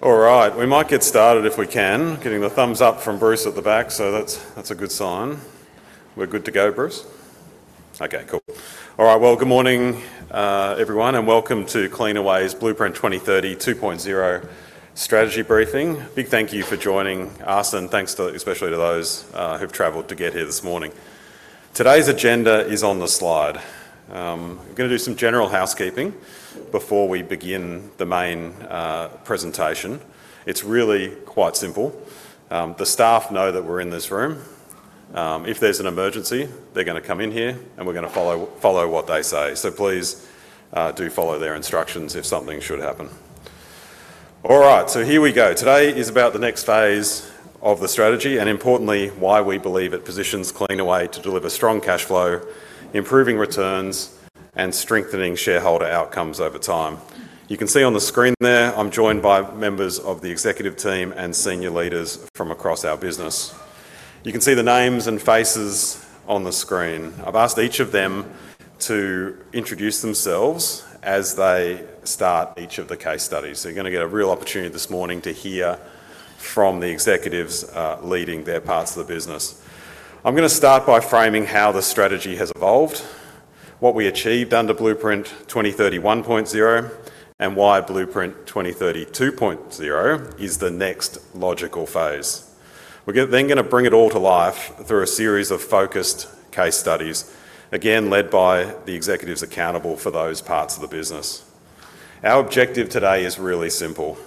All right. We might get started if we can. Getting the thumbs up from Bruce at the back, so that's a good sign. We're good to go, Bruce? Okay, cool. All right. Well, good morning, everyone, and welcome to Cleanaway's Blueprint 2030 2.0 strategy briefing. Big thank you for joining us, and thanks especially to those who've traveled to get here this morning. Today's agenda is on the slide. I'm going to do some general housekeeping before we begin the main presentation. It's really quite simple. The staff know that we're in this room. If there's an emergency, they're going to come in here, and we're going to follow what they say. Please do follow their instructions if something should happen. All right, so here we go. Today is about the next phase of the strategy, and importantly, why we believe it positions Cleanaway to deliver strong cash flow, improving returns, and strengthening shareholder outcomes over time. You can see on the screen there, I'm joined by members of the executive team and senior leaders from across our business. You can see the names and faces on the screen. I've asked each of them to introduce themselves as they start each of the case studies. You're going to get a real opportunity this morning to hear from the executives leading their parts of the business. I'm going to start by framing how the strategy has evolved, what we achieved under Blueprint 2030 1.0, and why Blueprint 2030 2.0 is the next logical phase. We're then going to bring it all to life through a series of focused case studies, again, led by the executives accountable for those parts of the business. Our objective today is really simple.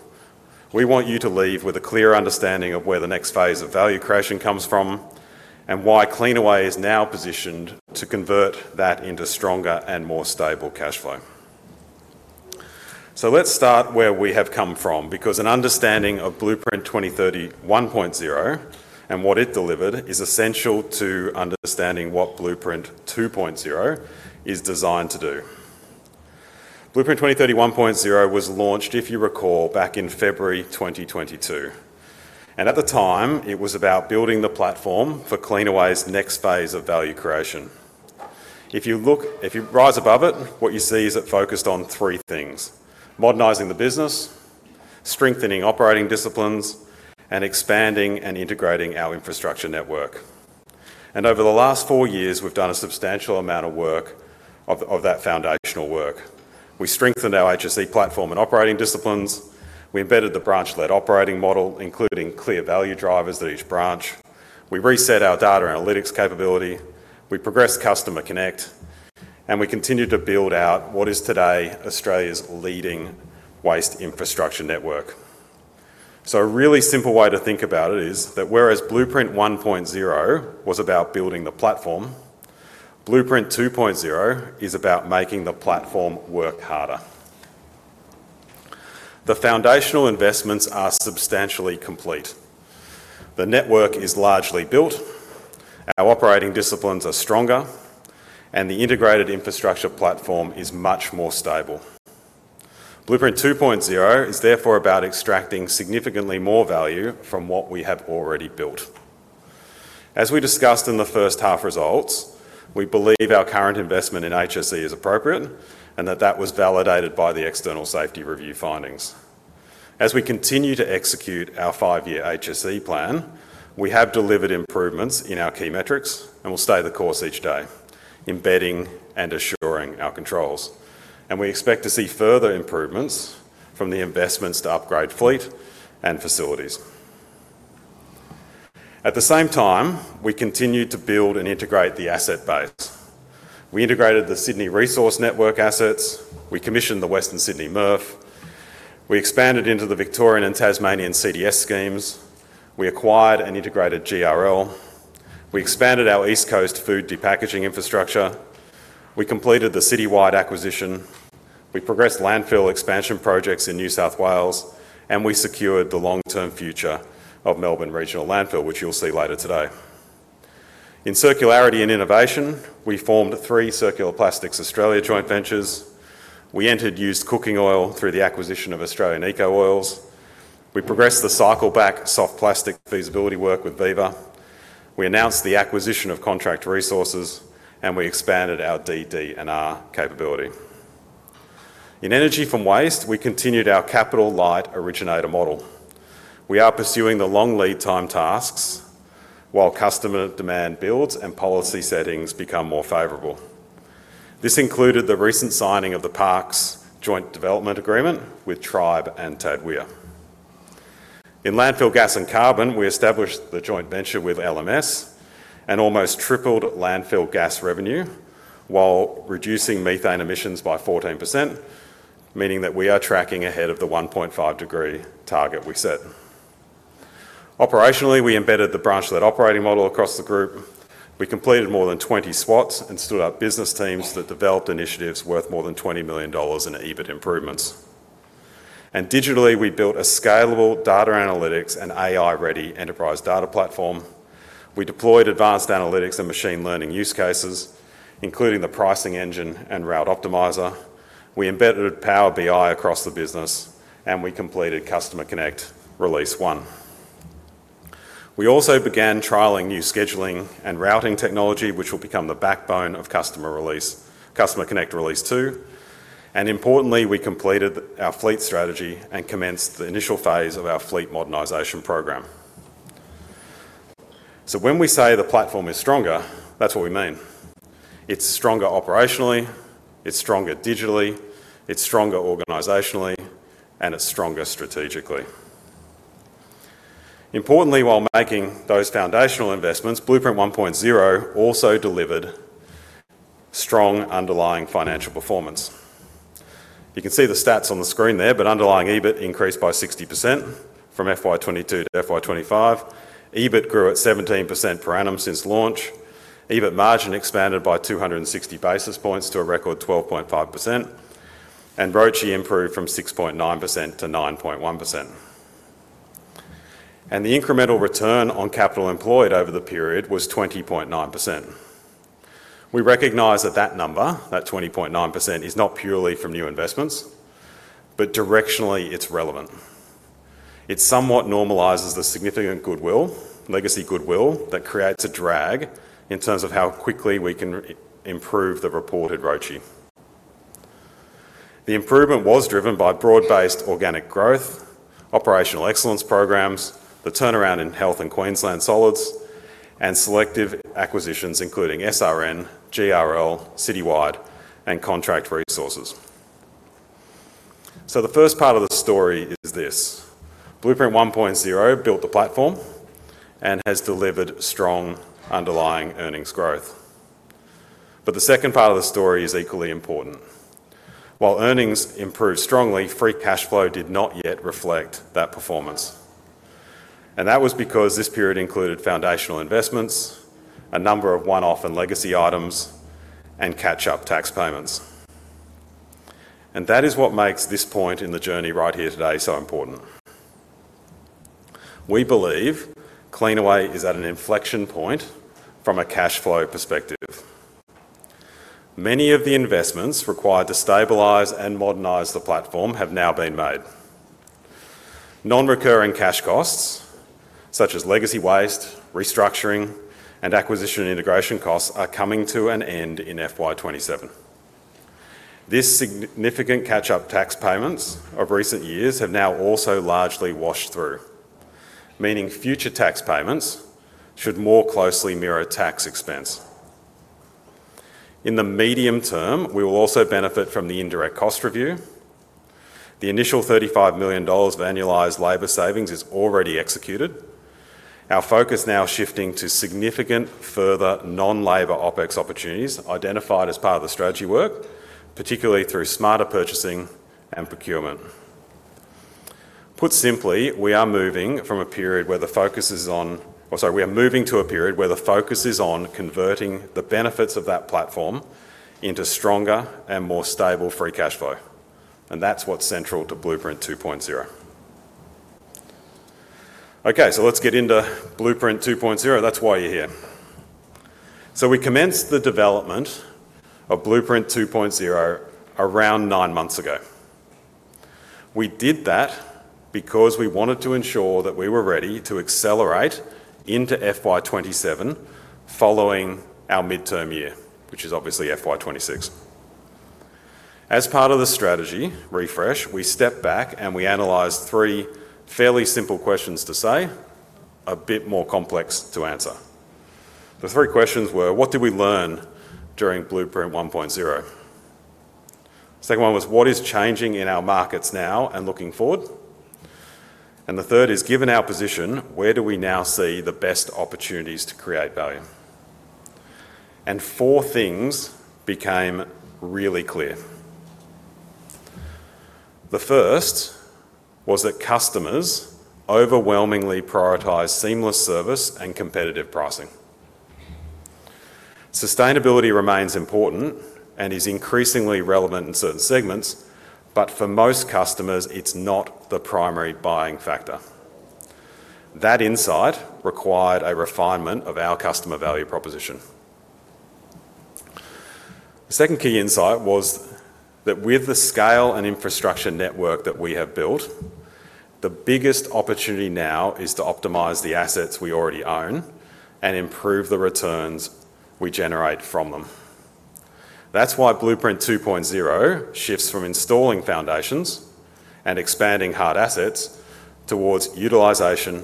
We want you to leave with a clear understanding of where the next phase of value creation comes from, and why Cleanaway is now positioned to convert that into stronger and more stable cash flow. Let's start where we have come from, because an understanding of Blueprint 2030 1.0 and what it delivered is essential to understanding what Blueprint 2.0 is designed to do. Blueprint 2030 1.0 was launched, if you recall, back in February 2022, and at the time, it was about building the platform for Cleanaway's next phase of value creation. If you rise above it, what you see is it focused on three things, modernizing the business, strengthening operating disciplines, and expanding and integrating our infrastructure network. Over the last four years, we've done a substantial amount of work, of that foundational work. We strengthened our HSE platform and operating disciplines. We embedded the branch-led operating model, including clear value drivers at each branch. We reset our data analytics capability. We progressed Customer Connect, and we continued to build out what is today Australia's leading waste infrastructure network. A really simple way to think about it is that whereas Blueprint 1.0 was about building the platform, Blueprint 2.0 is about making the platform work harder. The foundational investments are substantially complete. The network is largely built, our operating disciplines are stronger, and the integrated infrastructure platform is much more stable. Blueprint 2.0 is therefore about extracting significantly more value from what we have already built. As we discussed in the first half results, we believe our current investment in HSE is appropriate and that that was validated by the external safety review findings. As we continue to execute our five-year HSE plan, we have delivered improvements in our key metrics and will stay the course each day, embedding and assuring our controls. We expect to see further improvements from the investments to upgrade fleet and facilities. At the same time, we continued to build and integrate the asset base. We integrated the Sydney Resource Network assets. We commissioned the Western Sydney MRF. We expanded into the Victorian and Tasmanian CDS schemes. We acquired and integrated GRL. We expanded our East Coast food depackaging infrastructure. We completed the Citywide acquisition. We progressed landfill expansion projects in New South Wales, and we secured the long-term future of Melbourne Regional Landfill, which you'll see later today. In circularity and innovation, we formed three Circular Plastics Australia joint ventures. We entered used cooking oil through the acquisition of Australian Eco-Oils. We progressed the Cycleback soft plastic feasibility work with Viva. We announced the acquisition of Contract Resources, and we expanded our DD&R capability. In energy from waste, we continued our capital light originator model. We are pursuing the long lead time tasks while customer demand builds and policy settings become more favorable. This included the recent signing of the Parkes joint development agreement with Tribe and Tadweer. In landfill gas and carbon, we established the joint venture with LMS and almost tripled landfill gas revenue while reducing methane emissions by 14%, meaning that we are tracking ahead of the 1.5 degree Celsius target we set. Operationally, we embedded the branch-led operating model across the group. We completed more than 20 SWATs and stood up business teams that developed initiatives worth more than 20 million dollars in EBIT improvements. Digitally, we built a scalable data analytics and AI-ready enterprise data platform. We deployed advanced analytics and machine learning use cases, including the pricing engine and route optimizer. We embedded Power BI across the business, and we completed Customer Connect Release 1. We also began trialing new scheduling and routing technology, which will become the backbone of Customer Connect Release 2. Importantly, we completed our fleet strategy and commenced the initial phase of our fleet modernization program. When we say the platform is stronger, that's what we mean. It's stronger operationally, it's stronger digitally, it's stronger organizationally, and it's stronger strategically. Importantly, while making those foundational investments, Blueprint 1.0 also delivered strong underlying financial performance. You can see the stats on the screen there, but underlying EBIT increased by 60% from FY 2022 to FY 2025. EBIT grew at 17% per annum since launch. EBIT margin expanded by 260 basis points to a record 12.5%, and ROCE improved from 6.9% to 9.1%. The incremental return on capital employed over the period was 20.9%. We recognize that that number, that 20.9%, is not purely from new investments, but directionally it's relevant. It somewhat normalizes the significant goodwill, legacy goodwill, that creates a drag in terms of how quickly we can improve the reported ROCE. The improvement was driven by broad-based organic growth, operational excellence programs, the turnaround in Health and Queensland Solids, and selective acquisitions, including SRN, GRL, Citywide, and Contract Resources. The first part of the story is this. Blueprint 1.0 built the platform and has delivered strong underlying earnings growth. The second part of the story is equally important. While earnings improved strongly, free cash flow did not yet reflect that performance. That was because this period included foundational investments, a number of one-off and legacy items, and catch-up tax payments. That is what makes this point in the journey right here today so important. We believe Cleanaway is at an inflection point from a cash flow perspective. Many of the investments required to stabilize and modernize the platform have now been made. Non-recurring cash costs, such as legacy waste, restructuring, and acquisition integration costs are coming to an end in FY 2027. These significant catch-up tax payments of recent years have now also largely washed through, meaning future tax payments should more closely mirror tax expense. In the medium term, we will also benefit from the indirect cost review. The initial 35 million dollars of annualized labor savings is already executed. Our focus now is shifting to significant further non-labor OpEx opportunities identified as part of the strategy work, particularly through smarter purchasing and procurement. Put simply, we are moving to a period where the focus is on converting the benefits of that platform into stronger and more stable free cash flow, and that's what's central to Blueprint 2.0. Okay, so let's get into Blueprint 2.0. That's why you're here. We commenced the development of Blueprint 2.0 around nine months ago. We did that because we wanted to ensure that we were ready to accelerate into FY 2027 following our midterm year, which is obviously FY 2026. As part of the strategy refresh, we stepped back and we analyzed three fairly simple questions to say, a bit more complex to answer. The three questions were. What did we learn during Blueprint 1.0? Second one was, what is changing in our markets now and looking forward? The third is, given our position, where do we now see the best opportunities to create value? Four things became really clear. The first was that customers overwhelmingly prioritize seamless service and competitive pricing. Sustainability remains important and is increasingly relevant in certain segments, but for most customers, it's not the primary buying factor. That insight required a refinement of our customer value proposition. The second key insight was that with the scale and infrastructure network that we have built, the biggest opportunity now is to optimize the assets we already own and improve the returns we generate from them. That's why Blueprint 2.0 shifts from installing foundations and expanding hard assets towards utilization,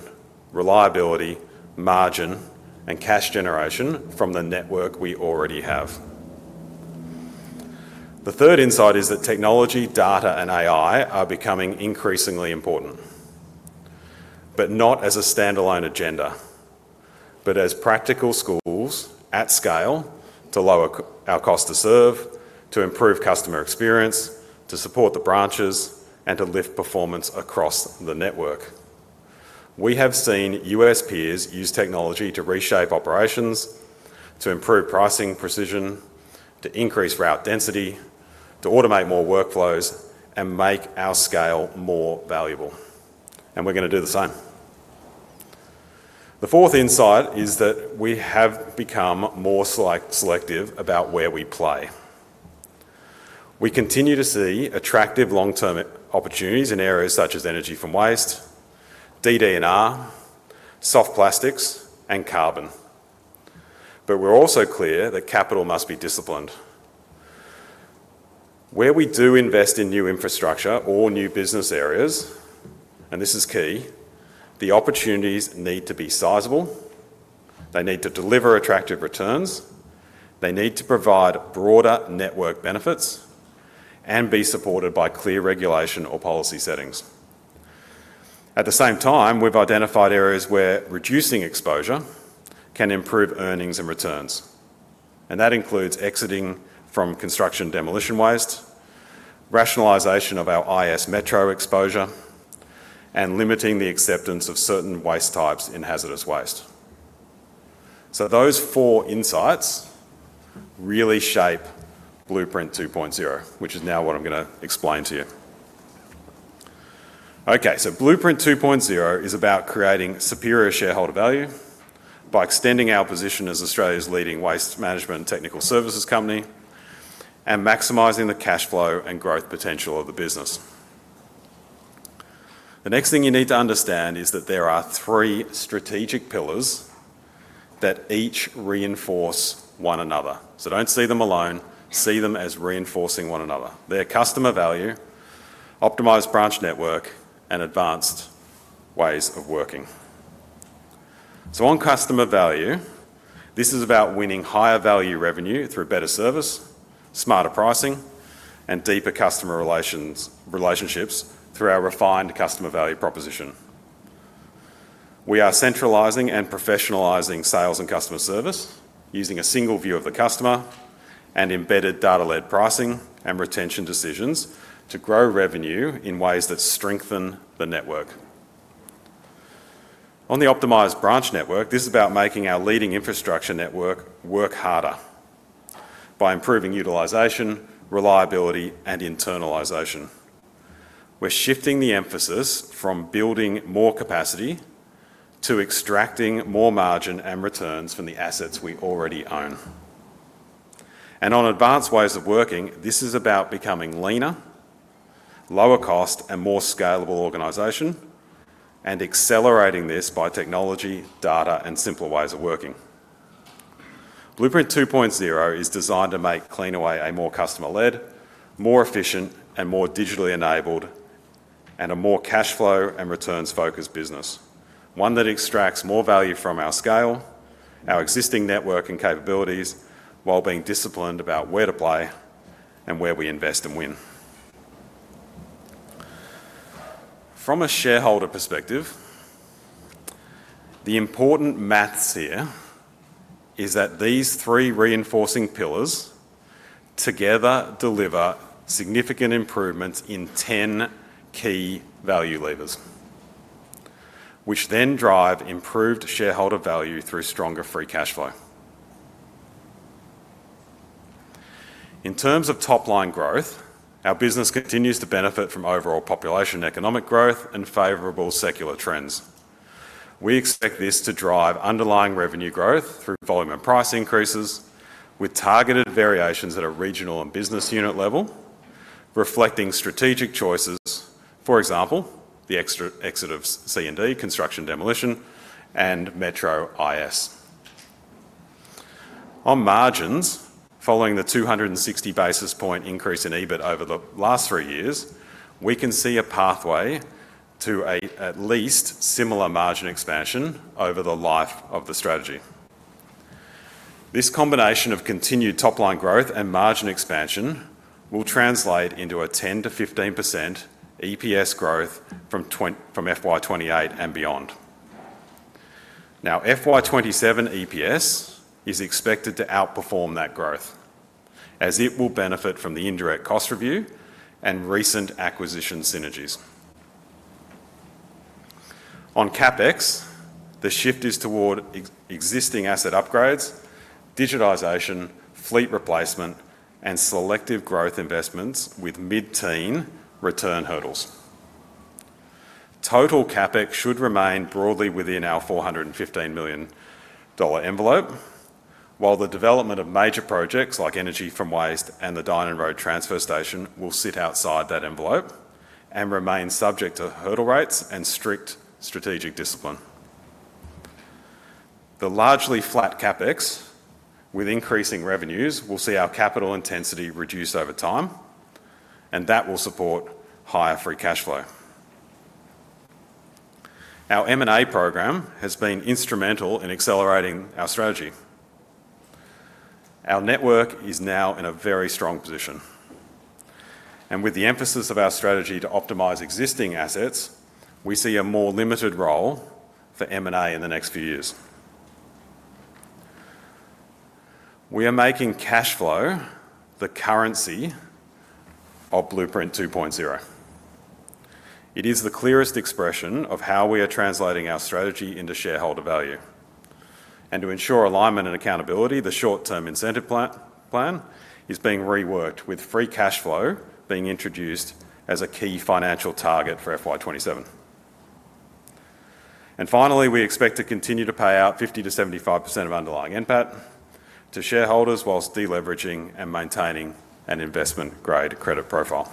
reliability, margin, and cash generation from the network we already have. The third insight is that technology, data, and AI are becoming increasingly important, but not as a standalone agenda, but as practical tools at scale to lower our cost to serve, to improve customer experience, to support the branches, and to lift performance across the network. We have seen U.S. peers use technology to reshape operations, to improve pricing precision, to increase route density, to automate more workflows, and make our scale more valuable, and we're going to do the same. The fourth insight is that we have become more selective about where we play. We continue to see attractive long-term opportunities in areas such as energy from waste, DD&R, soft plastics, and carbon. We're also clear that capital must be disciplined. Where we do invest in new infrastructure or new business areas, and this is key, the opportunities need to be sizable, they need to deliver attractive returns, they need to provide broader network benefits, and be supported by clear regulation or policy settings. At the same time, we've identified areas where reducing exposure can improve earnings and returns, and that includes exiting from construction demolition waste, rationalization of our IS metro exposure, and limiting the acceptance of certain waste types in hazardous waste. Those four insights really shape Blueprint 2.0, which is now what I'm going to explain to you. Okay, Blueprint 2.0 is about creating superior shareholder value by extending our position as Australia's leading waste management and technical services company, and maximizing the cash flow and growth potential of the business. The next thing you need to understand is that there are three strategic pillars that each reinforce one another. Don't see them alone, see them as reinforcing one another. They are customer value, optimized branch network, and advanced ways of working. On customer value, this is about winning higher value revenue through better service, smarter pricing, and deeper customer relationships through our refined customer value proposition. We are centralizing and professionalizing sales and customer service using a single view of the customer and embedded data-led pricing and retention decisions to grow revenue in ways that strengthen the network. On the optimized branch network, this is about making our leading infrastructure network work harder by improving utilization, reliability, and internalization. We're shifting the emphasis from building more capacity to extracting more margin and returns from the assets we already own. On advanced ways of working, this is about becoming leaner, lower cost, and more scalable organization, and accelerating this by technology, data, and simpler ways of working. Blueprint 2.0 is designed to make Cleanaway a more customer-led, more efficient, and more digitally enabled, and a more cash flow and returns-focused business, one that extracts more value from our scale, our existing network and capabilities, while being disciplined about where to play and where we invest and win. From a shareholder perspective, the important math here is that these three reinforcing pillars together deliver significant improvements in 10 key value levers, which then drive improved shareholder value through stronger free cash flow. In terms of top-line growth, our business continues to benefit from overall population economic growth and favorable secular trends. We expect this to drive underlying revenue growth through volume and price increases with targeted variations at a regional and business unit level, reflecting strategic choices. For example, the exit of C&D, construction demolition, and Metro IS. On margins, following the 260 basis points increase in EBIT over the last three years, we can see a pathway to at least a similar margin expansion over the life of the strategy. This combination of continued top-line growth and margin expansion will translate into a 10%-15% EPS growth from FY 2028 and beyond. Now, FY 2027 EPS is expected to outperform that growth as it will benefit from the indirect cost review and recent acquisition synergies. On CapEx, the shift is toward existing asset upgrades, digitization, fleet replacement, and selective growth investments with mid-teen return hurdles. Total CapEx should remain broadly within our 415 million dollar envelope. While the development of major projects like energy from waste and the Dynon Road Transfer Station will sit outside that envelope and remain subject to hurdle rates and strict strategic discipline. The largely flat CapEx with increasing revenues will see our capital intensity reduce over time, and that will support higher free cash flow. Our M&A program has been instrumental in accelerating our strategy. Our network is now in a very strong position. With the emphasis of our strategy to optimize existing assets, we see a more limited role for M&A in the next few years. We are making cash flow the currency of Blueprint 2.0. It is the clearest expression of how we are translating our strategy into shareholder value. To ensure alignment and accountability, the short-term incentive plan is being reworked, with free cash flow being introduced as a key financial target for FY 2027. Finally, we expect to continue to pay out 50%-75% of underlying NPAT to shareholders whilst deleveraging and maintaining an investment-grade credit profile.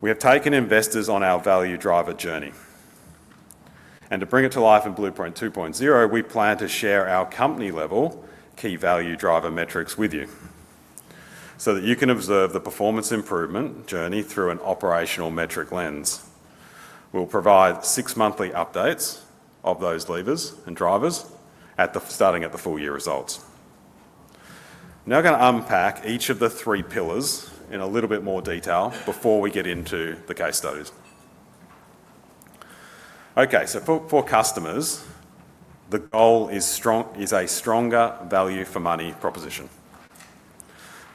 We have taken investors on our value driver journey, and to bring it to life in Blueprint 2.0, we plan to share our company level key value driver metrics with you so that you can observe the performance improvement journey through an operational metric lens. We'll provide six monthly updates of those levers and drivers starting at the full year results. Now I'm going to unpack each of the three pillars in a little bit more detail before we get into the case studies. Okay. For customers, the goal is a stronger value for money proposition.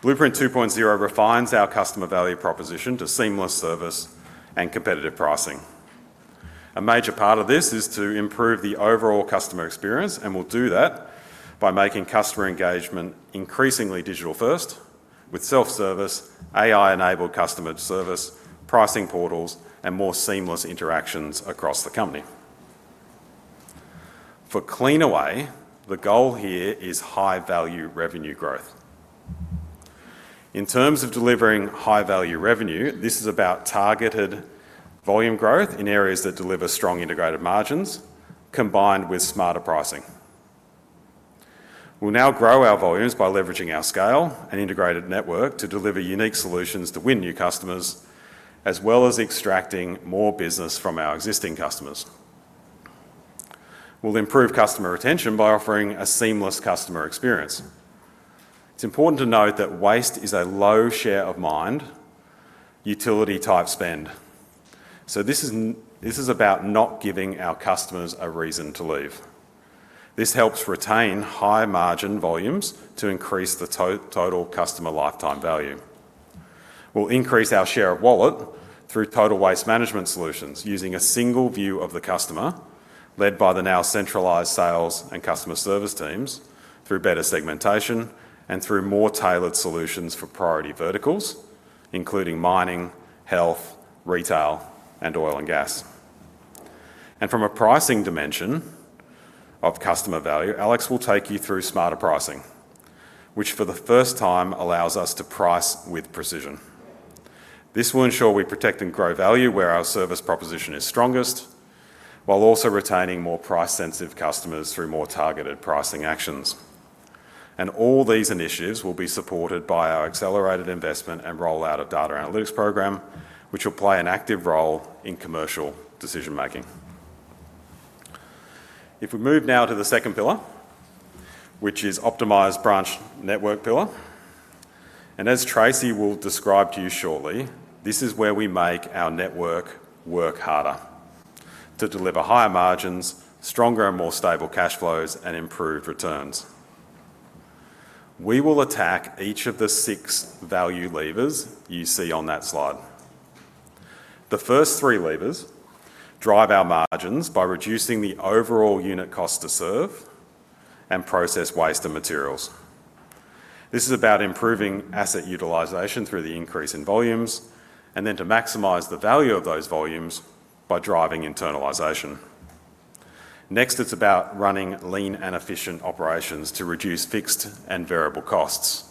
Blueprint 2.0 refines our customer value proposition to seamless service and competitive pricing. A major part of this is to improve the overall customer experience, and we'll do that by making customer engagement increasingly digital-first with self-service, AI-enabled customer service, pricing portals, and more seamless interactions across the company. For Cleanaway, the goal here is high-value revenue growth. In terms of delivering high-value revenue, this is about targeted volume growth in areas that deliver strong integrated margins, combined with smarter pricing. We'll now grow our volumes by leveraging our scale and integrated network to deliver unique solutions to win new customers, as well as extracting more business from our existing customers. We'll improve customer retention by offering a seamless customer experience. It's important to note that waste is a low share of mind, utility type spend. This is about not giving our customers a reason to leave. This helps retain high-margin volumes to increase the total customer lifetime value. We'll increase our share of wallet through total waste management solutions, using a single view of the customer, led by the now centralized sales and customer service teams, through better segmentation, and through more tailored solutions for priority verticals, including mining, health, retail, and oil and gas. From a pricing dimension of customer value, Alex will take you through smarter pricing, which for the first time allows us to price with precision. This will ensure we protect and grow value where our service proposition is strongest, while also retaining more price-sensitive customers through more targeted pricing actions. All these initiatives will be supported by our accelerated investment and rollout of data analytics program, which will play an active role in commercial decision-making. If we move now to the second pillar, which is optimized branch network pillar, and as Tracey will describe to you shortly, this is where we make our network work harder to deliver higher margins, stronger and more stable cash flows, and improved returns. We will attack each of the six value levers you see on that slide. The first three levers drive our margins by reducing the overall unit cost to serve and process waste and materials. This is about improving asset utilization through the increase in volumes, and then to maximize the value of those volumes by driving internalization. Next, it's about running lean and efficient operations to reduce fixed and variable costs.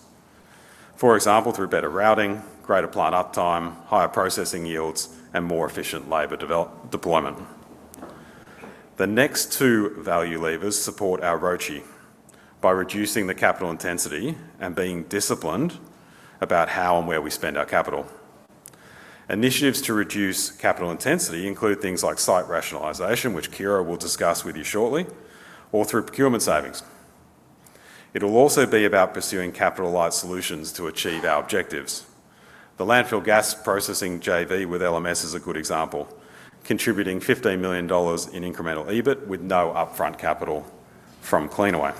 For example, through better routing, greater plant uptime, higher processing yields, and more efficient labor deployment. The next two value levers support our ROCE by reducing the capital intensity and being disciplined about how and where we spend our capital. Initiatives to reduce capital intensity include things like site rationalization, which Ciara will discuss with you shortly, or through procurement savings. It'll also be about pursuing capital-light solutions to achieve our objectives. The landfill gas processing JV with LMS is a good example, contributing 15 million dollars in incremental EBIT with no upfront capital from Cleanaway.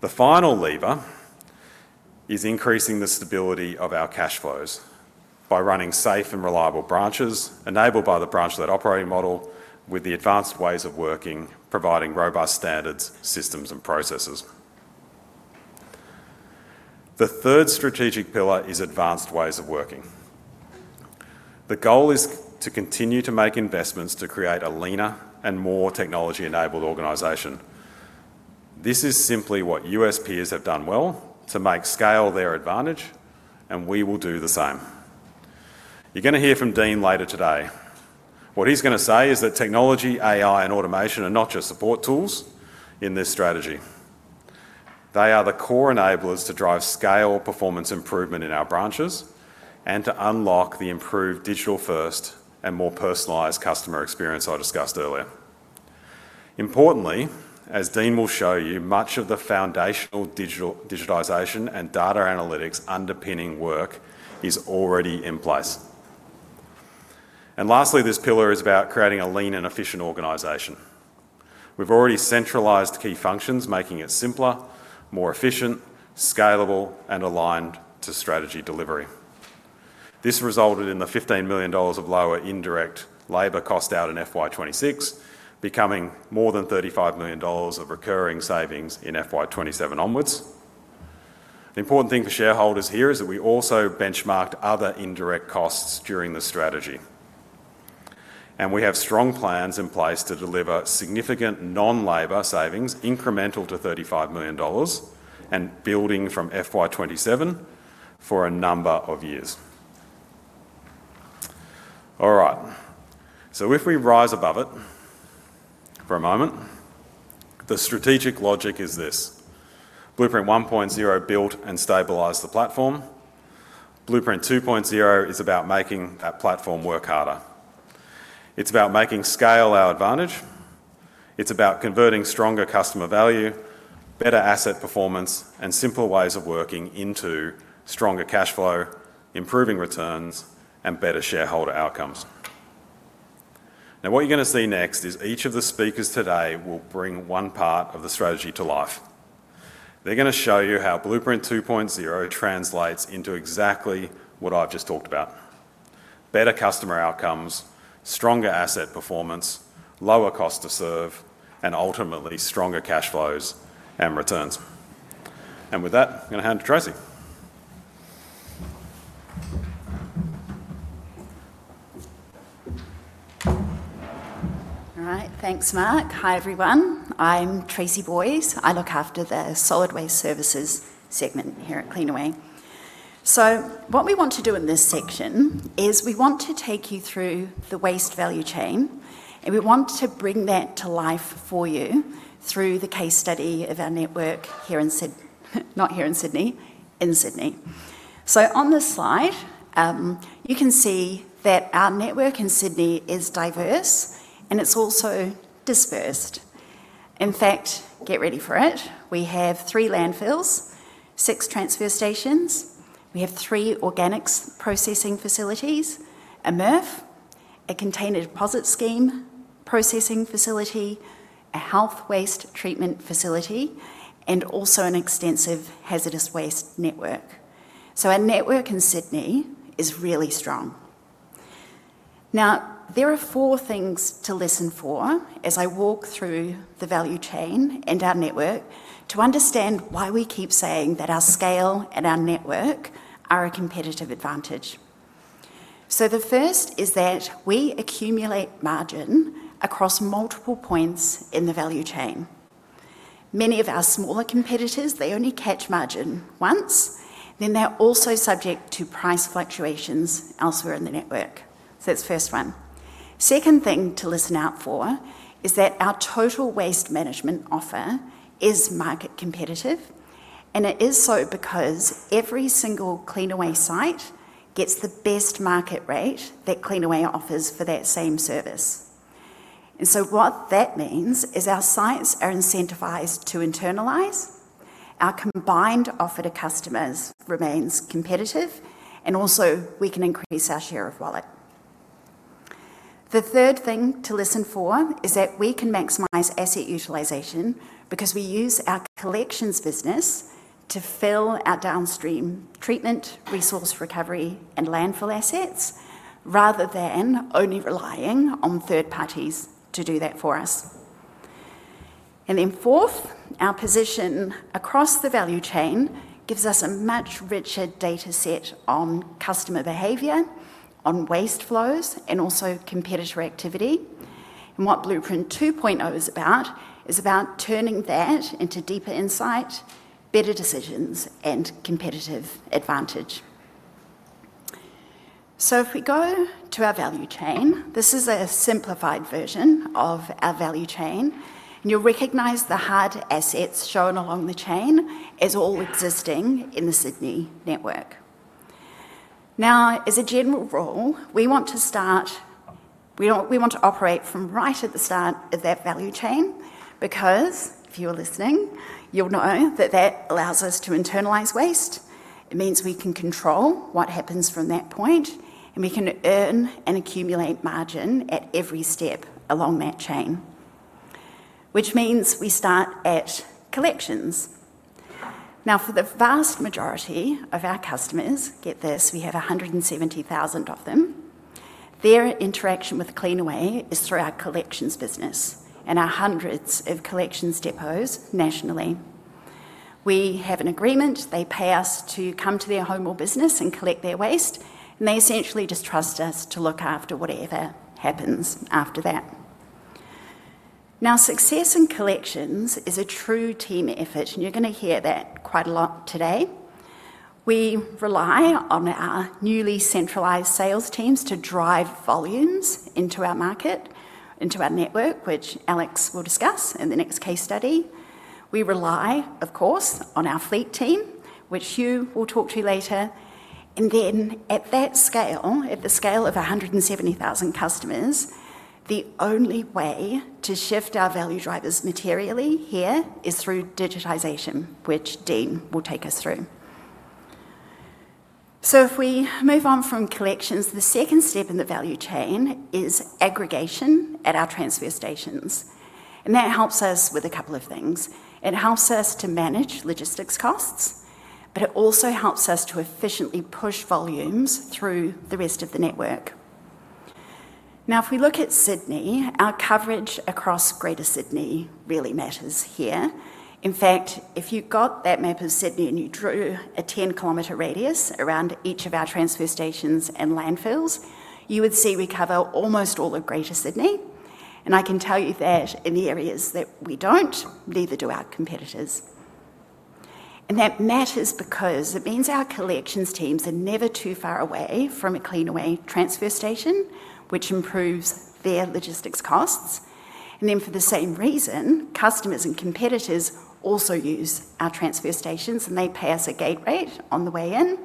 The final lever is increasing the stability of our cash flows by running safe and reliable branches, enabled by the branch-led operating model with the advanced ways of working, providing robust standards, systems, and processes. The third strategic pillar is advanced ways of working. The goal is to continue to make investments to create a leaner and more technology-enabled organization. This is simply what U.S. peers have done well to make scale their advantage, and we will do the same. You're going to hear from Dean later today. What he's going to say is that technology, AI, and automation are not just support tools in this strategy. They are the core enablers to drive scale performance improvement in our branches and to unlock the improved digital-first and more personalized customer experience I discussed earlier. Importantly, as Dean will show you, much of the foundational digitalization and data analytics underpinning work is already in place. Lastly, this pillar is about creating a lean and efficient organization. We've already centralized key functions, making it simpler, more efficient, scalable, and aligned to strategy delivery. This resulted in 15 million dollars of lower indirect labor cost out in FY 2026, becoming more than 35 million dollars of recurring savings in FY 2027 onward. The important thing for shareholders here is that we also benchmarked other indirect costs during the strategy. We have strong plans in place to deliver significant non-labor savings incremental to 35 million dollars and building from FY 2027 for a number of years. All right, so if we rise above it for a moment, the strategic logic is this. Blueprint 1.0 built and stabilized the platform. Blueprint 2.0 is about making that platform work harder. It's about making scale our advantage. It's about converting stronger customer value, better asset performance, and simpler ways of working into stronger cash flow, improving returns, and better shareholder outcomes. Now, what you're going to see next is each of the speakers today will bring one part of the strategy to life. They're going to show you how Blueprint 2.0 translates into exactly what I've just talked about, better customer outcomes, stronger asset performance, lower cost to serve, and ultimately stronger cash flows and returns. With that, I'm going to hand to Tracey. All right. Thanks, Mark. Hi, everyone. I'm Tracey Boyes. I look after the Solid Waste Services segment here at Cleanaway. What we want to do in this section is we want to take you through the waste value chain, and we want to bring that to life for you through the case study of our network in Sydney. On this slide, you can see that our network in Sydney is diverse and it's also dispersed. In fact, get ready for it, we have three landfills, six transfer stations, we have three organics processing facilities, a MRF, a container deposit scheme processing facility, a health waste treatment facility, and also an extensive hazardous waste network. Our network in Sydney is really strong. Now, there are four things to listen for as I walk through the value chain and our network to understand why we keep saying that our scale and our network are a competitive advantage. The first is that we accumulate margin across multiple points in the value chain. Many of our smaller competitors, they only capture margin once, then they're also subject to price fluctuations elsewhere in the network. That's the first one. Second thing to listen out for is that our total waste management offer is market competitive, and it is so because every single Cleanaway site gets the best market rate that Cleanaway offers for that same service. What that means is our sites are incentivized to internalize, our combined offer to customers remains competitive, and also, we can increase our share of wallet. The third thing to listen for is that we can maximize asset utilization because we use our collections business to fill our downstream treatment, resource recovery, and landfill assets, rather than only relying on third parties to do that for us. Then fourth, our position across the value chain gives us a much richer data set on customer behavior, on waste flows, and also competitor activity. What Blueprint 2.0 is about, is about turning that into deeper insight, better decisions, and competitive advantage. If we go to our value chain, this is a simplified version of our value chain, and you'll recognize the hard assets shown along the chain as all existing in the Sydney network. Now, as a general rule, we want to operate from right at the start of that value chain, because if you are listening, you'll know that that allows us to internalize waste. It means we can control what happens from that point, and we can earn and accumulate margin at every step along that chain. Which means we start at collections. Now, for the vast majority of our customers, get this, we have 170,000 of them, their interaction with Cleanaway is through our collections business and our hundreds of collections depots nationally. We have an agreement. They pay us to come to their home or business and collect their waste, and they essentially just trust us to look after whatever happens after that. Now, success in collections is a true team effort, and you're going to hear that quite a lot today. We rely on our newly centralized sales teams to drive volumes into our network, which Alex will discuss in the next case study. We rely, of course, on our fleet team, which Hugh will talk to you later, and then at that scale, at the scale of 170,000 customers, the only way to shift our value drivers materially here is through digitization, which Dean will take us through. If we move on from collections, the second step in the value chain is aggregation at our transfer stations, and that helps us with a couple of things. It helps us to manage logistics costs, but it also helps us to efficiently push volumes through the rest of the network. Now, if we look at Sydney, our coverage across greater Sydney really matters here. In fact, if you got that map of Sydney and you drew a 10 km radius around each of our transfer stations and landfills, you would see we cover almost all of Greater Sydney, and I can tell you that in the areas that we don't, neither do our competitors. That matters because it means our collections teams are never too far away from a Cleanaway transfer station, which improves their logistics costs, and then for the same reason, customers and competitors also use our transfer stations, and they pay us a gate rate on the way in,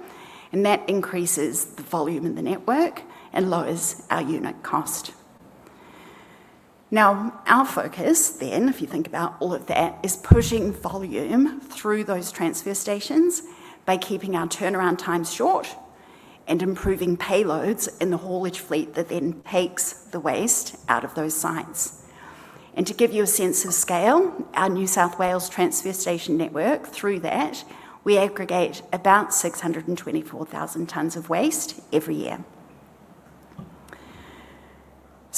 and that increases the volume in the network and lowers our unit cost. Now, our focus then, if you think about all of that, is pushing volume through those transfer stations by keeping our turnaround times short and improving payloads in the haulage fleet that then takes the waste out of those sites. To give you a sense of scale, our New South Wales transfer station network, through that, we aggregate about 624,000 tons of waste every year.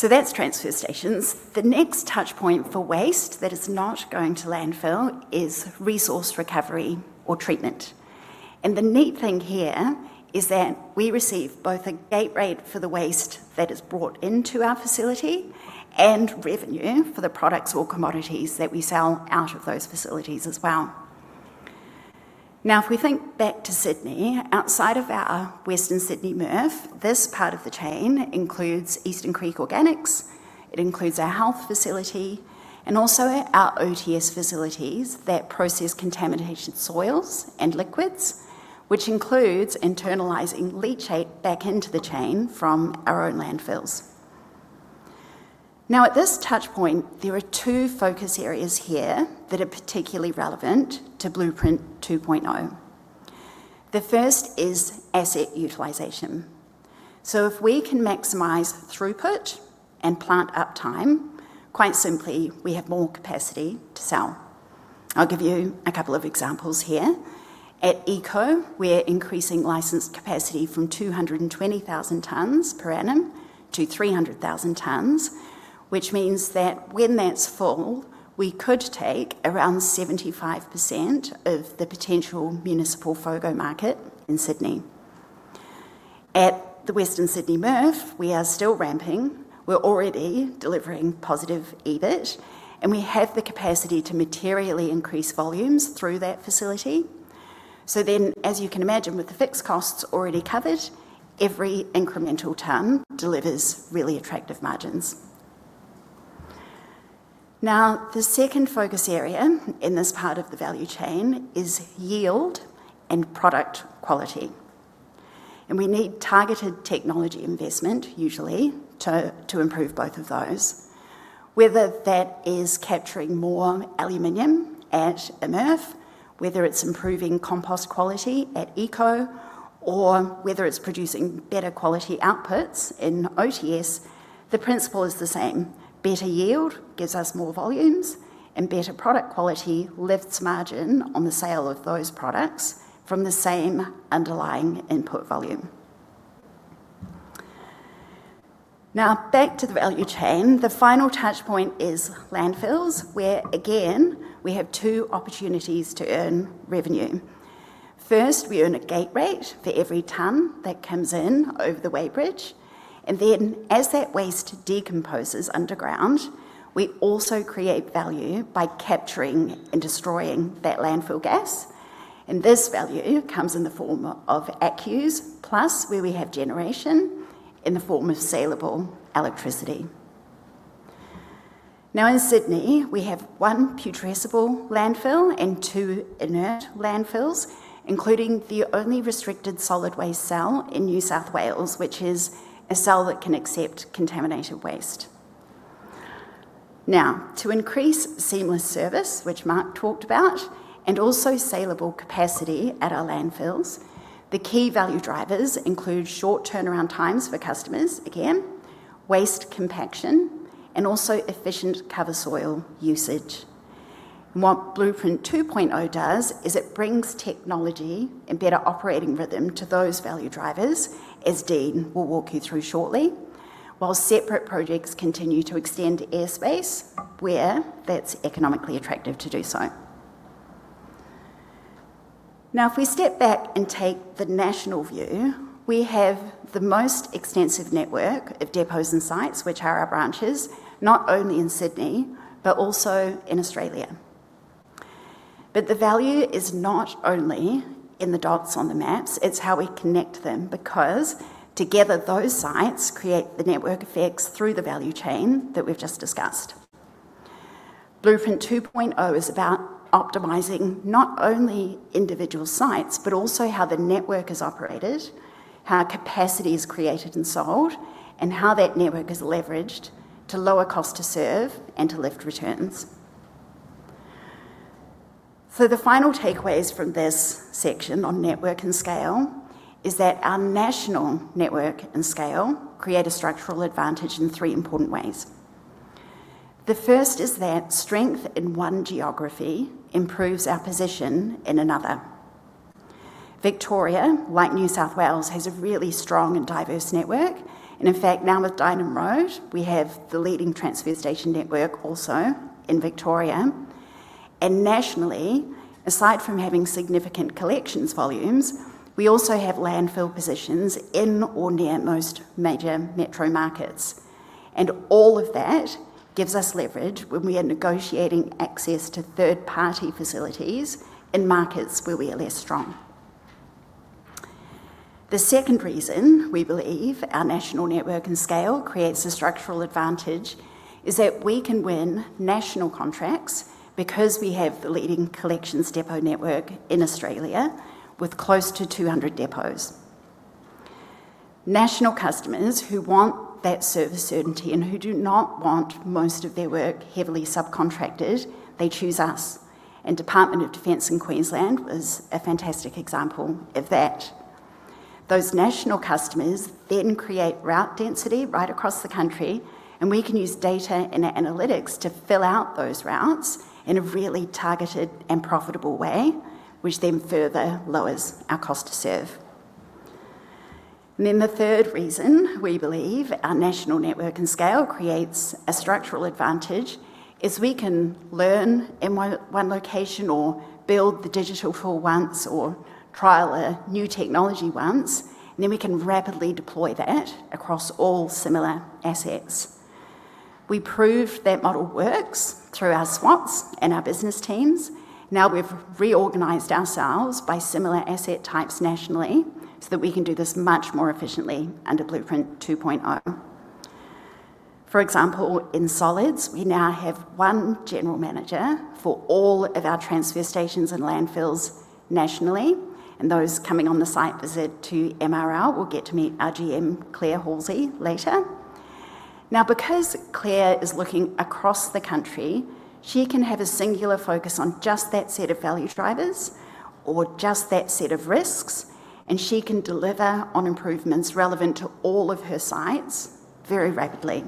That's transfer stations. The next touch point for waste that is not going to landfill is resource recovery or treatment. The neat thing here is that we receive both a gate rate for the waste that is brought into our facility and revenue for the products or commodities that we sell out of those facilities as well. Now, if we think back to Sydney, outside of our Western Sydney MRF, this part of the chain includes Eastern Creek Organics, it includes our health facility, and also our OTS facilities that process contaminated soils and liquids, which includes internalizing leachate back into the chain from our own landfills. Now, at this touch point, there are two focus areas here that are particularly relevant to Blueprint 2.0. The first is asset utilization. If we can maximize throughput and plant uptime, quite simply, we have more capacity to sell. I'll give you a couple of examples here. At ECO, we're increasing licensed capacity from 220,000 tons per annum to 300,000 tons, which means that when that's full, we could take around 75% of the potential municipal FOGO market in Sydney. At the Western Sydney MRF, we are still ramping. We're already delivering positive EBIT, and we have the capacity to materially increase volumes through that facility. As you can imagine, with the fixed costs already covered, every incremental ton delivers really attractive margins. Now, the second focus area in this part of the value chain is yield and product quality, and we need targeted technology investment usually to improve both of those. Whether that is capturing more aluminum at a MRF, whether it's improving compost quality at ECO, or whether it's producing better quality outputs in OTS, the principle is the same. Better yield gives us more volumes, and better product quality lifts margin on the sale of those products from the same underlying input volume. Now, back to the value chain, the final touch point is landfills, where again, we have two opportunities to earn revenue. First, we earn a gate rate for every ton that comes in over the weight bridge, and then as that waste decomposes underground, we also create value by capturing and destroying that landfill gas, and this value comes in the form of ACCUs, plus, where we have generation, in the form of saleable electricity. Now in Sydney, we have one putrescible landfill and two inert landfills, including the only restricted solid waste cell in New South Wales, which is a cell that can accept contaminated waste. Now, to increase seamless service, which Mark talked about, and also saleable capacity at our landfills, the key value drivers include short turnaround times for customers, again, waste compaction, and also efficient cover soil usage. What Blueprint 2.0 does is it brings technology and better operating rhythm to those value drivers, as Dean will walk you through shortly, while separate projects continue to extend airspace where that's economically attractive to do so. Now, if we step back and take the national view, we have the most extensive network of depots and sites, which are our branches, not only in Sydney, but also in Australia. The value is not only in the dots on the maps, it's how we connect them, because together, those sites create the network effects through the value chain that we've just discussed. Blueprint 2.0 is about optimizing not only individual sites, but also how the network is operated, how capacity is created and sold, and how that network is leveraged to lower cost to serve and to lift returns. The final takeaways from this section on network and scale is that our national network and scale create a structural advantage in three important ways. The first is that strength in one geography improves our position in another. Victoria, like New South Wales, has a really strong and diverse network, and in fact, now with Dynon Road, we have the leading transfer station network also in Victoria. Nationally, aside from having significant collections volumes, we also have landfill positions in or near most major metro markets. All of that gives us leverage when we are negotiating access to third-party facilities in markets where we are less strong. The second reason we believe our national network and scale creates a structural advantage is that we can win national contracts because we have the leading collections depot network in Australia with close to 200 depots. National customers who want that service certainty and who do not want most of their work heavily subcontracted, they choose us, and Department of Defence in Queensland was a fantastic example of that. Those national customers then create route density right across the country, and we can use data and analytics to fill out those routes in a really targeted and profitable way, which then further lowers our cost to serve. The third reason we believe our national network and scale creates a structural advantage is we can learn in one location or build the digital for once or trial a new technology once, and then we can rapidly deploy that across all similar assets. We proved that model works through our SWATs and our business teams. Now we've reorganized ourselves by similar asset types nationally so that we can do this much more efficiently under Blueprint 2.0. For example, in solids, we now have one General Manager for all of our transfer stations and landfills nationally, and those coming on the site visit to MRL will get to meet our GM, Claire Halsey, later. Now, because Claire is looking across the country, she can have a singular focus on just that set of value drivers or just that set of risks, and she can deliver on improvements relevant to all of her sites very rapidly.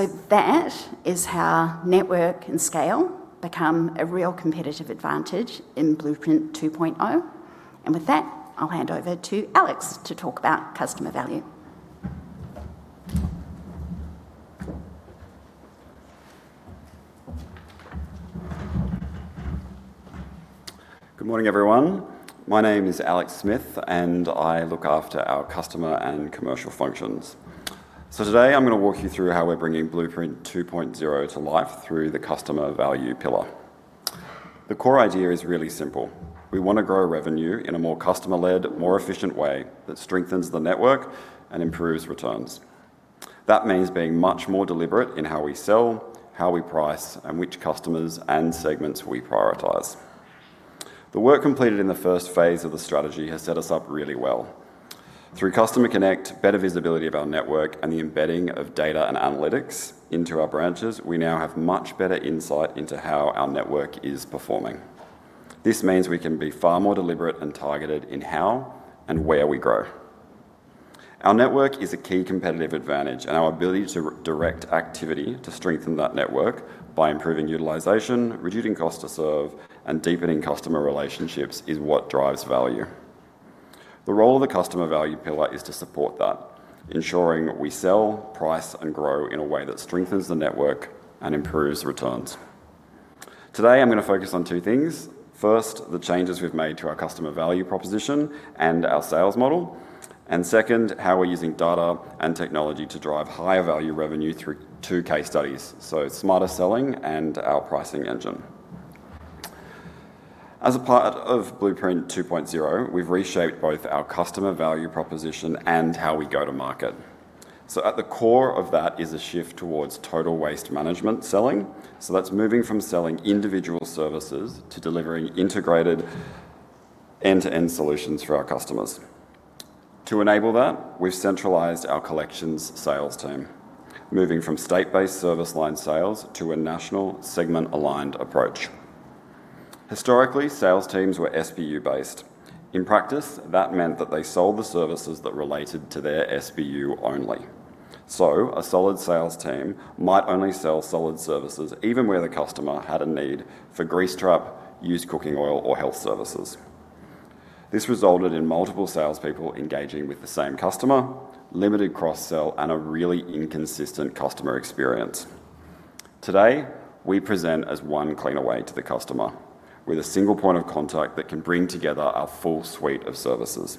That is how network and scale become a real competitive advantage in Blueprint 2.0. With that, I'll hand over to Alex to talk about customer value. Good morning, everyone. My name is Alex Smith, and I look after our Customer and Commercial functions. Today, I'm going to walk you through how we're bringing Blueprint 2.0 to life through the customer value pillar. The core idea is really simple. We want to grow revenue in a more customer-led, more efficient way that strengthens the network and improves returns. That means being much more deliberate in how we sell, how we price, and which customers and segments we prioritize. The work completed in the first phase of the strategy has set us up really well. Through Customer Connect, better visibility of our network, and the embedding of data and analytics into our branches, we now have much better insight into how our network is performing. This means we can be far more deliberate and targeted in how and where we grow. Our network is a key competitive advantage, and our ability to direct activity to strengthen that network by improving utilization, reducing cost to serve, and deepening customer relationships is what drives value. The role of the customer value pillar is to support that, ensuring we sell, price, and grow in a way that strengthens the network and improves returns. Today, I'm going to focus on two things. First, the changes we've made to our customer value proposition and our sales model, and second, how we're using data and technology to drive higher value revenue through two case studies, so smarter selling and our pricing engine. As a part of Blueprint 2.0, we've reshaped both our customer value proposition and how we go to market. At the core of that is a shift towards total waste management selling. That's moving from selling individual services to delivering integrated end-to-end solutions for our customers. To enable that, we've centralized our collections sales team, moving from state-based service line sales to a national segment-aligned approach. Historically, sales teams were SBU-based. In practice, that meant that they sold the services that related to their SBU only. A solid sales team might only sell Solid Services even where the customer had a need for grease trap, used cooking oil, or Health Services. This resulted in multiple salespeople engaging with the same customer, limited cross-sell, and a really inconsistent customer experience. Today, we present as one Cleanaway to the customer, with a single point of contact that can bring together our full suite of services,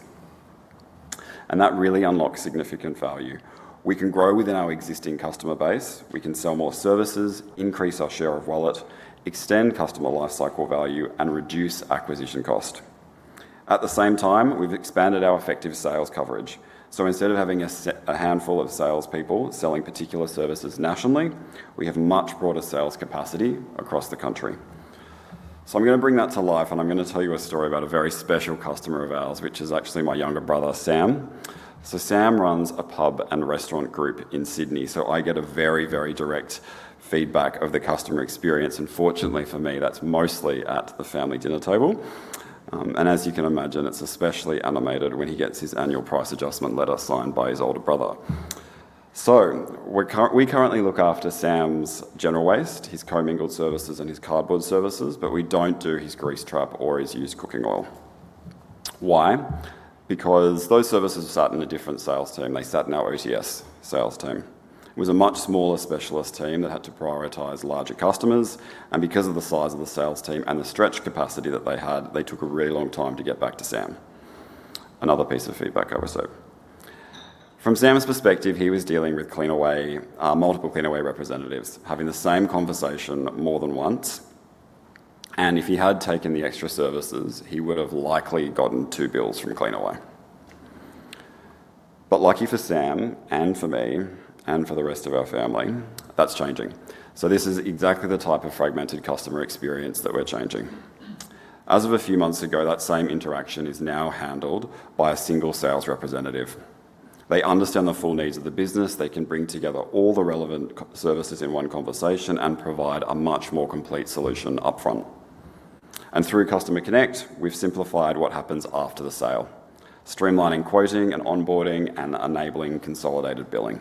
and that really unlocks significant value. We can grow within our existing customer base. We can sell more services, increase our share of wallet, extend customer lifecycle value, and reduce acquisition cost. At the same time, we've expanded our effective sales coverage. Instead of having a handful of salespeople selling particular services nationally, we have much broader sales capacity across the country. I'm going to bring that to life, and I'm going to tell you a story about a very special customer of ours, which is actually my younger brother, Sam. Sam runs a pub and restaurant group in Sydney, so I get a very, very direct feedback of the customer experience, and fortunately for me, that's mostly at the family dinner table. As you can imagine, it's especially animated when he gets his annual price adjustment letter signed by his older brother. So, we currently look after Sam's general waste, his commingled services, and his cardboard services, but we don't do his grease trap or his used cooking oil. Why? Because those services sat in a different sales team. They sat in our OTS sales team. It was a much smaller specialist team that had to prioritize larger customers, and because of the size of the sales team and the stretch capacity that they had, they took a really long time to get back to Sam. Another piece of feedback oversight. From Sam's perspective, he was dealing with multiple Cleanaway representatives, having the same conversation more than once, and if he had taken the extra services, he would've likely gotten two bills from Cleanaway. Lucky for Sam and for me and for the rest of our family, that's changing. This is exactly the type of fragmented customer experience that we're changing. As of a few months ago, that same interaction is now handled by a single sales representative. They understand the full needs of the business. They can bring together all the relevant services in one conversation and provide a much more complete solution upfront. Through Customer Connect, we've simplified what happens after the sale, streamlining quoting and onboarding and enabling consolidated billing.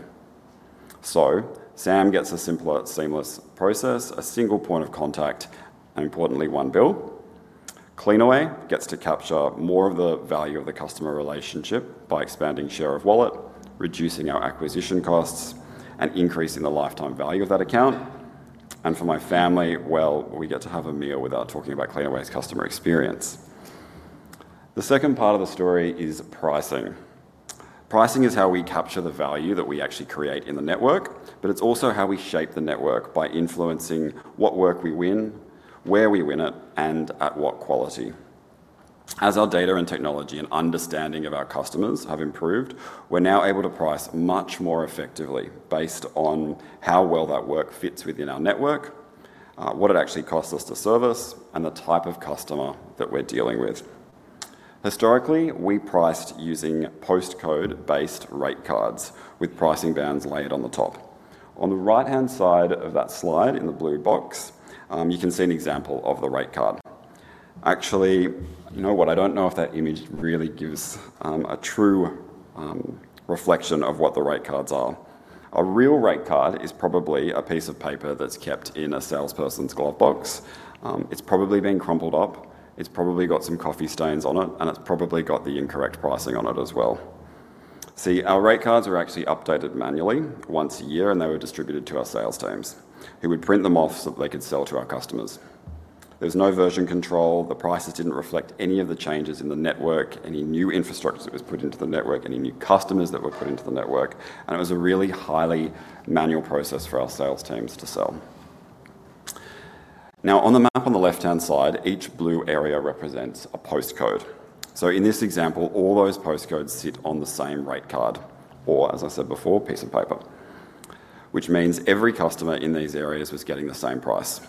Sam gets a simpler, seamless process, a single point of contact, and importantly, one bill. Cleanaway gets to capture more of the value of the customer relationship by expanding share of wallet, reducing our acquisition costs, and increasing the lifetime value of that account. For my family, well, we get to have a meal without talking about Cleanaway's customer experience. The second part of the story is pricing. Pricing is how we capture the value that we actually create in the network, but it's also how we shape the network by influencing what work we win, where we win it, and at what quality. As our data and technology and understanding of our customers have improved, we're now able to price much more effectively based on how well that work fits within our network, what it actually costs us to service, and the type of customer that we're dealing with. Historically, we priced using postcode-based rate cards with pricing bands layered on the top. On the right-hand side of that slide in the blue box, you can see an example of the rate card. Actually, you know what? I don't know if that image really gives a true reflection of what the rate cards are. A real rate card is probably a piece of paper that's kept in a salesperson's glove box. It's probably been crumpled up, it's probably got some coffee stains on it, and it's probably got the incorrect pricing on it as well. See, our rate cards are actually updated manually once a year, and they were distributed to our sales teams, who would print them off so that they could sell to our customers. There was no version control. The prices didn't reflect any of the changes in the network, any new infrastructure that was put into the network, any new customers that were put into the network, and it was a really highly manual process for our sales teams to sell. Now, on the map on the left-hand side, each blue area represents a postcode. So in this example, all those postcodes sit on the same rate card or, as I said before, piece of paper, which means every customer in these areas was getting the same price,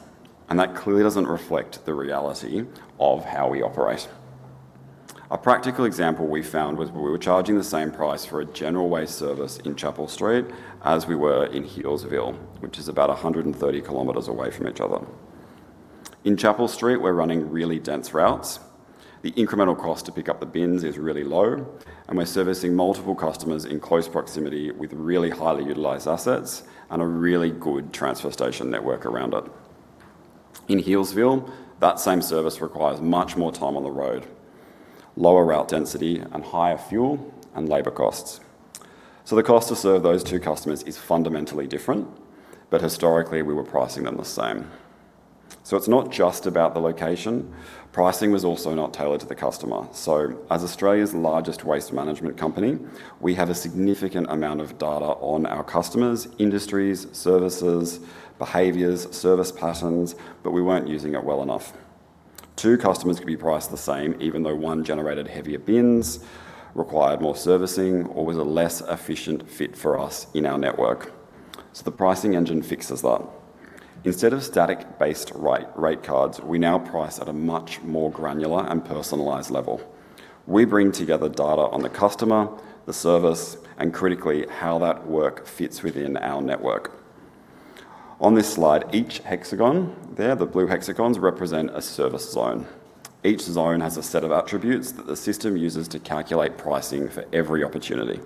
and that clearly doesn't reflect the reality of how we operate. A practical example we found was we were charging the same price for a general waste service in Chapel Street as we were in Healesville, which is about 130 km away from each other. In Chapel Street, we're running really dense routes. The incremental cost to pick up the bins is really low, and we're servicing multiple customers in close proximity with really highly utilized assets and a really good transfer station network around it. In Healesville, that same service requires much more time on the road, lower route density, and higher fuel and labor costs. The cost to serve those two customers is fundamentally different, but historically, we were pricing them the same. It's not just about the location. Pricing was also not tailored to the customer. As Australia's largest waste management company, we have a significant amount of data on our customers, industries, services, behaviors, service patterns, but we weren't using it well enough. Two customers could be priced the same even though one generated heavier bins, required more servicing, or was a less efficient fit for us in our network. The pricing engine fixes that. Instead of static-based rate cards, we now price at a much more granular and personalized level. We bring together data on the customer, the service, and critically, how that work fits within our network. On this slide, each hexagon there, the blue hexagons, represent a service zone. Each zone has a set of attributes that the system uses to calculate pricing for every opportunity,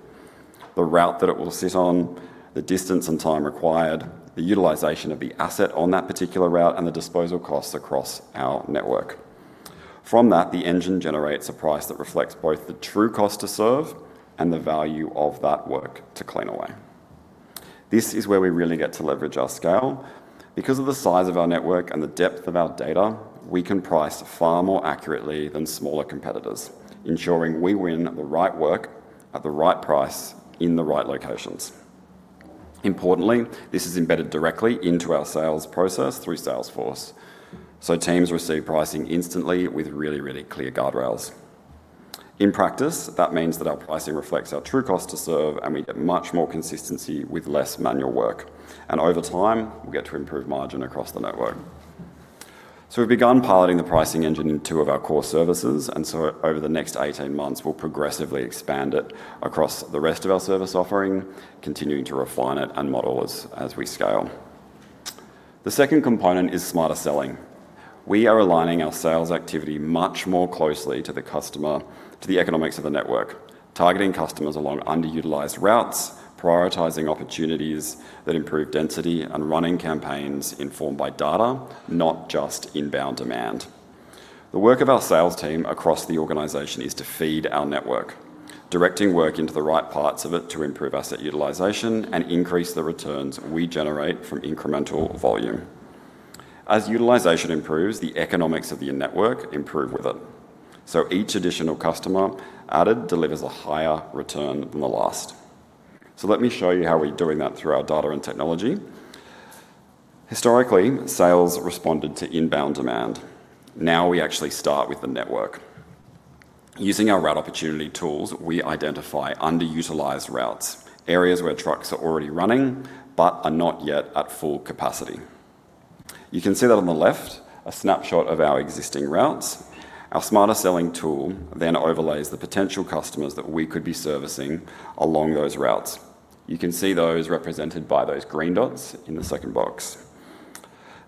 the route that it will sit on, the distance and time required, the utilization of the asset on that particular route, and the disposal costs across our network. From that, the engine generates a price that reflects both the true cost to serve and the value of that work to Cleanaway. This is where we really get to leverage our scale. Because of the size of our network and the depth of our data, we can price far more accurately than smaller competitors, ensuring we win the right work at the right price in the right locations. Importantly, this is embedded directly into our sales process through Salesforce, so teams receive pricing instantly with really, really clear guardrails. In practice, that means that our pricing reflects our true cost to serve, and we get much more consistency with less manual work. Over time, we get to improve margin across the network. We've begun piloting the pricing engine in two of our core services, and so over the next 18 months, we'll progressively expand it across the rest of our service offering, continuing to refine it and model as we scale. The second component is smarter selling. We are aligning our sales activity much more closely to the economics of the network, targeting customers along underutilized routes, prioritizing opportunities that improve density, and running campaigns informed by data, not just inbound demand. The work of our sales team across the organization is to feed our network, directing work into the right parts of it to improve asset utilization and increase the returns we generate from incremental volume. As utilization improves, the economics of your network improve with it. Each additional customer added delivers a higher return than the last. Let me show you how we're doing that through our data and technology. Historically, sales responded to inbound demand. Now we actually start with the network. Using our route opportunity tools, we identify underutilized routes, areas where trucks are already running but are not yet at full capacity. You can see that on the left, a snapshot of our existing routes. Our smarter selling tool then overlays the potential customers that we could be servicing along those routes. You can see those represented by those green dots in the second box.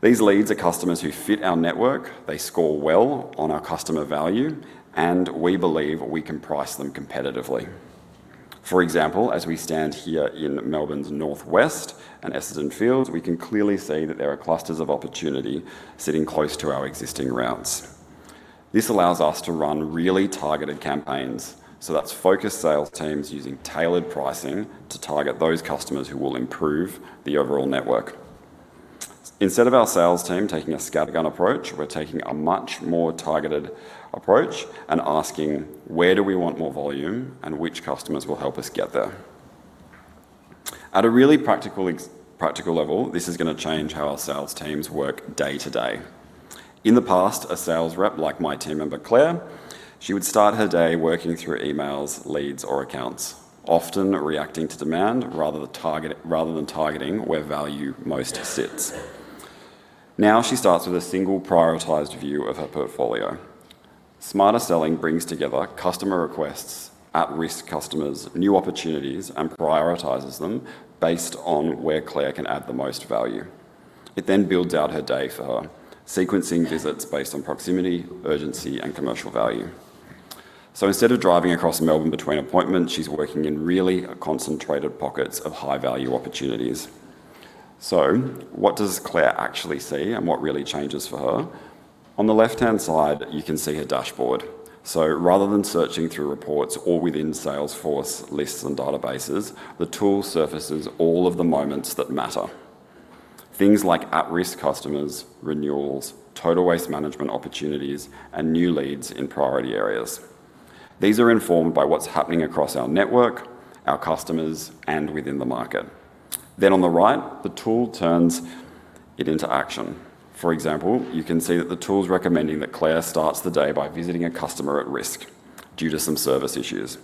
These leads are customers who fit our network. They score well on our customer value, and we believe we can price them competitively. For example, as we stand here in Melbourne's North West and Essendon Fields, we can clearly see that there are clusters of opportunity sitting close to our existing routes. This allows us to run really targeted campaigns. That's focused sales teams using tailored pricing to target those customers who will improve the overall network. Instead of our sales team taking a scattergun approach, we're taking a much more targeted approach and asking: Where do we want more volume, and which customers will help us get there? At a really practical level, this is going to change how our sales teams work day-to-day. In the past, a sales rep, like my team member, Claire, she would start her day working through emails, leads, or accounts, often reacting to demand rather than targeting where value most sits. Now she starts with a single prioritized view of her portfolio. Smarter selling brings together customer requests, at-risk customers, new opportunities, and prioritizes them based on where Claire can add the most value. It then builds out her day for her, sequencing visits based on proximity, urgency, and commercial value. Instead of driving across Melbourne between appointments, she's working in really concentrated pockets of high-value opportunities. What does Claire actually see, and what really changes for her? On the left-hand side, you can see her dashboard. Rather than searching through reports or within Salesforce lists and databases, the tool surfaces all of the moments that matter. Things like at-risk customers, renewals, total waste management opportunities, and new leads in priority areas. These are informed by what's happening across our network, our customers, and within the market. On the right, the tool turns it into action. For example, you can see that the tool's recommending that Claire starts the day by visiting a customer at risk due to some service issues.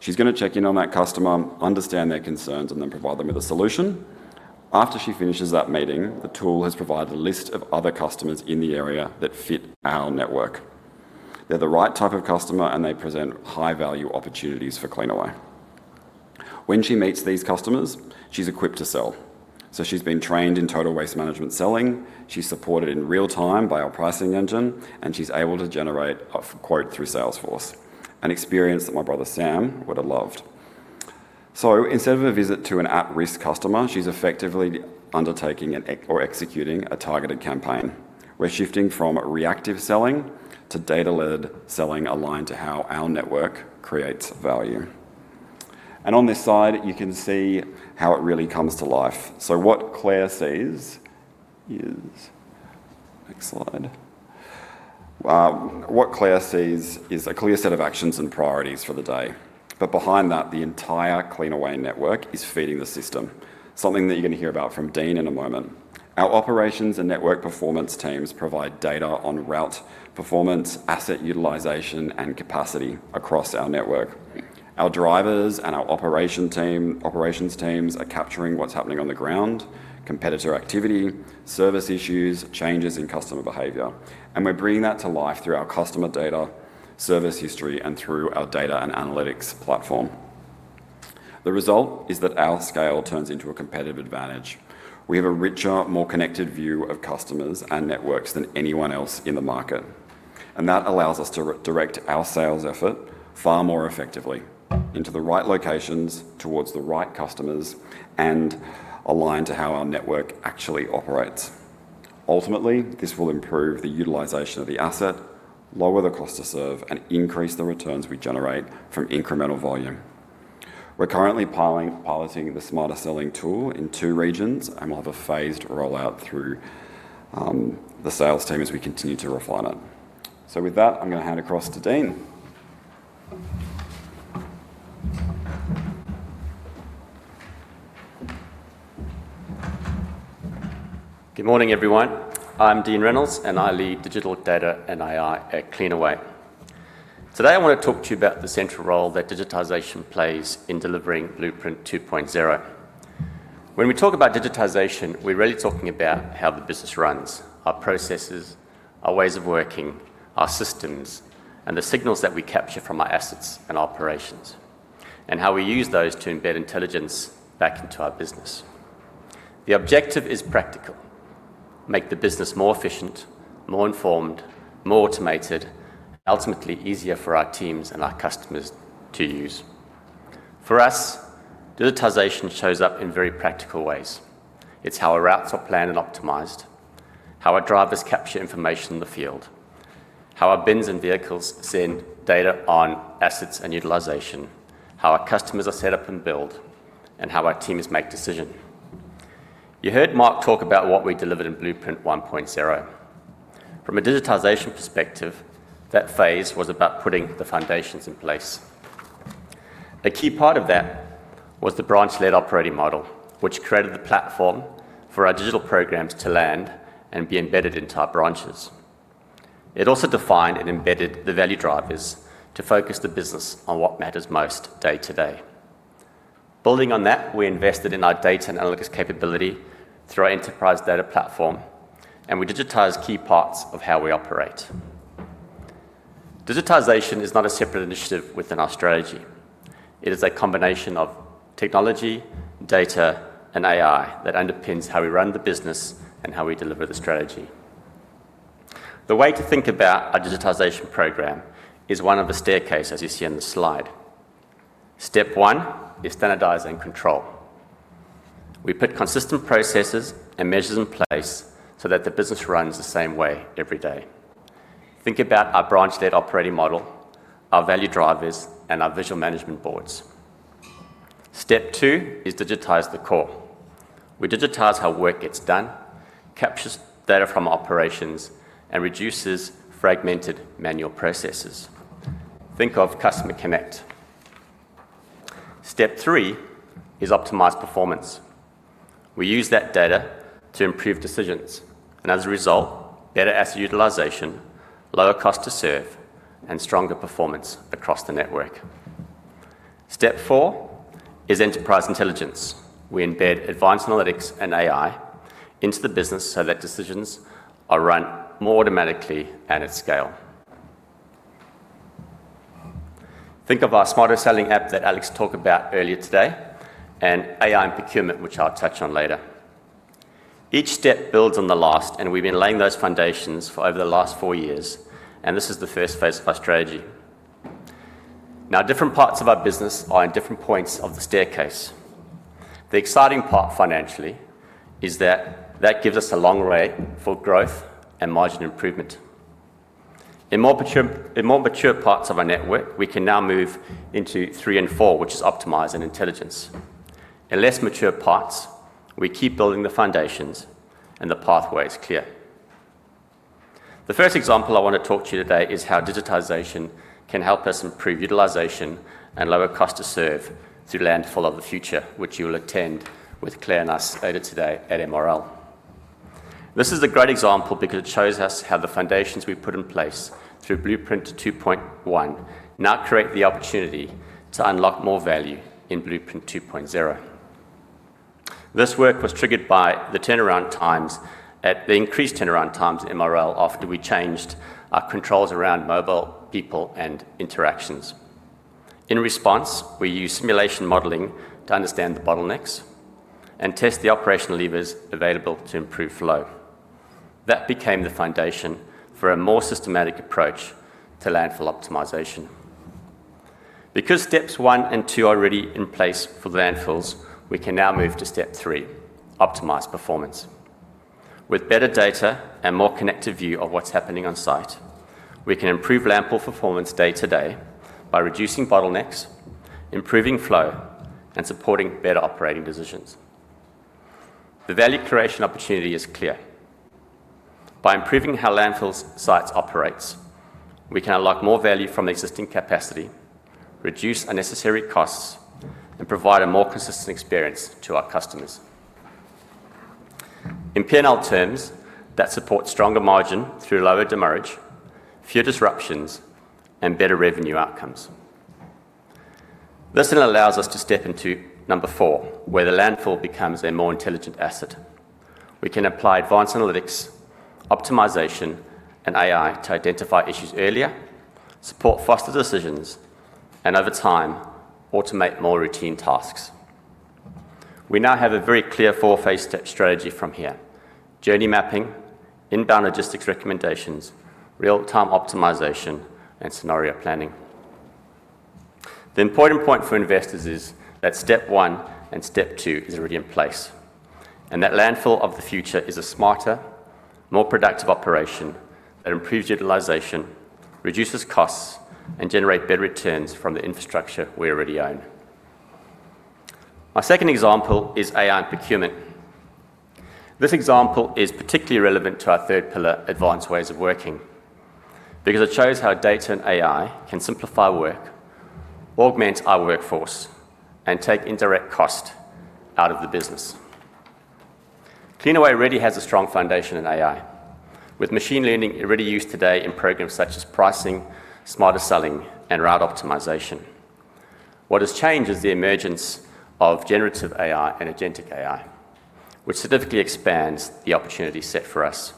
She's going to check in on that customer, understand their concerns, and then provide them with a solution. After she finishes that meeting, the tool has provided a list of other customers in the area that fit our network. They're the right type of customer, and they present high-value opportunities for Cleanaway. When she meets these customers, she's equipped to sell. She's been trained in total waste management selling, she's supported in real time by our pricing engine, and she's able to generate a quote through Salesforce, an experience that my brother Sam would have loved. Instead of a visit to an at-risk customer, she's effectively undertaking or executing a targeted campaign. We're shifting from reactive selling to data-led selling aligned to how our network creates value. And on this side, you can see how it really comes to life. What Claire sees is. Next slide. What Claire sees is a clear set of actions and priorities for the day. Behind that, the entire Cleanaway network is feeding the system, something that you're going to hear about from Dean in a moment. Our operations and network performance teams provide data on route performance, asset utilization, and capacity across our network. Our drivers and our operations teams are capturing what's happening on the ground, competitor activity, service issues, changes in customer behavior, and we're bringing that to life through our customer data, service history, and through our data and analytics platform. The result is that our scale turns into a competitive advantage. We have a richer, more connected view of customers and networks than anyone else in the market, and that allows us to direct our sales effort far more effectively into the right locations, towards the right customers, and aligned to how our network actually operates. Ultimately, this will improve the utilization of the asset, lower the cost to serve, and increase the returns we generate from incremental volume. We're currently piloting the smarter selling tool in two regions, and we'll have a phased rollout through the sales team as we continue to refine it. With that, I'm going to hand across to Dean. Good morning, everyone. I'm Dean Reynolds, and I lead digital data and AI at Cleanaway. Today, I want to talk to you about the central role that digitization plays in delivering Blueprint 2.0. When we talk about digitization, we're really talking about how the business runs, our processes, our ways of working, our systems, and the signals that we capture from our assets and operations. How we use those to embed intelligence back into our business. The objective is practical. Make the business more efficient, more informed, more automated, ultimately easier for our teams and our customers to use. For us, digitization shows up in very practical ways. It's how our routes are planned and optimized, how our drivers capture information in the field, how our bins and vehicles send data on assets and utilization, how our customers are set up and billed, and how our teams make decisions. You heard Mark talk about what we delivered in Blueprint 1.0. From a digitization perspective, that phase was about putting the foundations in place. A key part of that was the branch-led operating model, which created the platform for our digital programs to land and be embedded into our branches. It also defined and embedded the value drivers to focus the business on what matters most day-to-day. Building on that, we invested in our data and analytics capability through our enterprise data platform, and we digitized key parts of how we operate. Digitization is not a separate initiative within our strategy. It is a combination of technology, data, and AI that underpins how we run the business and how we deliver the strategy. The way to think about our digitization program is like a staircase, as you see on the slide. Step one is standardize and control. We put consistent processes and measures in place so that the business runs the same way every day. Think about our branch-led operating model, our value drivers, and our visual management boards. Step two is digitize the core. We digitize how work gets done, captures data from operations, and reduces fragmented manual processes. Think of Customer Connect. Step three is optimize performance. We use that data to improve decisions, and as a result, better asset utilization, lower cost to serve, and stronger performance across the network. Step four is enterprise intelligence. We embed advanced analytics and AI into the business so that decisions are run more automatically and at scale. Think of our smarter selling app that Alex talked about earlier today, and AI and procurement, which I'll touch on later. Each step builds on the last, and we've been laying those foundations for over the last four years, and this is the first phase of our strategy. Now, different parts of our business are in different points of the staircase. The exciting part financially is that that gives us a long way for growth and margin improvement. In more mature parts of our network, we can now move into three and four, which is optimize and intelligence. In less mature parts, we keep building the foundations, and the pathway is clear. The first example I want to talk to you today is how digitization can help us improve utilization and lower cost to serve through Landfill of the Future, which you will attend with Claire and us later today at MRL. This is a great example because it shows us how the foundations we've put in place through Blueprint 2.1 now create the opportunity to unlock more value in Blueprint 2.0. This work was triggered by the increased turnaround times at MRL after we changed our controls around mobile, people, and interactions. In response, we used simulation modeling to understand the bottlenecks and test the operational levers available to improve flow. That became the foundation for a more systematic approach to landfill optimization. Because steps one and two are already in place for the landfills, we can now move to step three, optimize performance. With better data and more connected view of what's happening on site, we can improve landfill performance day to day by reducing bottlenecks, improving flow, and supporting better operating decisions. The value creation opportunity is clear. By improving how landfill sites operate, we can unlock more value from the existing capacity, reduce unnecessary costs, and provide a more consistent experience to our customers. In P&L terms, that supports stronger margin through lower demurrage, fewer disruptions, and better revenue outcomes. This allows us to step into number four, where the landfill becomes a more intelligent asset. We can apply advanced analytics, optimization, and AI to identify issues earlier, support faster decisions, and over time, automate more routine tasks. We now have a very clear four-phase step strategy from here: journey mapping, inbound logistics recommendations, real-time optimization, and scenario planning. The important point for investors is that step one and step two is already in place, and that Landfill of the Future is a smarter, more productive operation that improves utilization, reduces costs, and generate better returns from the infrastructure we already own. My second example is AI and procurement. This example is particularly relevant to our third pillar, advanced ways of working, because it shows how data and AI can simplify work, augment our workforce, and take indirect cost out of the business. Cleanaway already has a strong foundation in AI. With machine learning already used today in programs such as pricing, smarter selling, and route optimization. What has changed is the emergence of generative AI and agentic AI, which significantly expands the opportunity set for us.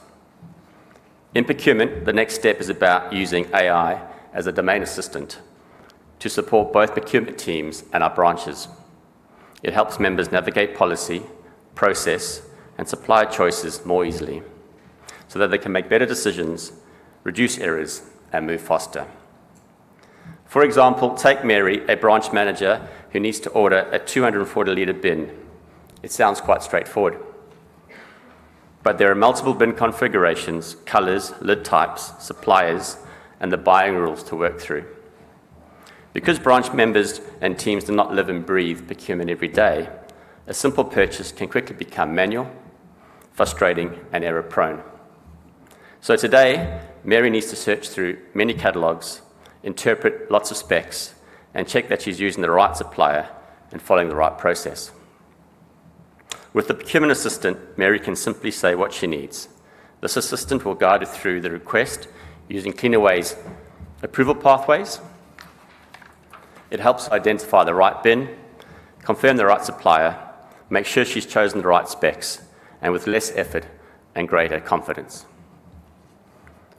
In procurement, the next step is about using AI as a domain assistant to support both procurement teams and our branches. It helps members navigate policy, process, and supplier choices more easily so that they can make better decisions, reduce errors, and move faster. For example, take Mary, a branch manager who needs to order a 240 L bin. It sounds quite straightforward, but there are multiple bin configurations, colors, lid types, suppliers, and the buying rules to work through. Because branch members and teams do not live and breathe procurement every day, a simple purchase can quickly become manual, frustrating, and error-prone. Today, Mary needs to search through many catalogs, interpret lots of specs, and check that she's using the right supplier and following the right process. With the procurement assistant, Mary can simply say what she needs. This assistant will guide her through the request using Cleanaway's approval pathways. It helps identify the right bin, confirm the right supplier, make sure she's chosen the right specs, and with less effort and greater confidence.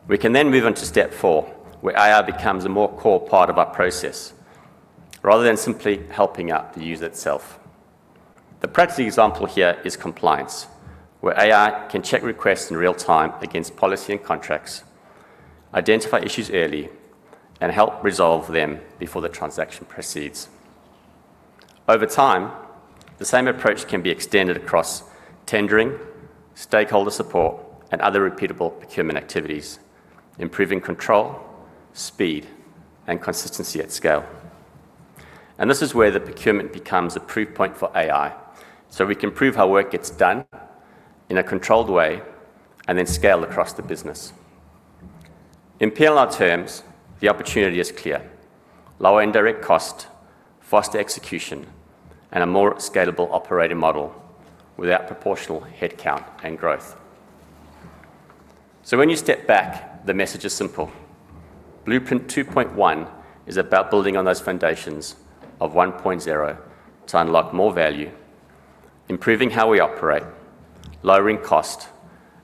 We can then move on to step four, where AI becomes a more core part of our process rather than simply helping out the user itself. The practical example here is compliance, where AI can check requests in real time against policy and contracts, identify issues early, and help resolve them before the transaction proceeds. Over time, the same approach can be extended across tendering, stakeholder support, and other repeatable procurement activities, improving control, speed, and consistency at scale. This is where the procurement becomes a proof point for AI, so we can prove how work gets done in a controlled way and then scale across the business. In P&L terms, the opportunity is clear. Lower indirect cost, faster execution, and a more scalable operating model without proportional headcount and growth. When you step back, the message is simple. Blueprint 2.1 is about building on those foundations of 1.0 to unlock more value, improving how we operate, lowering cost,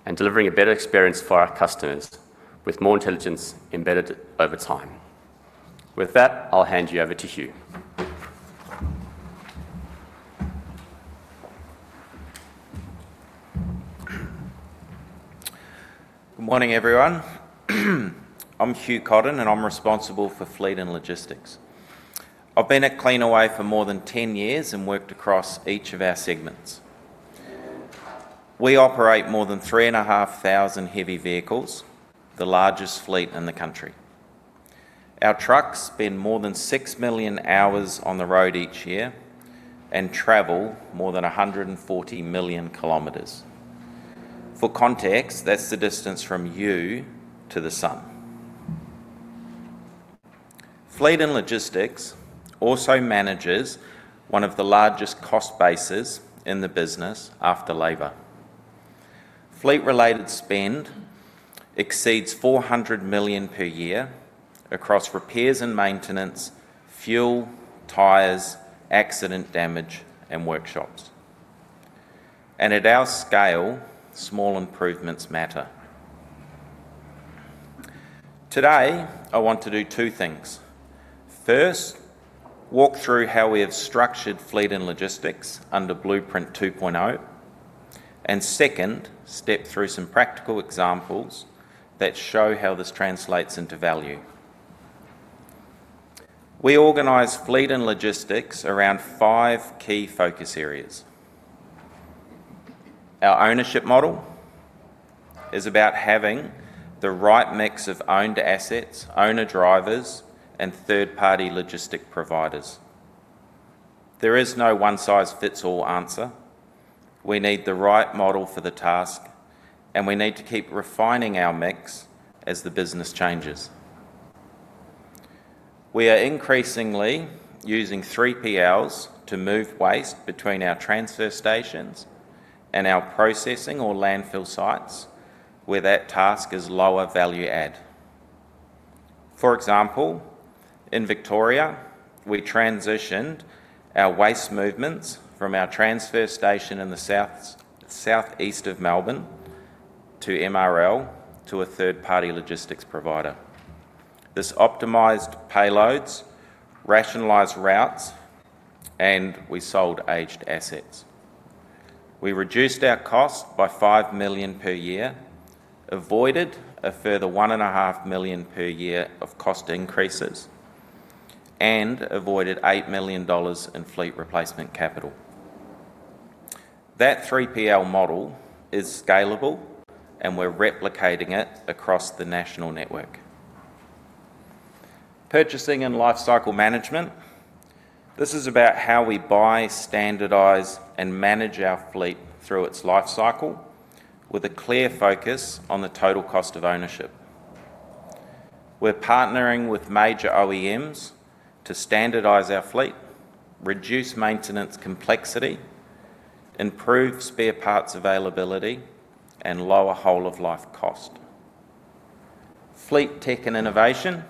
and delivering a better experience for our customers with more intelligence embedded over time. With that, I'll hand you over to Hugh. Good morning, everyone. I'm Hugh Cotton, and I'm responsible for Fleet and Logistics. I've been at Cleanaway for more than 10 years and worked across each of our segments. We operate more than 3,500 heavy vehicles, the largest fleet in the country. Our trucks spend more than 6 million hours on the road each year and travel more than 140,000,000 km. For context, that's the distance from you to the sun. Fleet and logistics also manages one of the largest cost bases in the business after labor. Fleet-related spend exceeds 400 million per year across repairs and maintenance, fuel, tires, accident damage, and workshops. At our scale, small improvements matter. Today, I want to do two things. First, walk through how we have structured fleet and logistics under Blueprint 2.0, and second, step through some practical examples that show how this translates into value. We organize fleet and logistics around five key focus areas. Our ownership model is about having the right mix of owned assets, owner-drivers, and third-party logistics providers. There is no one-size-fits-all answer. We need the right model for the task, and we need to keep refining our mix as the business changes. We are increasingly using 3PLs to move waste between our transfer stations and our processing or landfill sites where that task is lower value add. For example, in Victoria, we transitioned our waste movements from our transfer station in the southeast of Melbourne to MRL to a third-party logistics provider. This optimized payloads, rationalized routes, and we sold aged assets. We reduced our cost by 5 million per year, avoided a further 1.5 million per year of cost increases, and avoided 8 million dollars in fleet replacement capital. That 3PL model is scalable, and we're replicating it across the national network. Purchasing and lifecycle management. This is about how we buy, standardize, and manage our fleet through its lifecycle with a clear focus on the total cost of ownership. We're partnering with major OEMs to standardize our fleet, reduce maintenance complexity, improve spare parts availability, and lower whole of life cost. Fleet tech and innovation.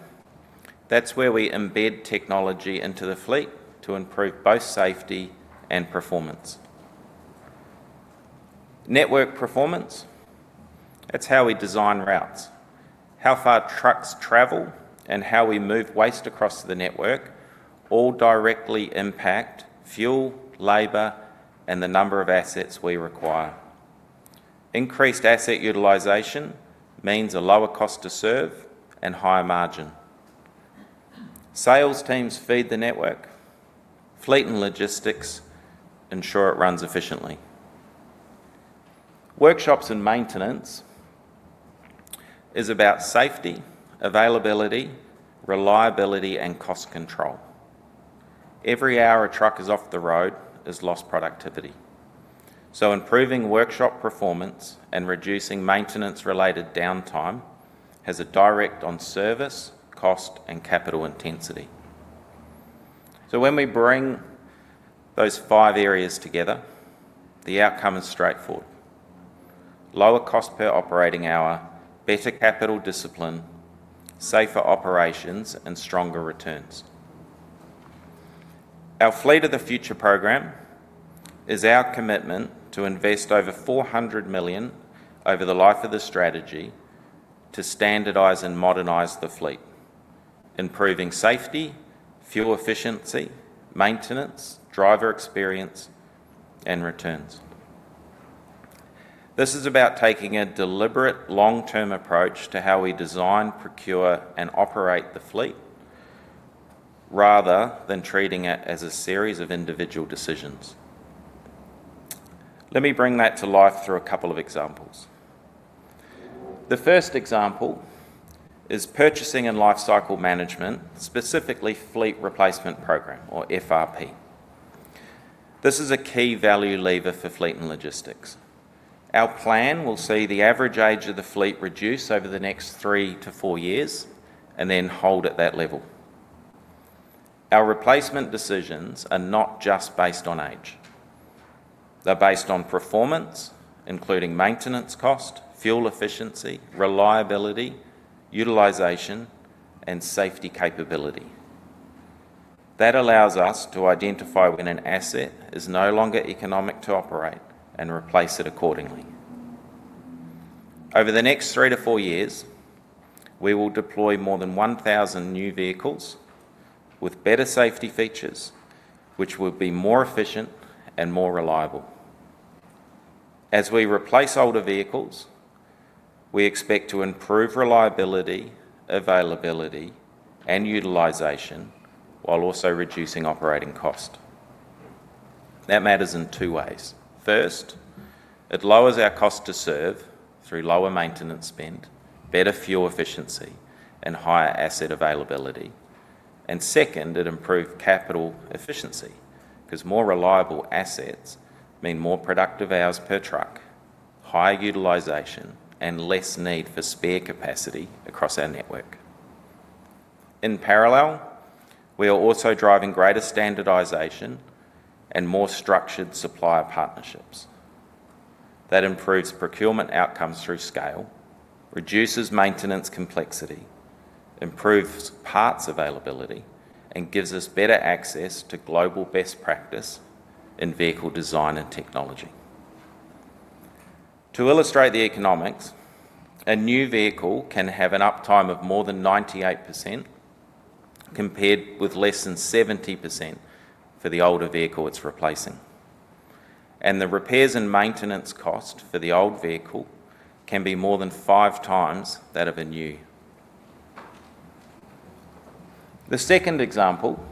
That's where we embed technology into the fleet to improve both safety and performance. Network performance, that's how we design routes. How far trucks travel, and how we move waste across the network all directly impact fuel, labor, and the number of assets we require. Increased asset utilization means a lower cost to serve and higher margin. Sales teams feed the network. Fleet and logistics ensure it runs efficiently. Workshops and maintenance is about safety, availability, reliability, and cost control. Every hour a truck is off the road is lost productivity. Improving workshop performance and reducing maintenance-related downtime has a direct on service, cost, and capital intensity. When we bring those five areas together, the outcome is straightforward. Lower cost per operating hour, better capital discipline, safer operations, and stronger returns. Our Fleet of the Future program is our commitment to invest over 400 million over the life of the strategy to standardize and modernize the fleet, improving safety, fuel efficiency, maintenance, driver experience, and returns. This is about taking a deliberate long-term approach to how we design, procure, and operate the fleet rather than treating it as a series of individual decisions. Let me bring that to life through a couple of examples. The first example is purchasing and lifecycle management, specifically Fleet Replacement Program or FRP. This is a key value lever for fleet and logistics. Our plan will see the average age of the fleet reduce over the next three to four years and then hold at that level. Our replacement decisions are not just based on age. They're based on performance, including maintenance cost, fuel efficiency, reliability, utilization, and safety capability. That allows us to identify when an asset is no longer economic to operate and replace it accordingly. Over the next three to four years, we will deploy more than 1,000 new vehicles with better safety features, which will be more efficient and more reliable. As we replace older vehicles, we expect to improve reliability, availability, and utilization while also reducing operating cost. That matters in two ways. First, it lowers our cost to serve through lower maintenance spend, better fuel efficiency, and higher asset availability. Second, it improved capital efficiency, because more reliable assets mean more productive hours per truck, higher utilization, and less need for spare capacity across our network. In parallel, we are also driving greater standardization and more structured supplier partnerships. That improves procurement outcomes through scale, reduces maintenance complexity, improves parts availability, and gives us better access to global best practice in vehicle design and technology. To illustrate the economics, a new vehicle can have an uptime of more than 98%, compared with less than 70% for the older vehicle it's replacing, and the repairs and maintenance cost for the old vehicle can be more than five times that of a new. The second example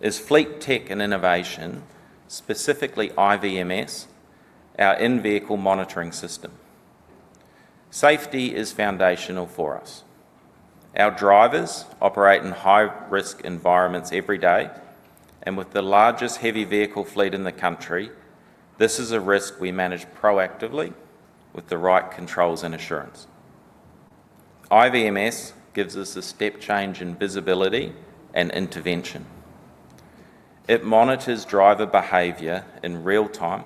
is fleet tech and innovation, specifically IVMS, our In-Vehicle Monitoring System. Safety is foundational for us. Our drivers operate in high-risk environments every day, and with the largest heavy vehicle fleet in the country, this is a risk we manage proactively with the right controls and assurance. IVMS gives us a step change in visibility and intervention. It monitors driver behavior in real time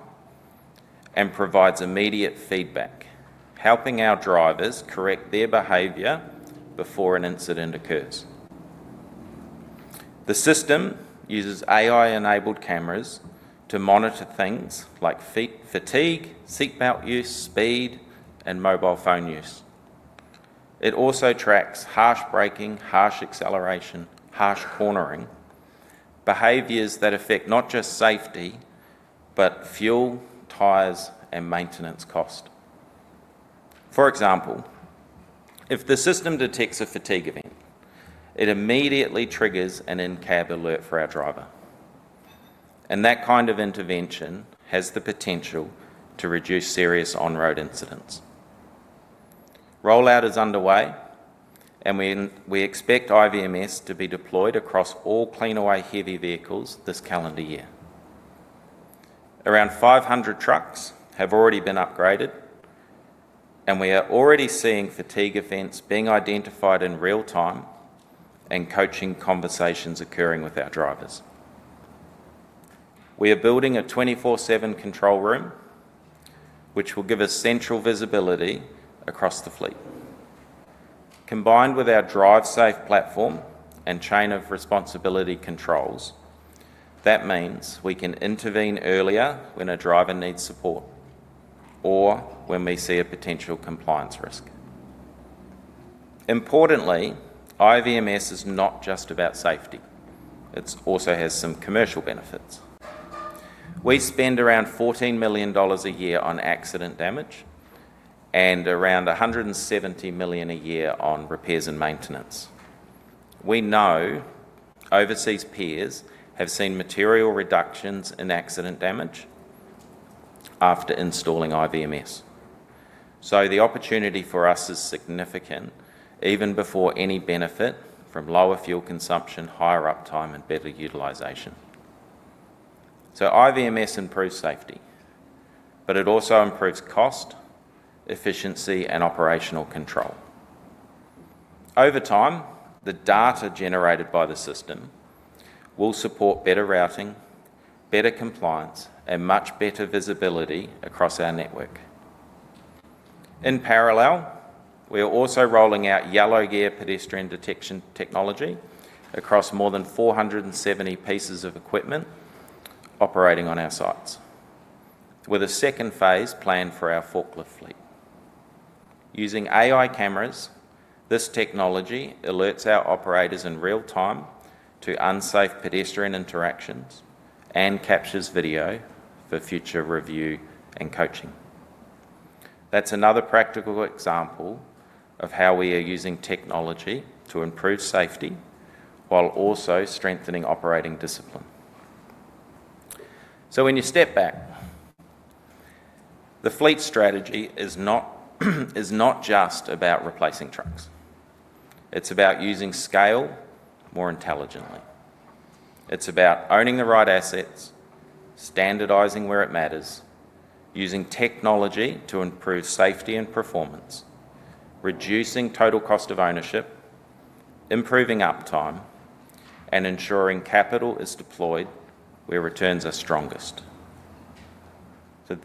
and provides immediate feedback, helping our drivers correct their behavior before an incident occurs. The system uses AI-enabled cameras to monitor things like fatigue, seatbelt use, speed, and mobile phone use. It also tracks harsh braking, harsh acceleration, harsh cornering, behaviors that affect not just safety, but fuel, tires, and maintenance cost. For example, if the system detects a fatigue event, it immediately triggers an in-cab alert for our driver, and that kind of intervention has the potential to reduce serious on-road incidents. Rollout is underway, and we expect IVMS to be deployed across all Cleanaway heavy vehicles this calendar year. Around 500 trucks have already been upgraded, and we are already seeing fatigue events being identified in real time and coaching conversations occurring with our drivers. We are building a 24/7 control room which will give us central visibility across the fleet. Combined with our DriveSafe platform and chain of responsibility controls, that means we can intervene earlier when a driver needs support or when we see a potential compliance risk. Importantly, IVMS is not just about safety. It also has some commercial benefits. We spend around 14 million dollars a year on accident damage and around 170 million a year on repairs and maintenance. We know overseas peers have seen material reductions in accident damage after installing IVMS, so the opportunity for us is significant even before any benefit from lower fuel consumption, higher uptime, and better utilization. IVMS improves safety, but it also improves cost, efficiency, and operational control. Over time, the data generated by the system will support better routing, better compliance, and much better visibility across our network. In parallel, we are also rolling out yellow gear pedestrian detection technology across more than 470 pieces of equipment operating on our sites, with a second phase planned for our forklift fleet. Using AI cameras, this technology alerts our operators in real time to unsafe pedestrian interactions and captures video for future review and coaching. That's another practical example of how we are using technology to improve safety while also strengthening operating discipline. When you step back, the fleet strategy is not just about replacing trucks. It's about using scale more intelligently. It's about owning the right assets, standardizing where it matters, using technology to improve safety and performance, reducing total cost of ownership, improving uptime, and ensuring capital is deployed where returns are strongest.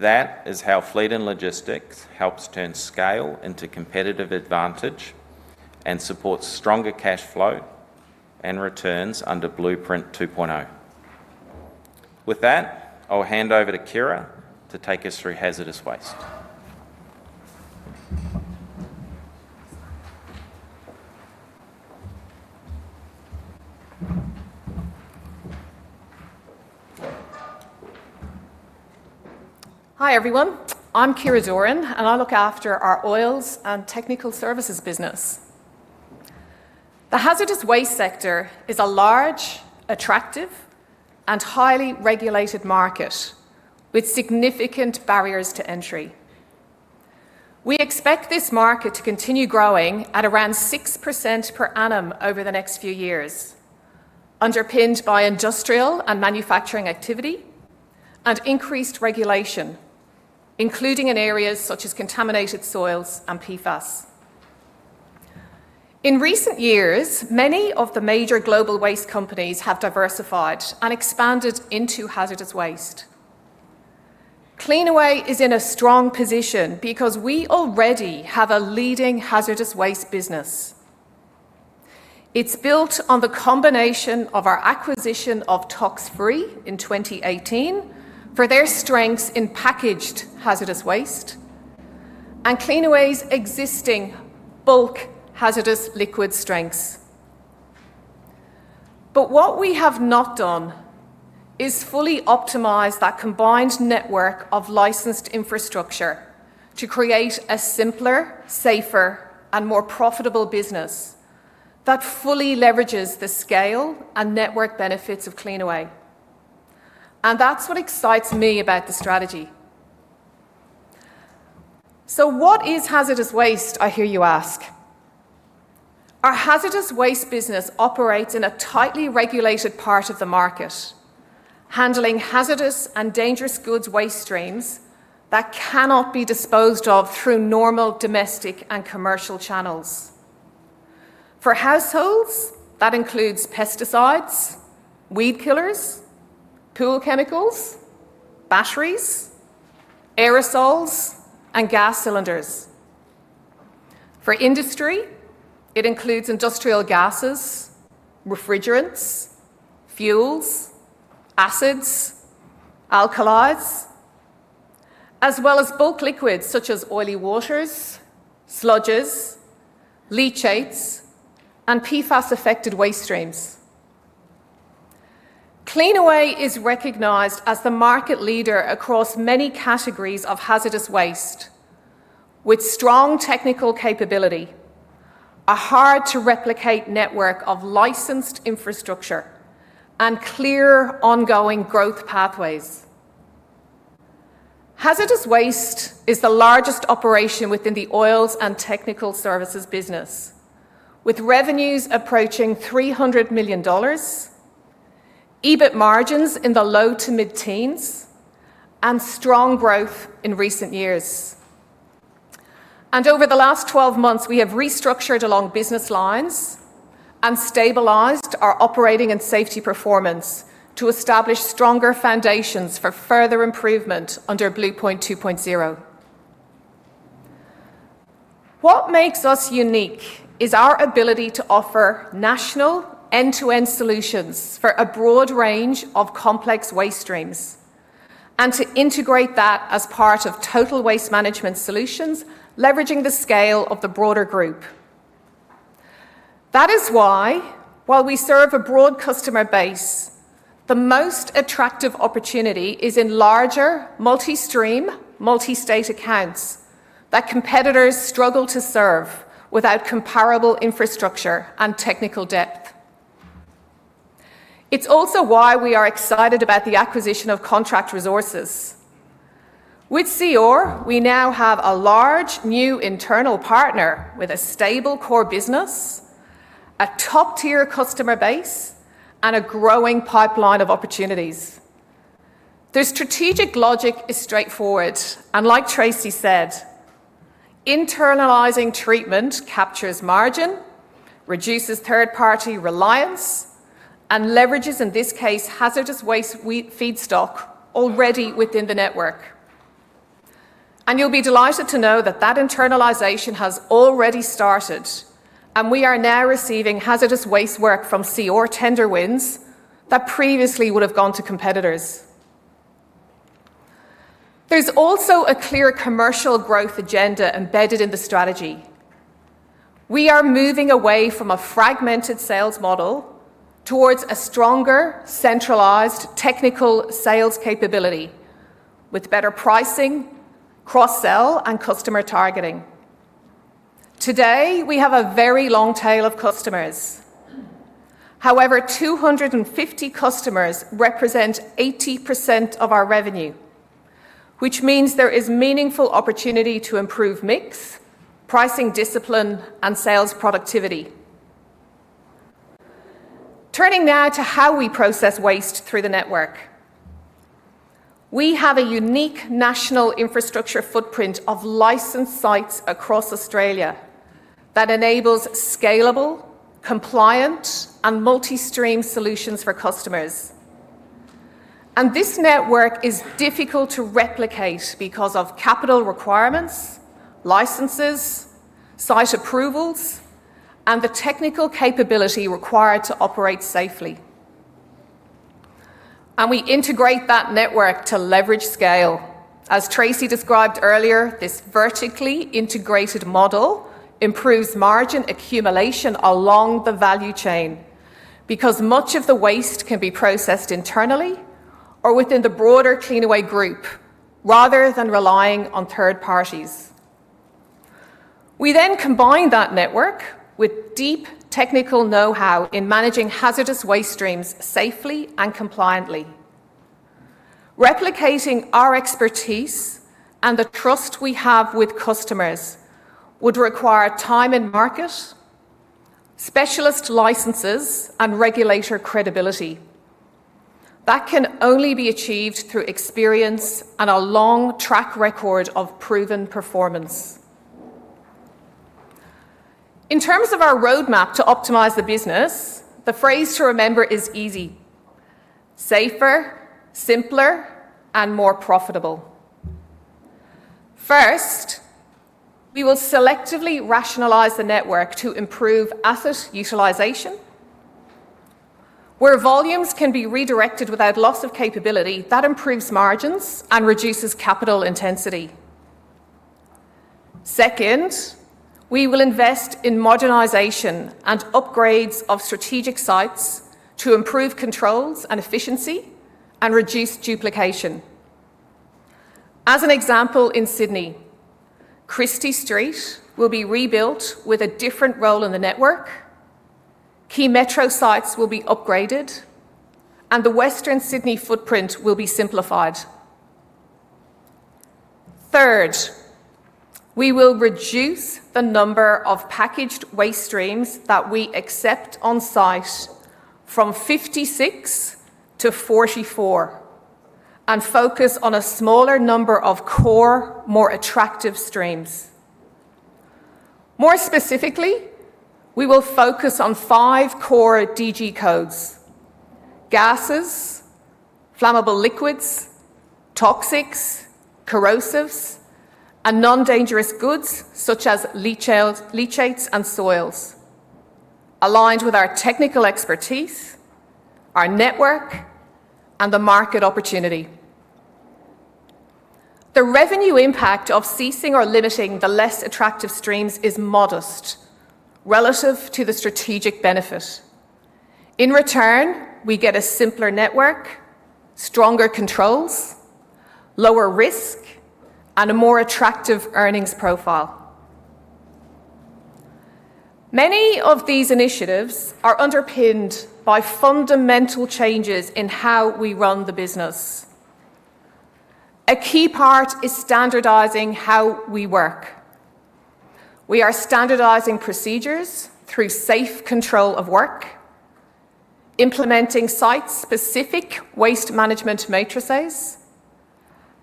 That is how fleet and logistics helps turn scale into competitive advantage and supports stronger cash flow and returns under Blueprint 2.0. With that, I'll hand over to Ciara to take us through hazardous waste. Hi, everyone. I'm Ciara Doran, and I look after our Oils and Technical services business. The hazardous waste sector is a large, attractive, and highly regulated market with significant barriers to entry. We expect this market to continue growing at around 6% per annum over the next few years, underpinned by industrial and manufacturing activity and increased regulation, including in areas such as contaminated soils and PFAS. In recent years, many of the major global waste companies have diversified and expanded into hazardous waste. Cleanaway is in a strong position because we already have a leading hazardous waste business. It's built on the combination of our acquisition of Toxfree in 2018, for their strengths in packaged hazardous waste, and Cleanaway's existing bulk hazardous liquid strengths. What we have not done is fully optimize that combined network of licensed infrastructure to create a simpler, safer, and more profitable business that fully leverages the scale and network benefits of Cleanaway. That's what excites me about the strategy. What is hazardous waste, I hear you ask? Our hazardous waste business operates in a tightly regulated part of the market, handling hazardous and dangerous goods waste streams that cannot be disposed of through normal domestic and commercial channels. For households, that includes pesticides, weed killers, pool chemicals, batteries, aerosols, and gas cylinders. For industry, it includes industrial gases, refrigerants, fuels, acids, alkalis, as well as bulk liquids such as oily waters, sludges, leachates, and PFAS-affected waste streams. Cleanaway is recognized as the market leader across many categories of hazardous waste, with strong technical capability, a hard-to-replicate network of licensed infrastructure, and clear ongoing growth pathways. Hazardous waste is the largest operation within the Oils and Technical services business, with revenues approaching 300 million dollars, EBIT margins in the low- to mid-teens%, and strong growth in recent years. Over the last 12 months, we have restructured along business lines and stabilized our operating and safety performance to establish stronger foundations for further improvement under Blueprint 2.0. What makes us unique is our ability to offer national end-to-end solutions for a broad range of complex waste streams and to integrate that as part of total waste management solutions, leveraging the scale of the broader group. That is why, while we serve a broad customer base, the most attractive opportunity is in larger multi-stream, multi-state accounts that competitors struggle to serve without comparable infrastructure and technical depth. It's also why we are excited about the acquisition of Contract Resources. With CR we now have a large, new internal partner with a stable core business, a top-tier customer base, and a growing pipeline of opportunities. The strategic logic is straightforward, and like Tracey said, internalizing treatment captures margin, reduces third-party reliance, and leverages, in this case, hazardous waste feedstock already within the network. You'll be delighted to know that that internalization has already started and we are now receiving hazardous waste work from CR tender wins that previously would have gone to competitors. There's also a clear commercial growth agenda embedded in the strategy. We are moving away from a fragmented sales model towards a stronger, centralized technical sales capability with better pricing, cross-sell, and customer targeting. Today, we have a very long tail of customers. However, 250 customers represent 80% of our revenue, which means there is meaningful opportunity to improve mix, pricing discipline, and sales productivity. Turning now to how we process waste through the network. We have a unique national infrastructure footprint of licensed sites across Australia that enables scalable, compliant, and multi-stream solutions for customers. This network is difficult to replicate because of capital requirements, licenses, site approvals, and the technical capability required to operate safely. We integrate that network to leverage scale. As Tracey described earlier, this vertically integrated model improves margin accumulation along the value chain because much of the waste can be processed internally or within the broader Cleanaway Group rather than relying on third parties. We then combine that network with deep technical know-how in managing hazardous waste streams safely and compliantly. Replicating our expertise and the trust we have with customers would require time and market, specialist licenses, and regulator credibility. That can only be achieved through experience and a long track record of proven performance. In terms of our roadmap to optimize the business, the phrase to remember is easy, safer, simpler, and more profitable. First, we will selectively rationalize the network to improve asset utilization. Where volumes can be redirected without loss of capability, that improves margins and reduces capital intensity. Second, we will invest in modernization and upgrades of strategic sites to improve controls and efficiency and reduce duplication. As an example, in Sydney, Christie Street will be rebuilt with a different role in the network, key metro sites will be upgraded, and the Western Sydney footprint will be simplified. Third, we will reduce the number of packaged waste streams that we accept on-site from 56 to 44 and focus on a smaller number of core, more attractive streams. More specifically, we will focus on five core DG codes: gases, flammable liquids, toxics, corrosives, and non-dangerous goods such as leachates and soils aligned with our technical expertise, our network, and the market opportunity. The revenue impact of ceasing or limiting the less attractive streams is modest relative to the strategic benefit. In return, we get a simpler network, stronger controls, lower risk, and a more attractive earnings profile. Many of these initiatives are underpinned by fundamental changes in how we run the business. A key part is standardizing how we work. We are standardizing procedures through safe control of work, implementing site-specific waste management matrices,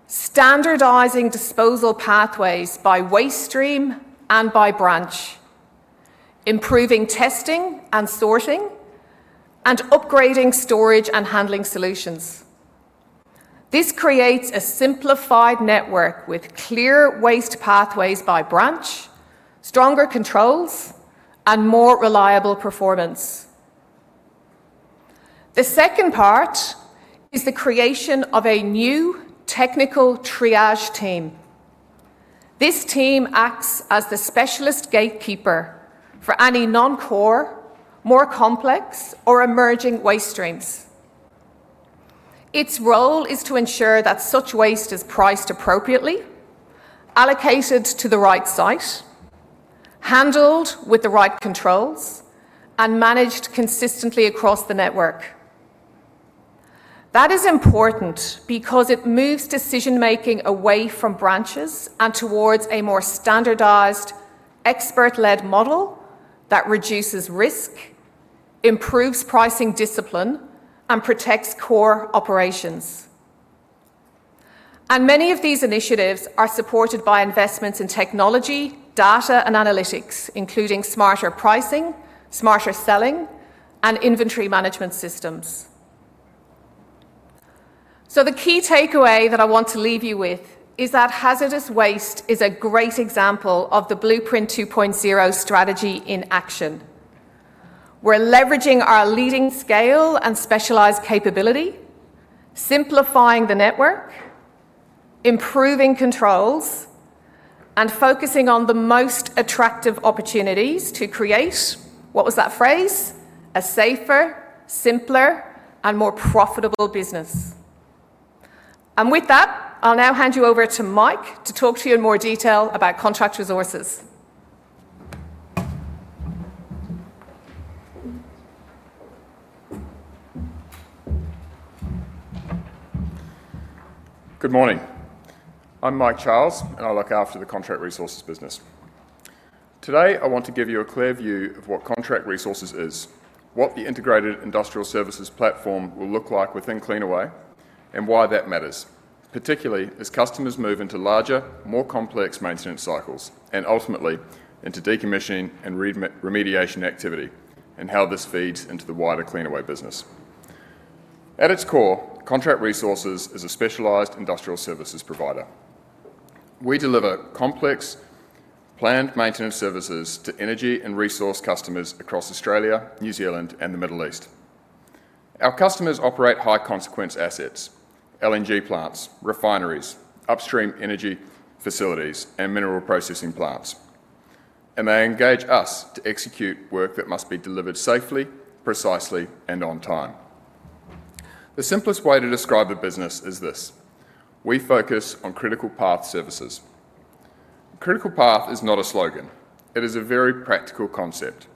standardizing disposal pathways by waste stream and by branch, improving testing and sorting, and upgrading storage and handling solutions. This creates a simplified network with clear waste pathways by branch, stronger controls, and more reliable performance. The second part is the creation of a new technical triage team. This team acts as the specialist gatekeeper for any non-core, more complex, or emerging waste streams. Its role is to ensure that such waste is priced appropriately, allocated to the right site, handled with the right controls, and managed consistently across the network. That is important because it moves decision-making away from branches and towards a more standardized, expert-led model that reduces risk, improves pricing discipline, and protects core operations. Many of these initiatives are supported by investments in technology, data, and analytics, including smarter pricing, smarter selling, and inventory management systems. The key takeaway that I want to leave you with is that hazardous waste is a great example of the Blueprint 2.0 strategy in action. We're leveraging our leading scale and specialized capability, simplifying the network, improving controls, and focusing on the most attractive opportunities to create, what was that phrase? A safer, simpler, and more profitable business. With that, I'll now hand you over to Mike to talk to you in more detail about Contract Resources. Good morning. I'm Mike Charles, and I look after the Contract Resources business. Today, I want to give you a clear view of what Contract Resources is, what the integrated industrial services platform will look like within Cleanaway, and why that matters, particularly as customers move into larger, more complex maintenance cycles and ultimately into decommissioning and remediation activity, and how this feeds into the wider Cleanaway business. At its core, Contract Resources is a specialized industrial services provider. We deliver complex planned maintenance services to energy and resource customers across Australia, New Zealand, and the Middle East. Our customers operate high-consequence assets, LNG plants, refineries, upstream energy facilities, and mineral processing plants, and they engage us to execute work that must be delivered safely, precisely, and on time. The simplest way to describe the business is this: we focus on critical path services. Critical path is not a slogan. It is a very practical concept.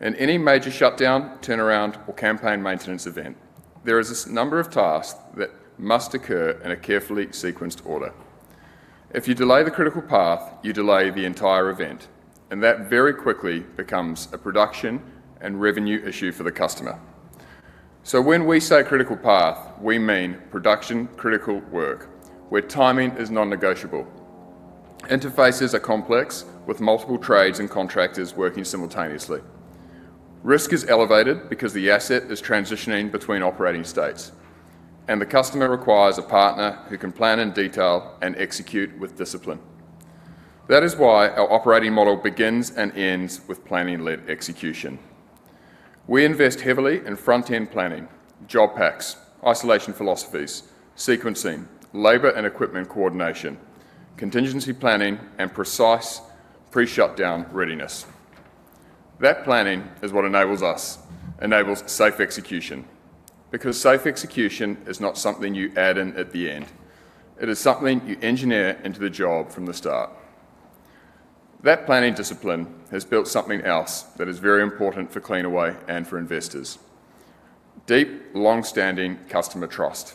In any major shutdown, turnaround, or campaign maintenance event, there is this number of tasks that must occur in a carefully sequenced order. If you delay the critical path, you delay the entire event, and that very quickly becomes a production and revenue issue for the customer. When we say critical path, we mean production-critical work where timing is non-negotiable. Interfaces are complex, with multiple trades and contractors working simultaneously. Risk is elevated because the asset is transitioning between operating states, and the customer requires a partner who can plan in detail and execute with discipline. That is why our operating model begins and ends with planning-led execution. We invest heavily in front-end planning, job packs, isolation philosophies, sequencing, labor and equipment coordination, contingency planning, and precise pre-shutdown readiness. That planning is what enables us, enables safe execution, because safe execution is not something you add in at the end. It is something you engineer into the job from the start. That planning discipline has built something else that is very important for Cleanaway and for investors, deep, long-standing customer trust.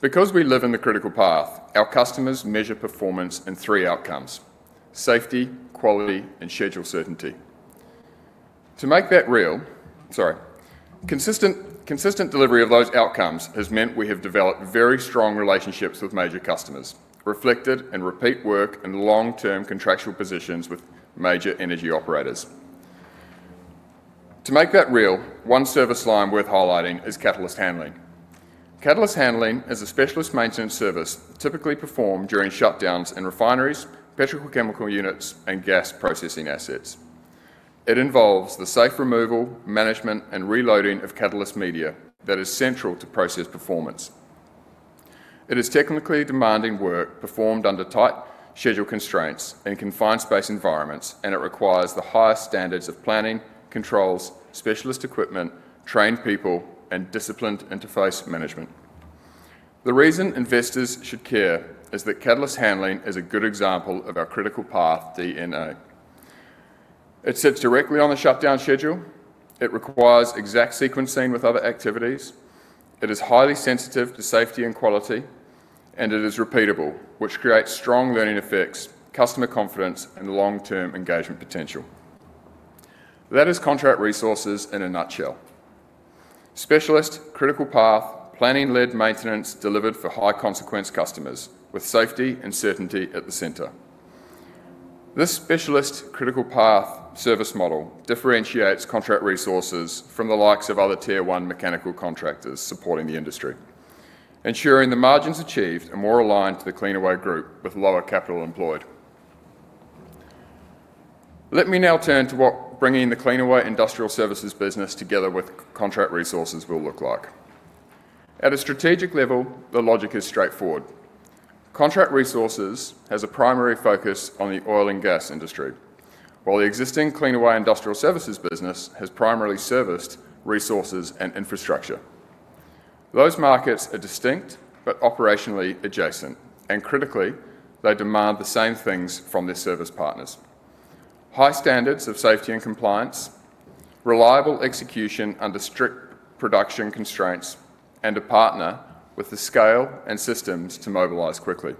Because we live in the critical path, our customers measure performance in three outcomes: safety, quality, and schedule certainty. Consistent delivery of those outcomes has meant we have developed very strong relationships with major customers, reflected in repeat work and long-term contractual positions with major energy operators. To make that real, one service line worth highlighting is catalyst handling. Catalyst handling is a specialist maintenance service typically performed during shutdowns in refineries, petrochemical units, and gas processing assets. It involves the safe removal, management, and reloading of catalyst media that is central to process performance. It is technically demanding work performed under tight schedule constraints in confined space environments, and it requires the highest standards of planning, controls, specialist equipment, trained people, and disciplined interface management. The reason investors should care is that catalyst handling is a good example of our critical path DNA. It sits directly on the shutdown schedule. It requires exact sequencing with other activities. It is highly sensitive to safety and quality. It is repeatable, which creates strong learning effects, customer confidence, and long-term engagement potential. That is Contract Resources in a nutshell. Specialist, critical path, planning-led maintenance delivered for high-consequence customers, with safety and certainty at the center. This specialist critical path service model differentiates Contract Resources from the likes of other tier one mechanical contractors supporting the industry, ensuring the margins achieved are more aligned to the Cleanaway Group with lower capital employed. Let me now turn to what bringing the Cleanaway Industrial Services business together with Contract Resources will look like. At a strategic level, the logic is straightforward. Contract Resources has a primary focus on the oil and gas industry. While the existing Cleanaway Industrial Services business has primarily serviced resources and infrastructure. Those markets are distinct but operationally adjacent, and critically, they demand the same things from their service partners, high standards of safety and compliance, reliable execution under strict production constraints, and a partner with the scale and systems to mobilize quickly.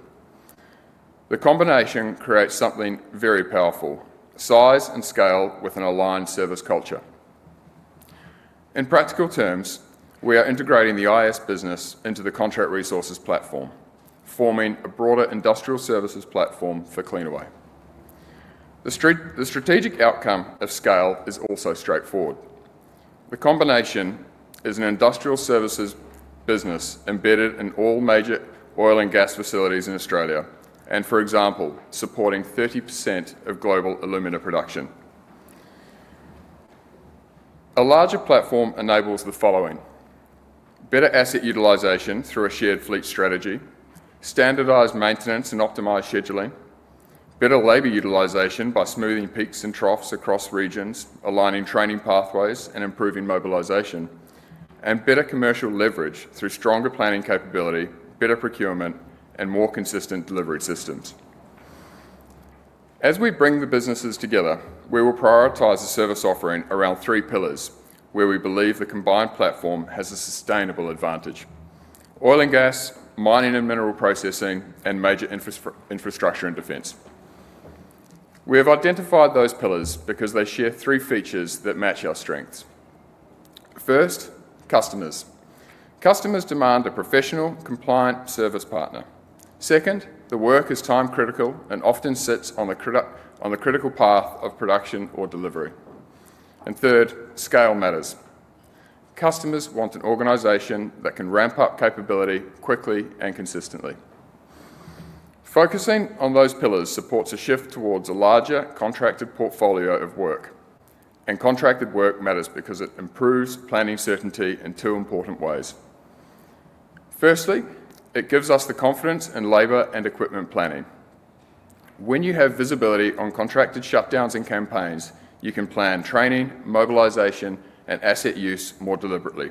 The combination creates something very powerful, size and scale with an aligned service culture. In practical terms, we are integrating the IS business into the Contract Resources platform, forming a broader industrial services platform for Cleanaway. The strategic outcome of scale is also straightforward. The combination is an industrial services business embedded in all major oil and gas facilities in Australia and, for example, supporting 30% of global alumina production. A larger platform enables the following. Better asset utilization through a shared fleet strategy, standardized maintenance and optimized scheduling, better labor utilization by smoothing peaks and troughs across regions, aligning training pathways and improving mobilization, and better commercial leverage through stronger planning capability, better procurement, and more consistent delivery systems. As we bring the businesses together, we will prioritize the service offering around three pillars, where we believe the combined platform has a sustainable advantage. Oil and gas, mining and mineral processing, and major infrastructure and defense. We have identified those pillars because they share three features that match our strengths. First, customers. Customers demand a professional, compliant service partner. Second, the work is time-critical and often sits on the critical path of production or delivery. Third, scale matters. Customers want an organization that can ramp up capability quickly and consistently. Focusing on those pillars supports a shift towards a larger contracted portfolio of work. Contracted work matters because it improves planning certainty in two important ways. Firstly, it gives us the confidence in labor and equipment planning. When you have visibility on contracted shutdowns and campaigns, you can plan training, mobilization, and asset use more deliberately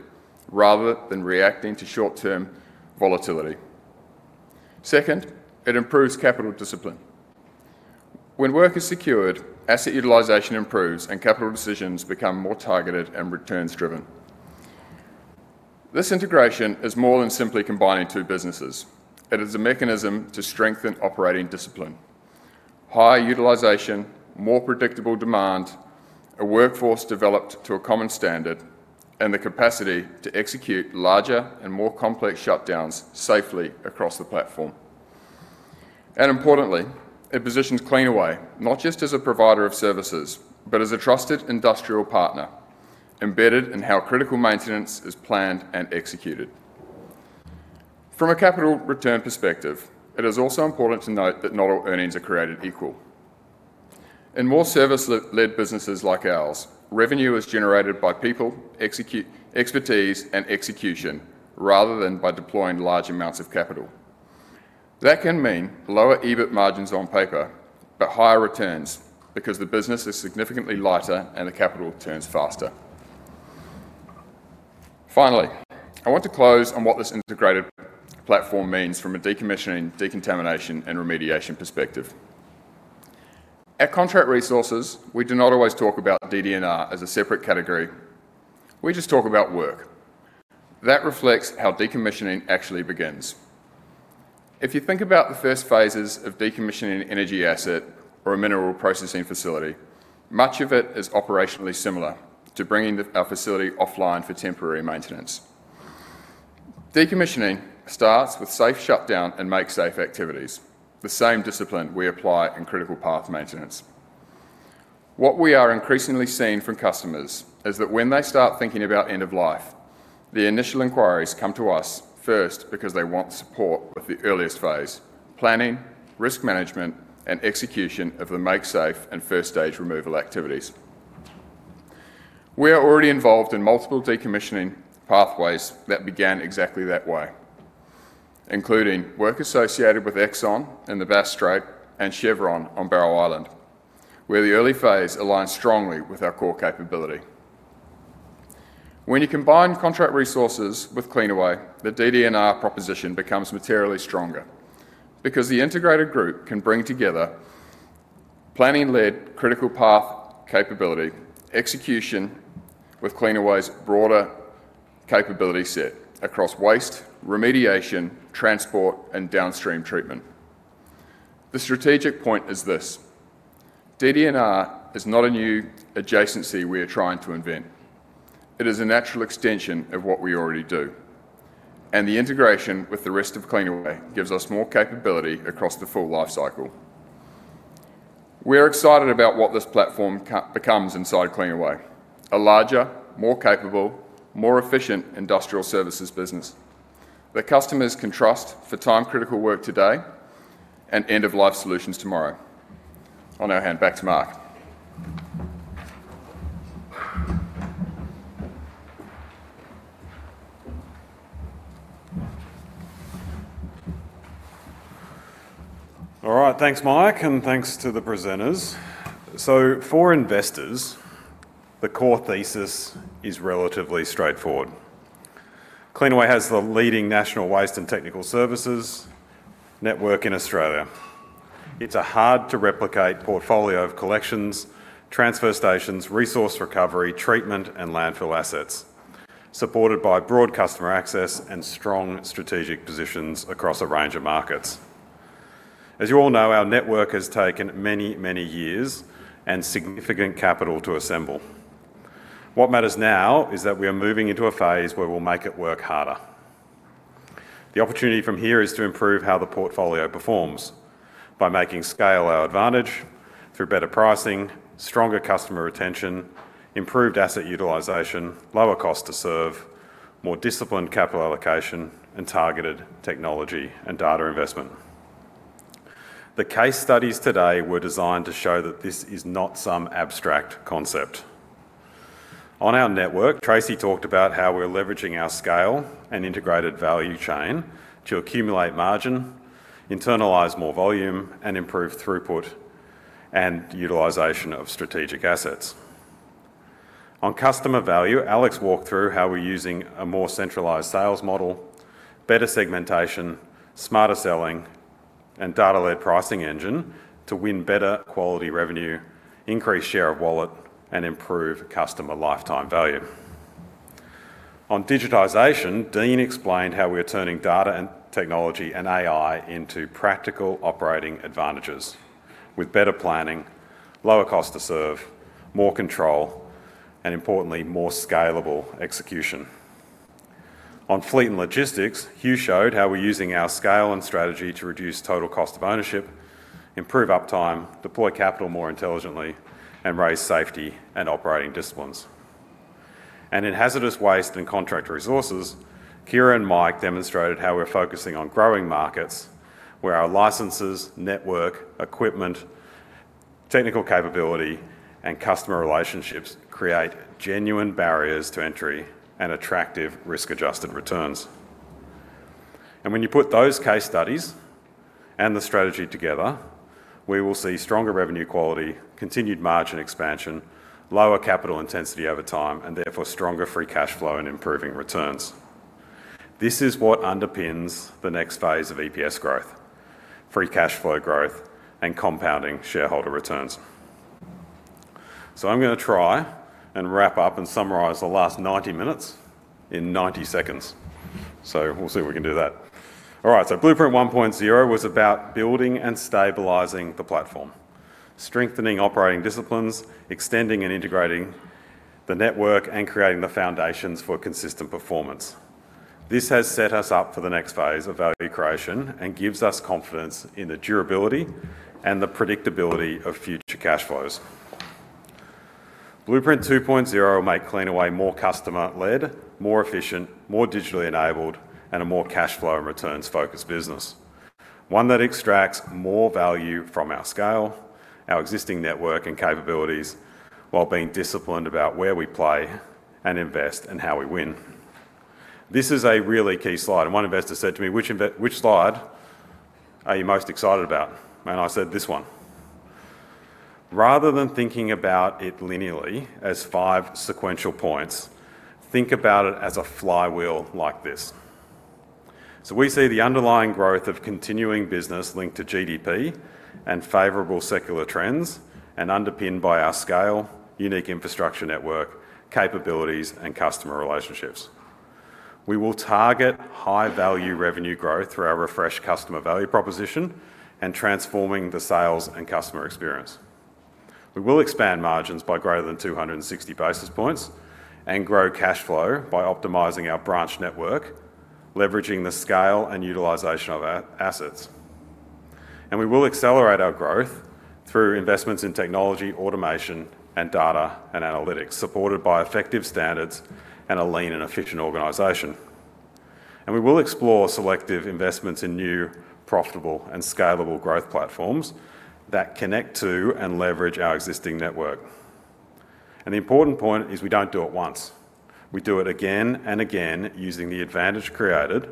rather than reacting to short-term volatility. Second, it improves capital discipline. When work is secured, asset utilization improves, and capital decisions become more targeted and returns-driven. This integration is more than simply combining two businesses. It is a mechanism to strengthen operating discipline, higher utilization, more predictable demand, a workforce developed to a common standard, and the capacity to execute larger and more complex shutdowns safely across the platform. Importantly, it positions Cleanaway not just as a provider of services but as a trusted industrial partner, embedded in how critical maintenance is planned and executed. From a capital return perspective, it is also important to note that not all earnings are created equal. In more service-led businesses like ours, revenue is generated by people, expertise, and execution, rather than by deploying large amounts of capital. That can mean lower EBIT margins on paper, but higher returns because the business is significantly lighter and the capital turns faster. Finally, I want to close on what this integrated platform means from a decommissioning, decontamination, and remediation perspective. At Contract Resources, we do not always talk about DD&R as a separate category. We just talk about work. That reflects how decommissioning actually begins. If you think about the first phases of decommissioning an energy asset or a mineral processing facility, much of it is operationally similar to bringing our facility offline for temporary maintenance. Decommissioning starts with safe shutdown and make safe activities, the same discipline we apply in critical path maintenance. What we are increasingly seeing from customers is that when they start thinking about end of life, the initial inquiries come to us first because they want support with the earliest phase, planning, risk management, and execution of the make safe and first stage removal activities. We are already involved in multiple decommissioning pathways that began exactly that way, including work associated with ExxonMobil in the Bass Strait and Chevron on Barrow Island, where the early phase aligns strongly with our core capability. When you combine Contract Resources with Cleanaway, the DD&R proposition becomes materially stronger because the integrated group can bring together planning-led critical path capability, execution with Cleanaway's broader capability set across waste, remediation, transport, and downstream treatment. The strategic point is this, DD&R is not a new adjacency we are trying to invent. It is a natural extension of what we already do, and the integration with the rest of Cleanaway gives us more capability across the full life cycle. We're excited about what this platform becomes inside Cleanaway, a larger, more capable, more efficient industrial services business where customers can trust for time-critical work today, and end-of-life solutions tomorrow. I'll now hand back to Mark. All right. Thanks, Mike, and thanks to the presenters. For investors, the core thesis is relatively straightforward. Cleanaway has the leading national waste and technical services network in Australia. It's a hard-to-replicate portfolio of collections, transfer stations, resource recovery, treatment, and landfill assets, supported by broad customer access and strong strategic positions across a range of markets. As you all know, our network has taken many, many years and significant capital to assemble. What matters now is that we are moving into a phase where we'll make it work harder. The opportunity from here is to improve how the portfolio performs by making scale our advantage through better pricing, stronger customer retention, improved asset utilization, lower cost to serve, more disciplined capital allocation, and targeted technology and data investment. The case studies today were designed to show that this is not some abstract concept. On our network, Tracey talked about how we're leveraging our scale and integrated value chain to accumulate margin, internalize more volume, and improve throughput and utilization of strategic assets. On customer value, Alex walked through how we're using a more centralized sales model, better segmentation, smarter selling, and data-led pricing engine to win better quality revenue, increase share of wallet, and improve customer lifetime value. On digitization, Dean explained how we are turning data and technology and AI into practical operating advantages with better planning, lower cost to serve, more control, and importantly, more scalable execution. On fleet and logistics, Hugh showed how we're using our scale and strategy to reduce total cost of ownership, improve uptime, deploy capital more intelligently, and raise safety and operating disciplines. In hazardous waste and Contract Resources, Ciara and Mike demonstrated how we're focusing on growing markets, where our licenses, network, equipment, technical capability, and customer relationships create genuine barriers to entry and attractive risk-adjusted returns. When you put those case studies and the strategy together, we will see stronger revenue quality, continued margin expansion, lower capital intensity over time, and therefore stronger free cash flow and improving returns. This is what underpins the next phase of EPS growth, free cash flow growth, and compounding shareholder returns. I'm going to try and wrap up and summarize the last 90 minutes in 90 seconds. We'll see if we can do that. All right. Blueprint 1.0 was about building and stabilizing the platform, strengthening operating disciplines, extending and integrating the network, and creating the foundations for consistent performance. This has set us up for the next phase of value creation and gives us confidence in the durability and the predictability of future cash flows. Blueprint 2.0 will make Cleanaway more customer-led, more efficient, more digitally enabled, and a more cash flow and returns-focused business. One that extracts more value from our scale, our existing network and capabilities, while being disciplined about where we play and invest and how we win. This is a really key slide, and one investor said to me, Which slide are you most excited about? And I said, This one. Rather than thinking about it linearly as five sequential points, think about it as a flywheel like this. We see the underlying growth of continuing business linked to GDP and favorable secular trends, and underpinned by our scale, unique infrastructure network, capabilities, and customer relationships. We will target high-value revenue growth through our refreshed customer value proposition and transforming the sales and customer experience. We will expand margins by greater than 260 basis points and grow cash flow by optimizing our branch network, leveraging the scale and utilization of our assets. We will accelerate our growth through investments in technology, automation, and data and analytics, supported by effective standards and a lean and efficient organization. We will explore selective investments in new, profitable, and scalable growth platforms that connect to and leverage our existing network. The important point is we don't do it once. We do it again and again, using the advantage created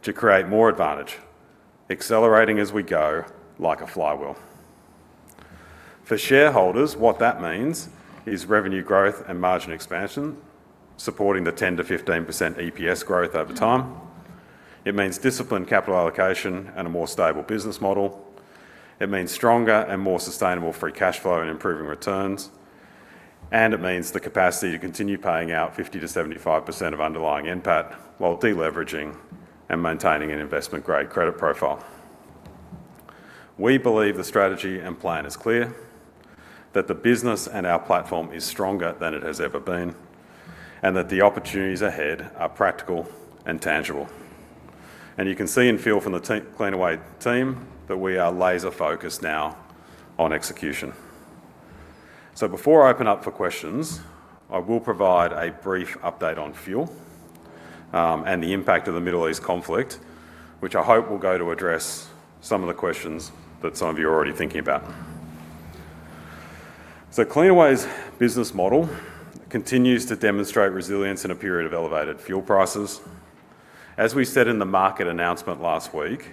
to create more advantage, accelerating as we go, like a flywheel. For shareholders, what that means is revenue growth and margin expansion, supporting the 10%-15% EPS growth over time. It means disciplined capital allocation and a more stable business model. It means stronger and more sustainable free cash flow and improving returns, and it means the capacity to continue paying out 50%-75% of underlying NPAT while de-leveraging and maintaining an investment-grade credit profile. We believe the strategy and plan is clear, that the business and our platform is stronger than it has ever been, and that the opportunities ahead are practical and tangible. You can see and feel from the Cleanaway team that we are laser focused now on execution. Before I open up for questions, I will provide a brief update on fuel, and the impact of the Middle East conflict, which I hope will go to address some of the questions that some of you are already thinking about. Cleanaway's business model continues to demonstrate resilience in a period of elevated fuel prices. As we said in the market announcement last week,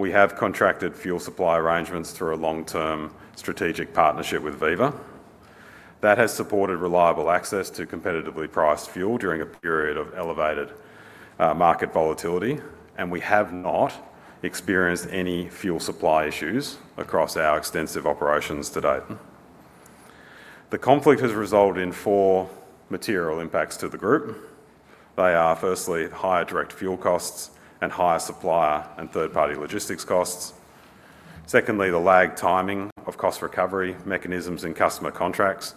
we have contracted fuel supply arrangements through a long-term strategic partnership with Viva. That has supported reliable access to competitively priced fuel during a period of elevated market volatility, and we have not experienced any fuel supply issues across our extensive operations to date. The conflict has resulted in four material impacts to the group. They are, firstly, higher direct fuel costs and higher supplier and third-party logistics costs. Secondly, the lagged timing of cost recovery mechanisms and customer contracts,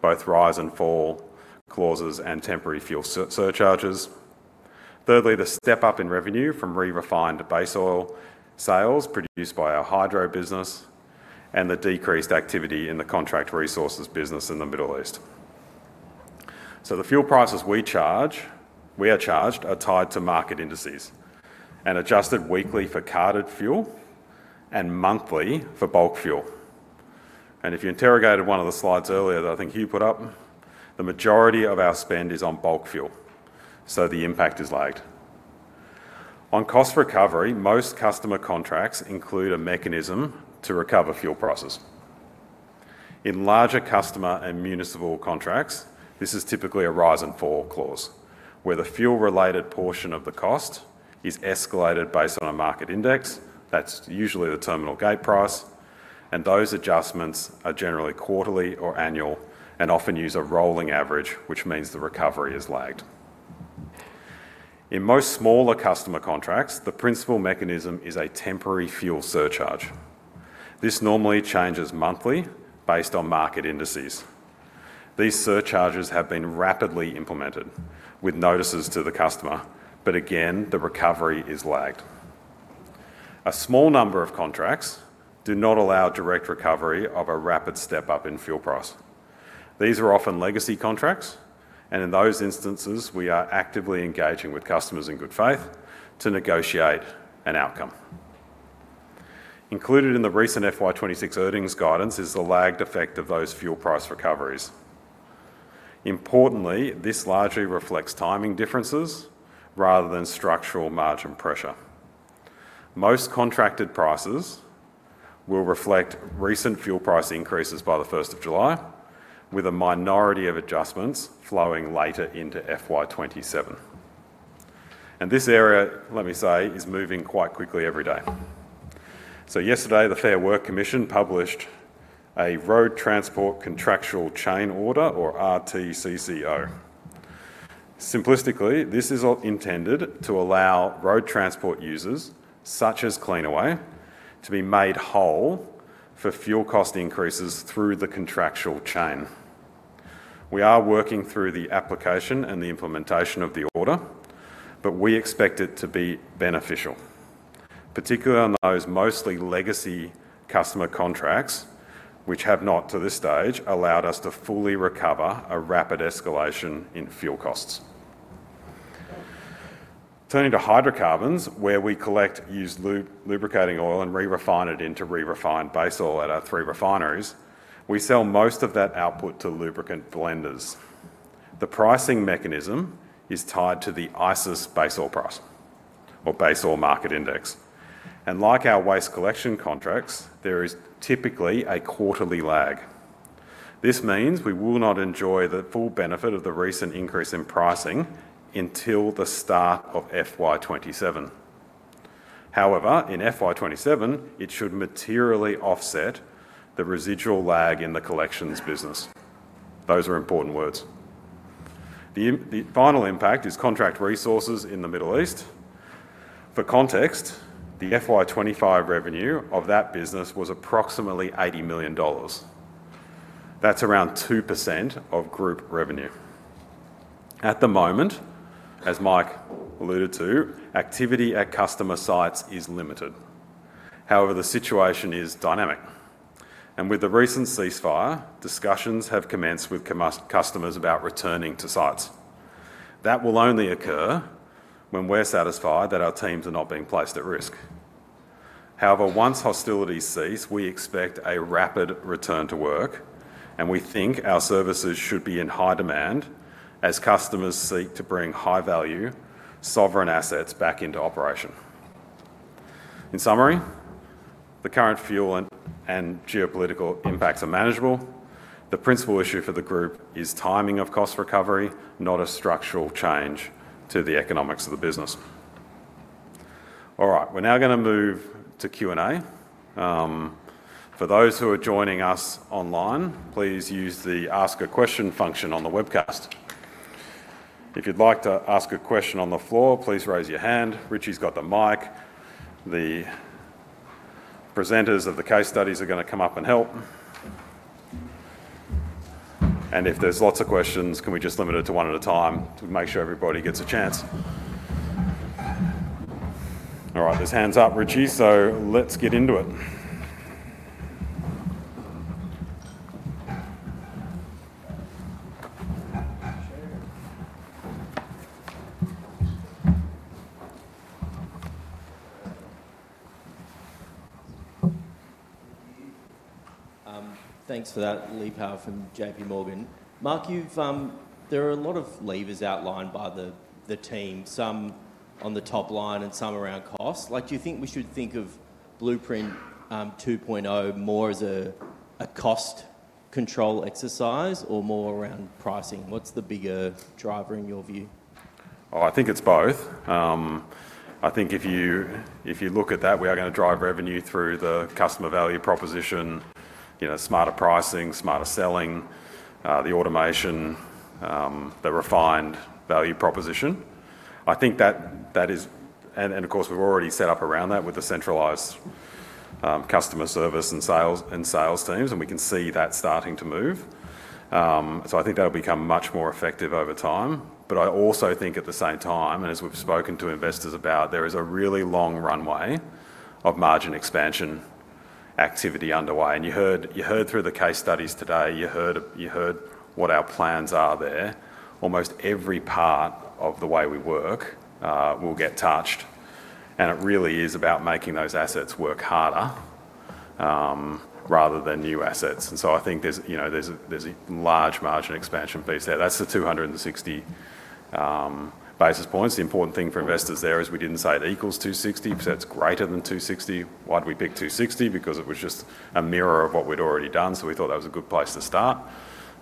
both rise and fall clauses and temporary fuel surcharges. Thirdly, the step-up in revenue from re-refined base oil sales produced by our Hydro business and the decreased activity in the Contract Resources business in the Middle East. The fuel prices we are charged are tied to market indices and adjusted weekly for carted fuel and monthly for bulk fuel. If you interrogated one of the slides earlier that I think Hugh put up, the majority of our spend is on bulk fuel, so the impact is lagged. On cost recovery, most customer contracts include a mechanism to recover fuel prices. In larger customer and municipal contracts, this is typically a rise and fall clause, where the fuel-related portion of the cost is escalated based on a market index, that's usually the Terminal Gate Price, and those adjustments are generally quarterly or annual and often use a rolling average, which means the recovery is lagged. In most smaller customer contracts, the principal mechanism is a temporary fuel surcharge. This normally changes monthly based on market indices. These surcharges have been rapidly implemented with notices to the customer, but again, the recovery is lagged. A small number of contracts do not allow direct recovery of a rapid step-up in fuel price. These are often legacy contracts, and in those instances, we are actively engaging with customers in good faith to negotiate an outcome. Included in the recent FY 2026 earnings guidance is the lagged effect of those fuel price recoveries. Importantly, this largely reflects timing differences rather than structural margin pressure. Most contracted prices will reflect recent fuel price increases by the 1st of July, with a minority of adjustments flowing later into FY 2027. This area, let me say, is moving quite quickly every day. Yesterday, the Fair Work Commission published a Road Transport Contractual Chain Order, or RTCCO. Simplistically, this is intended to allow road transport users, such as Cleanaway, to be made whole for fuel cost increases through the contractual chain. We are working through the application and the implementation of the order, but we expect it to be beneficial, particularly on those mostly legacy customer contracts, which have not, to this stage, allowed us to fully recover a rapid escalation in fuel costs. Turning to hydrocarbons, where we collect used lubricating oil and re-refine it into re-refined base oil at our three refineries, we sell most of that output to lubricant blenders. The pricing mechanism is tied to the ICIS base oil price or base oil market index. Like our waste collection contracts, there is typically a quarterly lag. This means we will not enjoy the full benefit of the recent increase in pricing until the start of FY 2027. However, in FY 2027, it should materially offset the residual lag in the collections business. Those are important words. The final impact is Contract Resources in the Middle East. For context, the FY 2025 revenue of that business was approximately 80 million dollars. That's around 2% of group revenue. At the moment, as Mike alluded to, activity at customer sites is limited. However, the situation is dynamic. With the recent ceasefire, discussions have commenced with customers about returning to sites. That will only occur when we're satisfied that our teams are not being placed at risk. However, once hostilities cease, we expect a rapid return to work and we think our services should be in high demand as customers seek to bring high-value sovereign assets back into operation. In summary, the current fuel and geopolitical impacts are manageable. The principal issue for the group is timing of cost recovery, not a structural change to the economics of the business. All right, we're now going to move to Q&A. For those who are joining us online, please use the Ask a Question function on the webcast. If you'd like to ask a question on the floor, please raise your hand. Richie's got the mic. The presenters of the case studies are going to come up and help. If there's lots of questions, can we just limit it to one at a time to make sure everybody gets a chance? All right, there's hands up, Richie, so let's get into it. Thanks for that, Lee Power from JPMorgan. Mark, there are a lot of levers outlined by the team, some on the top line and some around cost. Do you think we should think of Blueprint 2.0 more as a cost control exercise or more around pricing? What's the bigger driver in your view? Oh, I think it's both. I think if you look at that, we are going to drive revenue through the customer value proposition, smarter pricing, smarter selling, the automation, the refined value proposition. Of course, we've already set up around that with the centralized customer service and sales teams, and we can see that starting to move. I think that'll become much more effective over time. I also think at the same time, and as we've spoken to investors about, there is a really long runway of margin expansion activity underway. You heard through the case studies today, you heard what our plans are there. Almost every part of the way we work will get touched, and it really is about making those assets work harder, rather than new assets. I think there's a large margin expansion piece there. That's the 260 basis points. The important thing for investors there is we didn't say it equals 260, we said it's greater than 260. Why'd we pick 260? Because it was just a mirror of what we'd already done, so we thought that was a good place to start.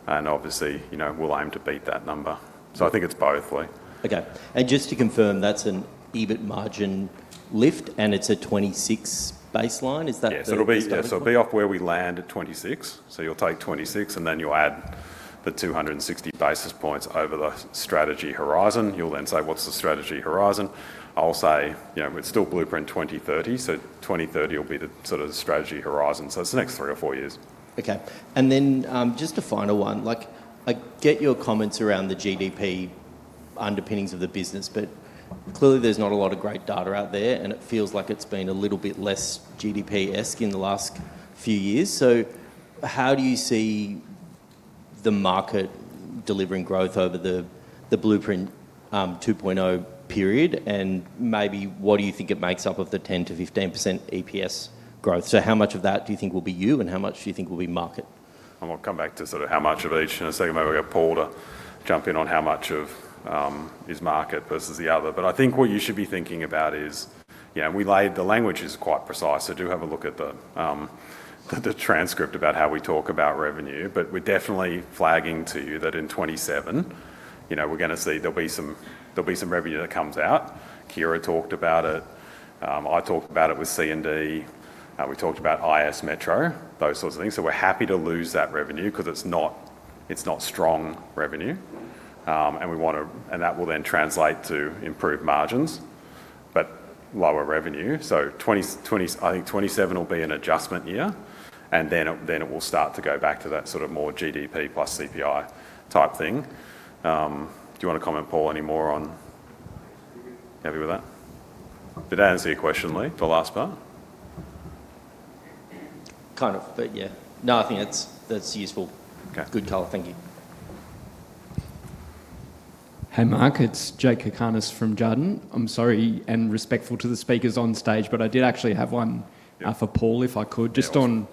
Obviously, we'll aim to beat that number. I think it's both, Lee. Okay. Just to confirm, that's an EBIT margin lift and it's a 26% baseline. Is that- Yes. It'll be off where we land at 26%. You'll take 26% and then you'll add the 260 basis points over the strategy horizon. You'll then say, What's the strategy horizon I'll say, It's still Blueprint 2030, 2030 will be the strategy horizon. It's the next three or four years. Okay. Just a final one. I get your comments around the GDP underpinnings of the business, but clearly there's not a lot of great data out there, and it feels like it's been a little bit less GDP-esque in the last few years. How do you see the market delivering growth over the Blueprint 2.0 period? Maybe what do you think it makes up of the 10%-15% EPS growth? How much of that do you think will be you, and how much do you think will be market? We'll come back to how much of each in a second. Maybe we'll get Paul to jump in on how much of it is market versus the other. I think what you should be thinking about is, the language is quite precise, so do have a look at the transcript about how we talk about revenue. We're definitely flagging to you that in 2027, we're going to see there'll be some revenue that comes out. Ciara talked about it. I talked about it with C&D. We talked about IS Metro, those sorts of things. We're happy to lose that revenue because it's not strong revenue. That will then translate to improved margins, but lower revenue. I think 2027 will be an adjustment year, and then it will start to go back to that more GDP plus CPI type thing. Do you want to comment, Paul, any more on? I'm happy. Happy with that? Did that answer your question, Lee? The last part? Kind of, but yeah. No, I think that's useful. Okay. Good color. Thank you. Hey, Mark. It's Jakob Cakarnis from Jarden. I'm sorry and respectful to the speakers on stage, but I did actually have one. Yeah for Paul, if I could. Yeah. Of course. Just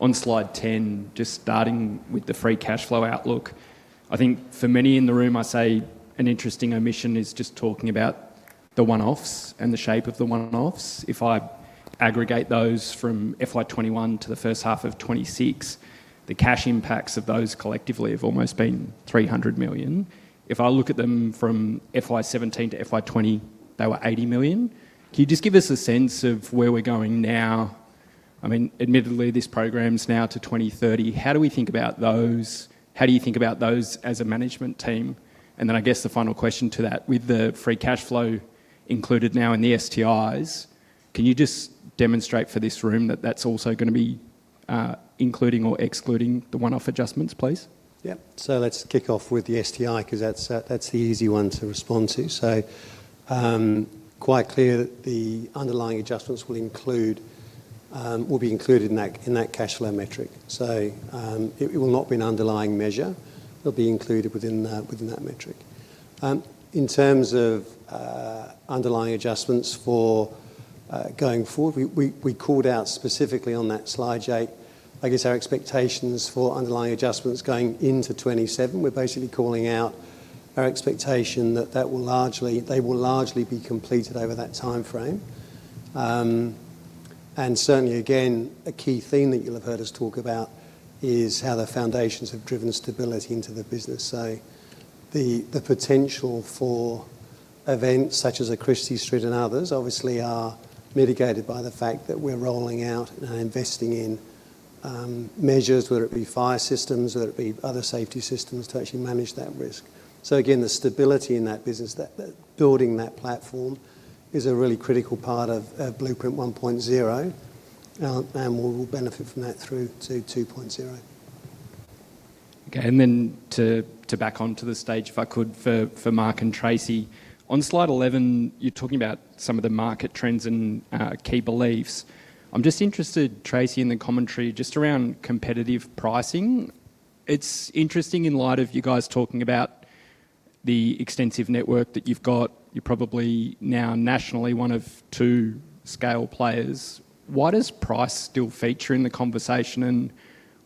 on slide 10, just starting with the free cash flow outlook. I think for many in the room, it's an interesting omission is just talking about the one-offs and the shape of the one-offs. If I aggregate those from FY 2021 to the first half of 2026, the cash impacts of those collectively have almost been 300 million. If I look at them from FY 2017 to FY 2020, they were 80 million. Can you just give us a sense of where we're going now? Admittedly, this program's now to 2030. How do we think about those? How do you think about those as a management team? And then I guess the final question to that, with the free cash flow included now in the STIs, can you just demonstrate for this room that that's also going to be including or excluding the one-off adjustments, please? Yeah. Let's kick off with the STI, because that's the easy one to respond to. Quite clear that the underlying adjustments will be included in that cash flow metric. It will not be an underlying measure, it'll be included within that metric. In terms of underlying adjustments for going forward, we called out specifically on that slide, Jake, I guess our expectations for underlying adjustments going into 2027. We're basically calling out our expectation that they will largely be completed over that timeframe. Certainly, again, a key theme that you'll have heard us talk about is how the foundations have driven stability into the business. The potential for events such as a Christie Street and others obviously are mitigated by the fact that we're rolling out and investing in measures, whether it be fire systems, whether it be other safety systems, to actually manage that risk. The stability in that business, building that platform is a really critical part of Blueprint 1.0, and we will benefit from that through to 2.0. Okay, to back onto the stage, if I could, for Mark and Tracey. On slide 11, you're talking about some of the market trends and key beliefs. I'm just interested, Tracey, in the commentary just around competitive pricing. It's interesting in light of you guys talking about the extensive network that you've got. You're probably now nationally one of two scale players. Why does price still feature in the conversation, and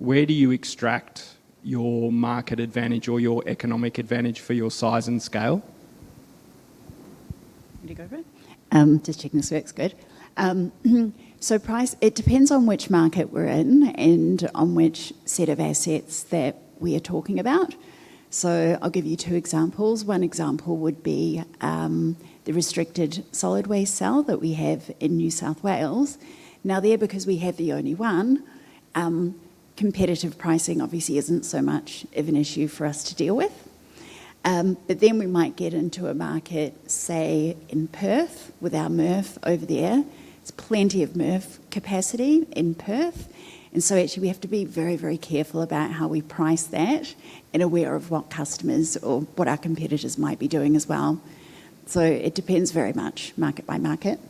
where do you extract your market advantage or your economic advantage for your size and scale? You want to go for it? Just checking this works good. Price, it depends on which market we're in and on which set of assets that we are talking about. I'll give you two examples. One example would be the restricted solid waste cell that we have in New South Wales. Now there, because we have the only one, competitive pricing obviously isn't so much of an issue for us to deal with. We might get into a market, say, in Perth with our MRF over there. There's plenty of MRF capacity in Perth, and actually we have to be very careful about how we price that and aware of what customers or what our competitors might be doing as well. It depends very much market by market.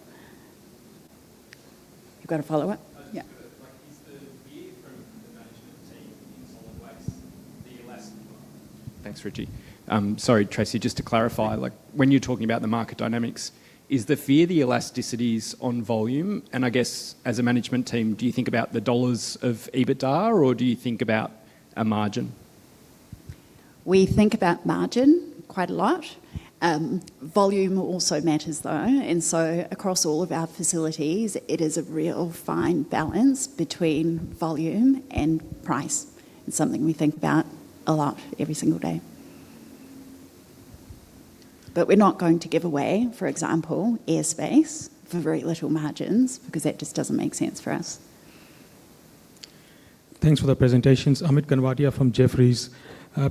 You got a follow-up? Yeah. Is the fear from the management team in solid waste, the elasticity? Thanks, Richie. Sorry, Tracey, just to clarify, when you're talking about the market dynamics, is the fear the elasticities on volume? I guess as a management team, do you think about the dollars of EBITDA or do you think about a margin? We think about margin quite a lot. Volume also matters, though. Across all of our facilities, it is a real fine balance between volume and price. It's something we think about a lot every single day. We're not going to give away, for example, air space for very little margins, because that just doesn't make sense for us. Thanks for the presentations. Amit Kanwatia from Jefferies.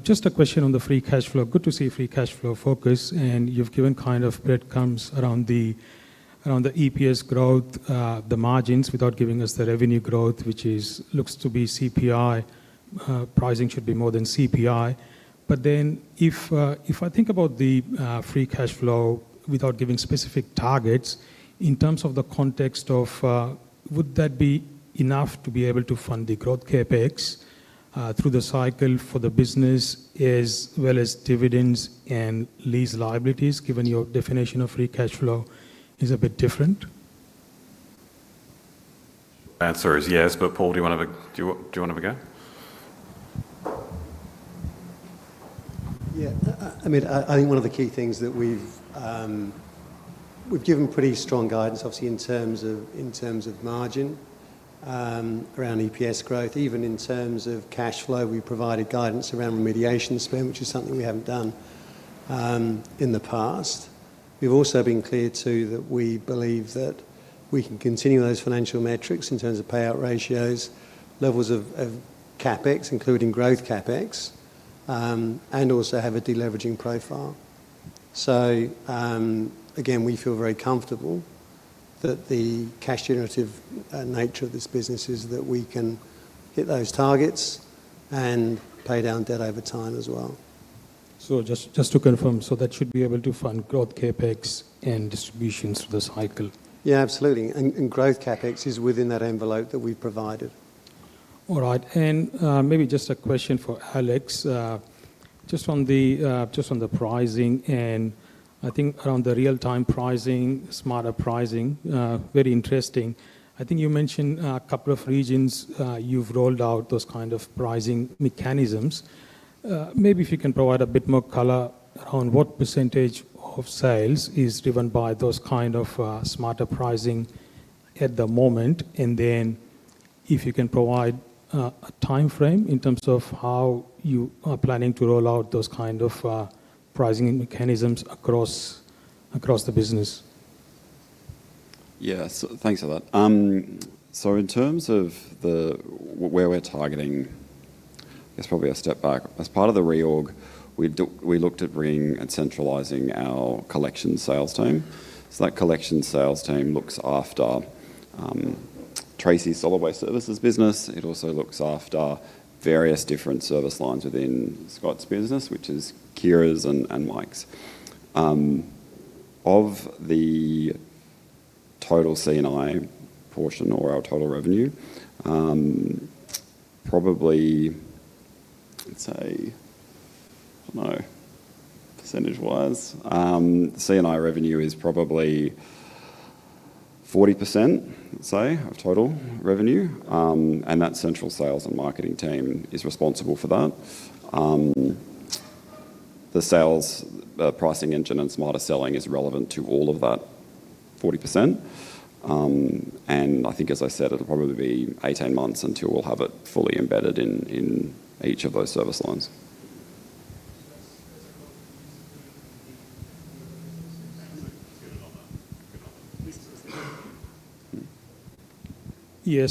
Just a question on the free cash flow. Good to see free cash flow focus, and you've given kind of breadcrumbs around the EPS growth, the margins, without giving us the revenue growth, which looks to be CPI pricing should be more than CPI. If I think about the free cash flow without giving specific targets, in terms of the context of, would that be enough to be able to fund the growth CapEx through the cycle for the business, as well as dividends and lease liabilities, given your definition of free cash flow is a bit different? Answer is yes. Paul, do you want to have a go? Yeah. Amit, I think one of the key things that we've given pretty strong guidance, obviously, in terms of margin around EPS growth. Even in terms of cash flow, we provided guidance around remediation spend, which is something we haven't done in the past. We've also been clear, too, that we believe that we can continue those financial metrics in terms of payout ratios, levels of CapEx, including growth CapEx, and also have a deleveraging profile. Again, we feel very comfortable that the cash generative nature of this business is that we can hit those targets and pay down debt over time as well. Just to confirm, so that should be able to fund growth CapEx and distributions through the cycle? Yeah, absolutely. Growth CapEx is within that envelope that we provided. All right. Maybe just a question for Alex, just on the pricing and I think around the real-time pricing, smarter pricing. Very interesting. I think you mentioned a couple of regions you've rolled out those kind of pricing mechanisms. Maybe if you can provide a bit more color on what percentage of sales is driven by those kind of smarter pricing at the moment, and then if you can provide a timeframe in terms of how you are planning to roll out those kind of pricing mechanisms across the business. Yeah. Thanks for that. In terms of where we're targeting, I guess probably I'll step back. As part of the reorg, we looked at bringing and centralizing our collection sales team. That collection sales team looks after Tracey's Solid Waste Services business. It also looks after various different service lines within Scott's business, which is Ciara's and Mike's. Of the total C&I portion or our total revenue, probably, I'd say, I don't know, percentage-wise, C&I revenue is probably 40%, let's say, of total revenue, and that central sales and marketing team is responsible for that. The sales pricing engine and smarter selling is relevant to all of that 40%. I think, as I said, it'll probably be 18 months until we'll have it fully embedded in each of those service lines. Yeah.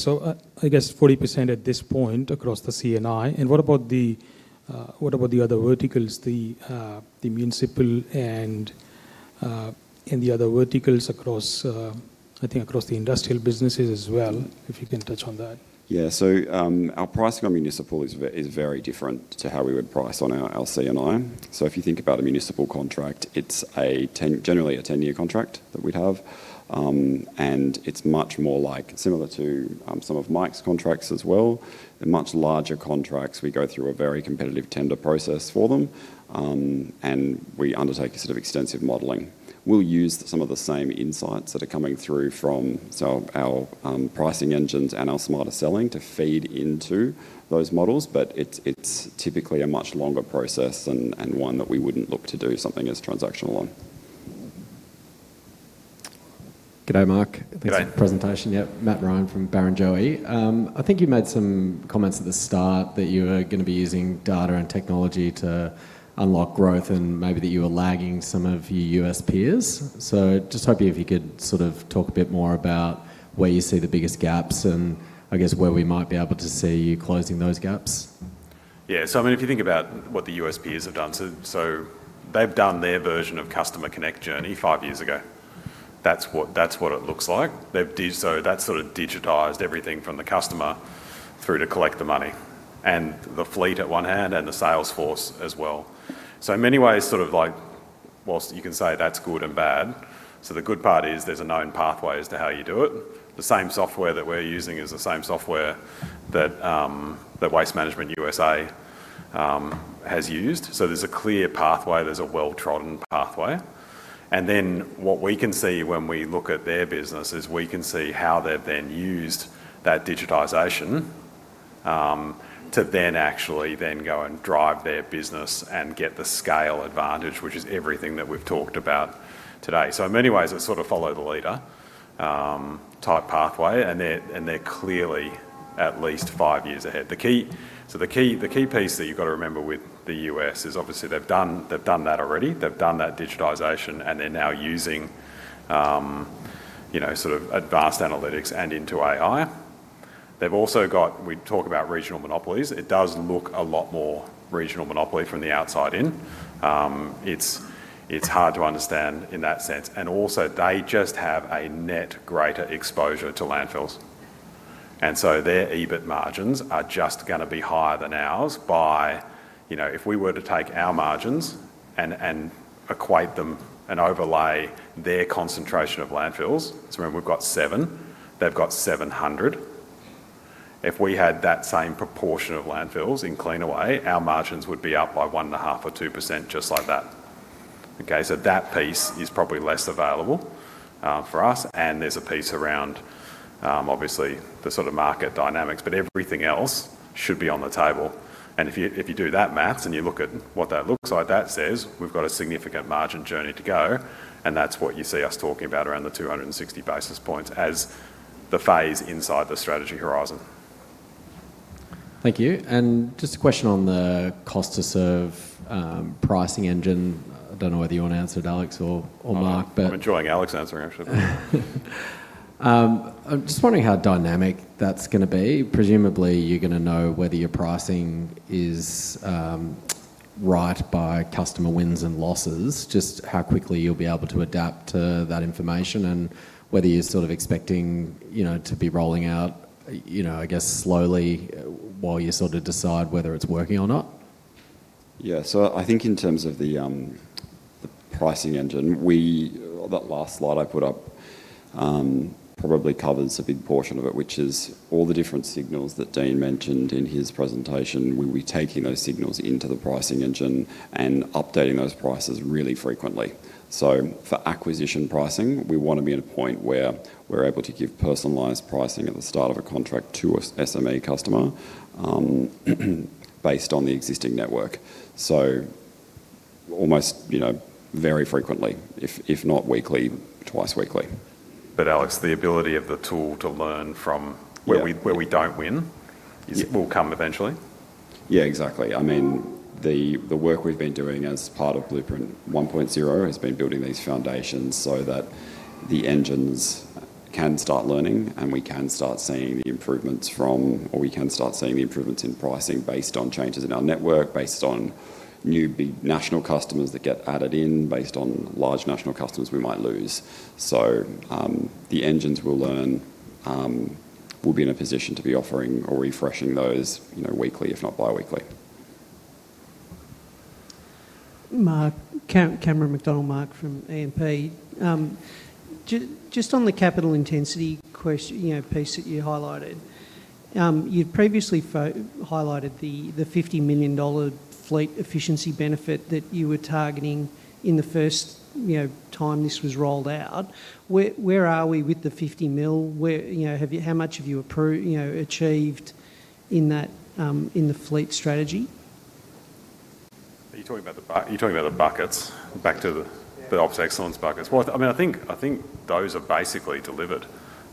I guess 40% at this point across the C&I. What about the other verticals, the municipal and the other verticals, I think, across the industrial businesses as well? If you can touch on that. Yeah. Our pricing on municipal is very different to how we would price on our C&I. If you think about a municipal contract, it's generally a 10-year contract that we'd have. It's much more similar to some of Mike's contracts as well. They're much larger contracts. We go through a very competitive tender process for them, and we undertake sort of extensive modeling. We'll use some of the same insights that are coming through from some of our pricing engines and our smarter selling to feed into those models. It's typically a much longer process and one that we wouldn't look to do something as transactional on. Good day, Mark. Good day. Thanks for the presentation. Yeah. Matt Ryan from Barrenjoey. I think you made some comments at the start that you were going to be using data and technology to unlock growth and maybe that you were lagging some of your U.S. peers. Just hoping if you could sort of talk a bit more about where you see the biggest gaps and I guess where we might be able to see you closing those gaps. Yeah. I mean, if you think about what the U.S. peers have done, they've done their version of Customer Connect journey five years ago. That's what it looks like. That sort of digitized everything from the customer through to collect the money and the fleet at one hand and the Salesforce as well. In many ways, sort of like, while you can say that's good and bad, the good part is there's a known pathway as to how you do it. The same software that we're using is the same software that Waste Management, Inc. has used. There's a clear pathway, there's a well-trodden pathway. What we can see when we look at their business is we can see how they've then used that digitization to then actually then go and drive their business and get the scale advantage, which is everything that we've talked about today. In many ways, it's sort of follow the leader type pathway, and they're clearly at least five years ahead. The key piece that you've got to remember with the U.S. is obviously they've done that already. They've done that digitization, and they're now using sort of advanced analytics and into AI. We talk about regional monopolies. It does look a lot more regional monopoly from the outside in. It's hard to understand in that sense. They just have a net greater exposure to landfills, and so their EBIT margins are just going to be higher than ours by, if we were to take our margins and equate them and overlay their concentration of landfills, so remember we've got 7, they've got 700. If we had that same proportion of landfills in Cleanaway, our margins would be up by 1.5% or 2% just like that. Okay? That piece is probably less available for us, and there's a piece around, obviously the sort of market dynamics, but everything else should be on the table. If you do that math and you look at what that looks like, that says we've got a significant margin journey to go. That's what you see us talking about around the 260 basis points as the phase inside the strategy horizon. Thank you. Just a question on the cost to serve, pricing engine. I don't know whether you want to answer it, Alex or Mark, but. I'm enjoying Alex answering, actually. I'm just wondering how dynamic that's going to be. Presumably, you're going to know whether your pricing is right by customer wins and losses, just how quickly you'll be able to adapt to that information and whether you're sort of expecting to be rolling out, I guess, slowly while you sort of decide whether it's working or not. Yeah. I think in terms of the pricing engine, that last slide I put up probably covers a big portion of it, which is all the different signals that Dean mentioned in his presentation. We'll be taking those signals into the pricing engine and updating those prices really frequently. For acquisition pricing, we want to be at a point where we're able to give personalized pricing at the start of a contract to a SME customer, based on the existing network. Almost very frequently, if not weekly, twice weekly. But Alex, the ability of the tool to learn from- Yeah where we don't win will come eventually? Yeah, exactly. I mean, the work we've been doing as part of Blueprint 1.0 has been building these foundations so that the engines can start learning, and we can start seeing the improvements in pricing based on changes in our network, based on new big national customers that get added in, based on large national customers we might lose. The engines will learn, we'll be in a position to be offering or refreshing those weekly, if not biweekly. Mark, Cameron McDonald from E&P. Just on the capital intensity piece that you highlighted. You previously highlighted the 50 million dollar fleet efficiency benefit that you were targeting in the first time this was rolled out. Where are we with the 50 million? How much have you achieved in the fleet strategy? Are you talking about the buckets? Yeah Operational excellence buckets? I think those are basically delivered.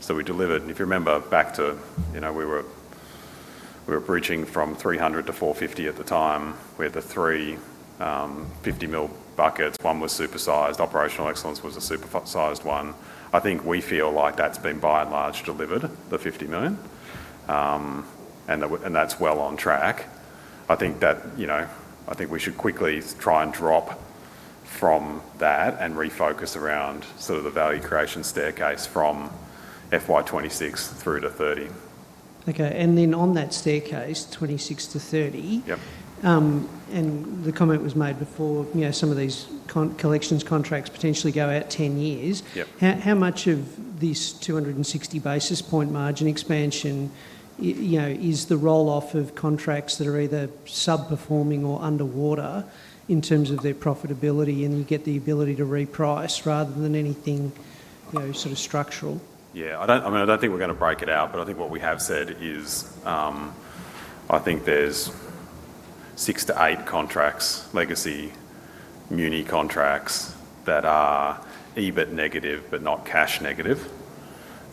We delivered. If you remember back to we were bridging from 300 million to 450 million at the time. We had the three 50 million buckets. One was super sized. Operational excellence was the super sized one. I think we feel like that's been by and large delivered, the 50 million, and that's well on track. I think we should quickly try and drop from that and refocus around sort of the value creation staircase from FY 2026 through to 2030. Okay. On that staircase, 2026-2030. Yep The comment was made before. Some of these collections contracts potentially go out 10 years. Yep. How much of this 260 basis points margin expansion is the roll-off of contracts that are either sub-performing or underwater in terms of their profitability and you get the ability to reprice rather than anything structural? Yeah. I don't think we're going to break it out, but I think what we have said is, I think there's six to eight contracts, legacy muni contracts, that are EBIT negative but not cash negative,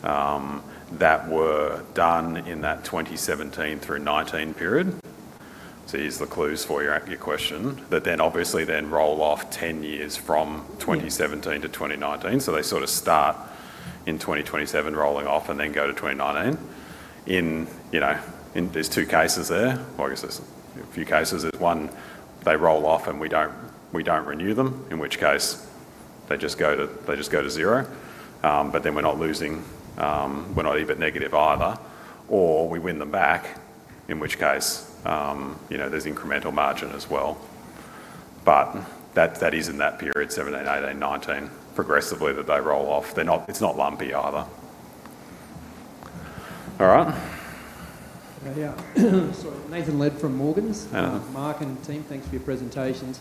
that were done in that 2017-2019 period. There's the clues for your question. That then obviously then roll off 10 years from 2017 to 2019, so they sort of start in 2027 rolling off and then go to 2019. There's two cases there. Well, I guess there's a few cases. There's one, they roll off and we don't renew them, in which case they just go to zero. We're not losing, we're not EBIT negative either or we win them back, in which case there's incremental margin as well. That is in that period, 2017, 2018, 2019, progressively that they roll off. It's not lumpy either. All right. Yeah. Sorry. Nathan Lead from Morgans. Uh-huh. Mark and team, thanks for your presentations.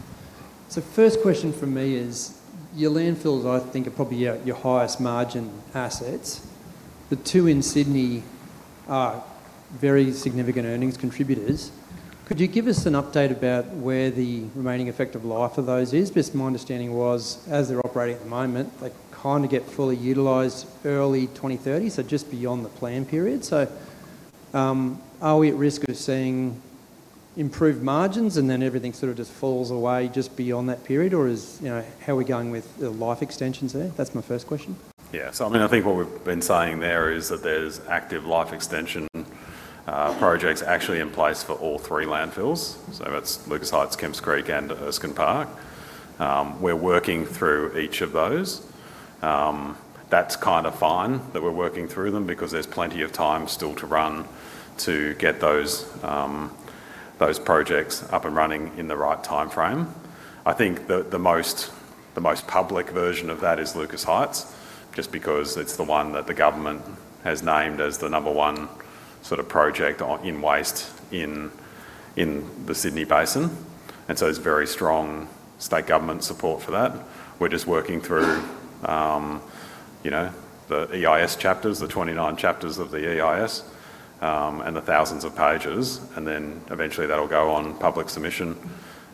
First question from me is, your landfills, I think are probably your highest margin assets. The two in Sydney are very significant earnings contributors. Could you give us an update about where the remaining effective life of those is? Because my understanding was, as they're operating at the moment, they kind of get fully utilized early 2030, so just beyond the plan period. Are we at risk of seeing improved margins and then everything sort of just falls away just beyond that period? Or how are we going with the life extensions there? That's my first question. Yeah. I think what we've been saying there is that there's active life extension projects actually in place for all three landfills. That's Lucas Heights, Kemps Creek and Erskine Park. We're working through each of those. That's kind of fine that we're working through them because there's plenty of time still to run to get those projects up and running in the right timeframe. I think the most public version of that is Lucas Heights, just because it's the one that the government has named as the number one sort of project in waste in the Sydney Basin, and so there's very strong state government support for that. We're just working through the EIS chapters, the 29 chapters of the EIS, and the thousands of pages, and then eventually that'll go on public submission,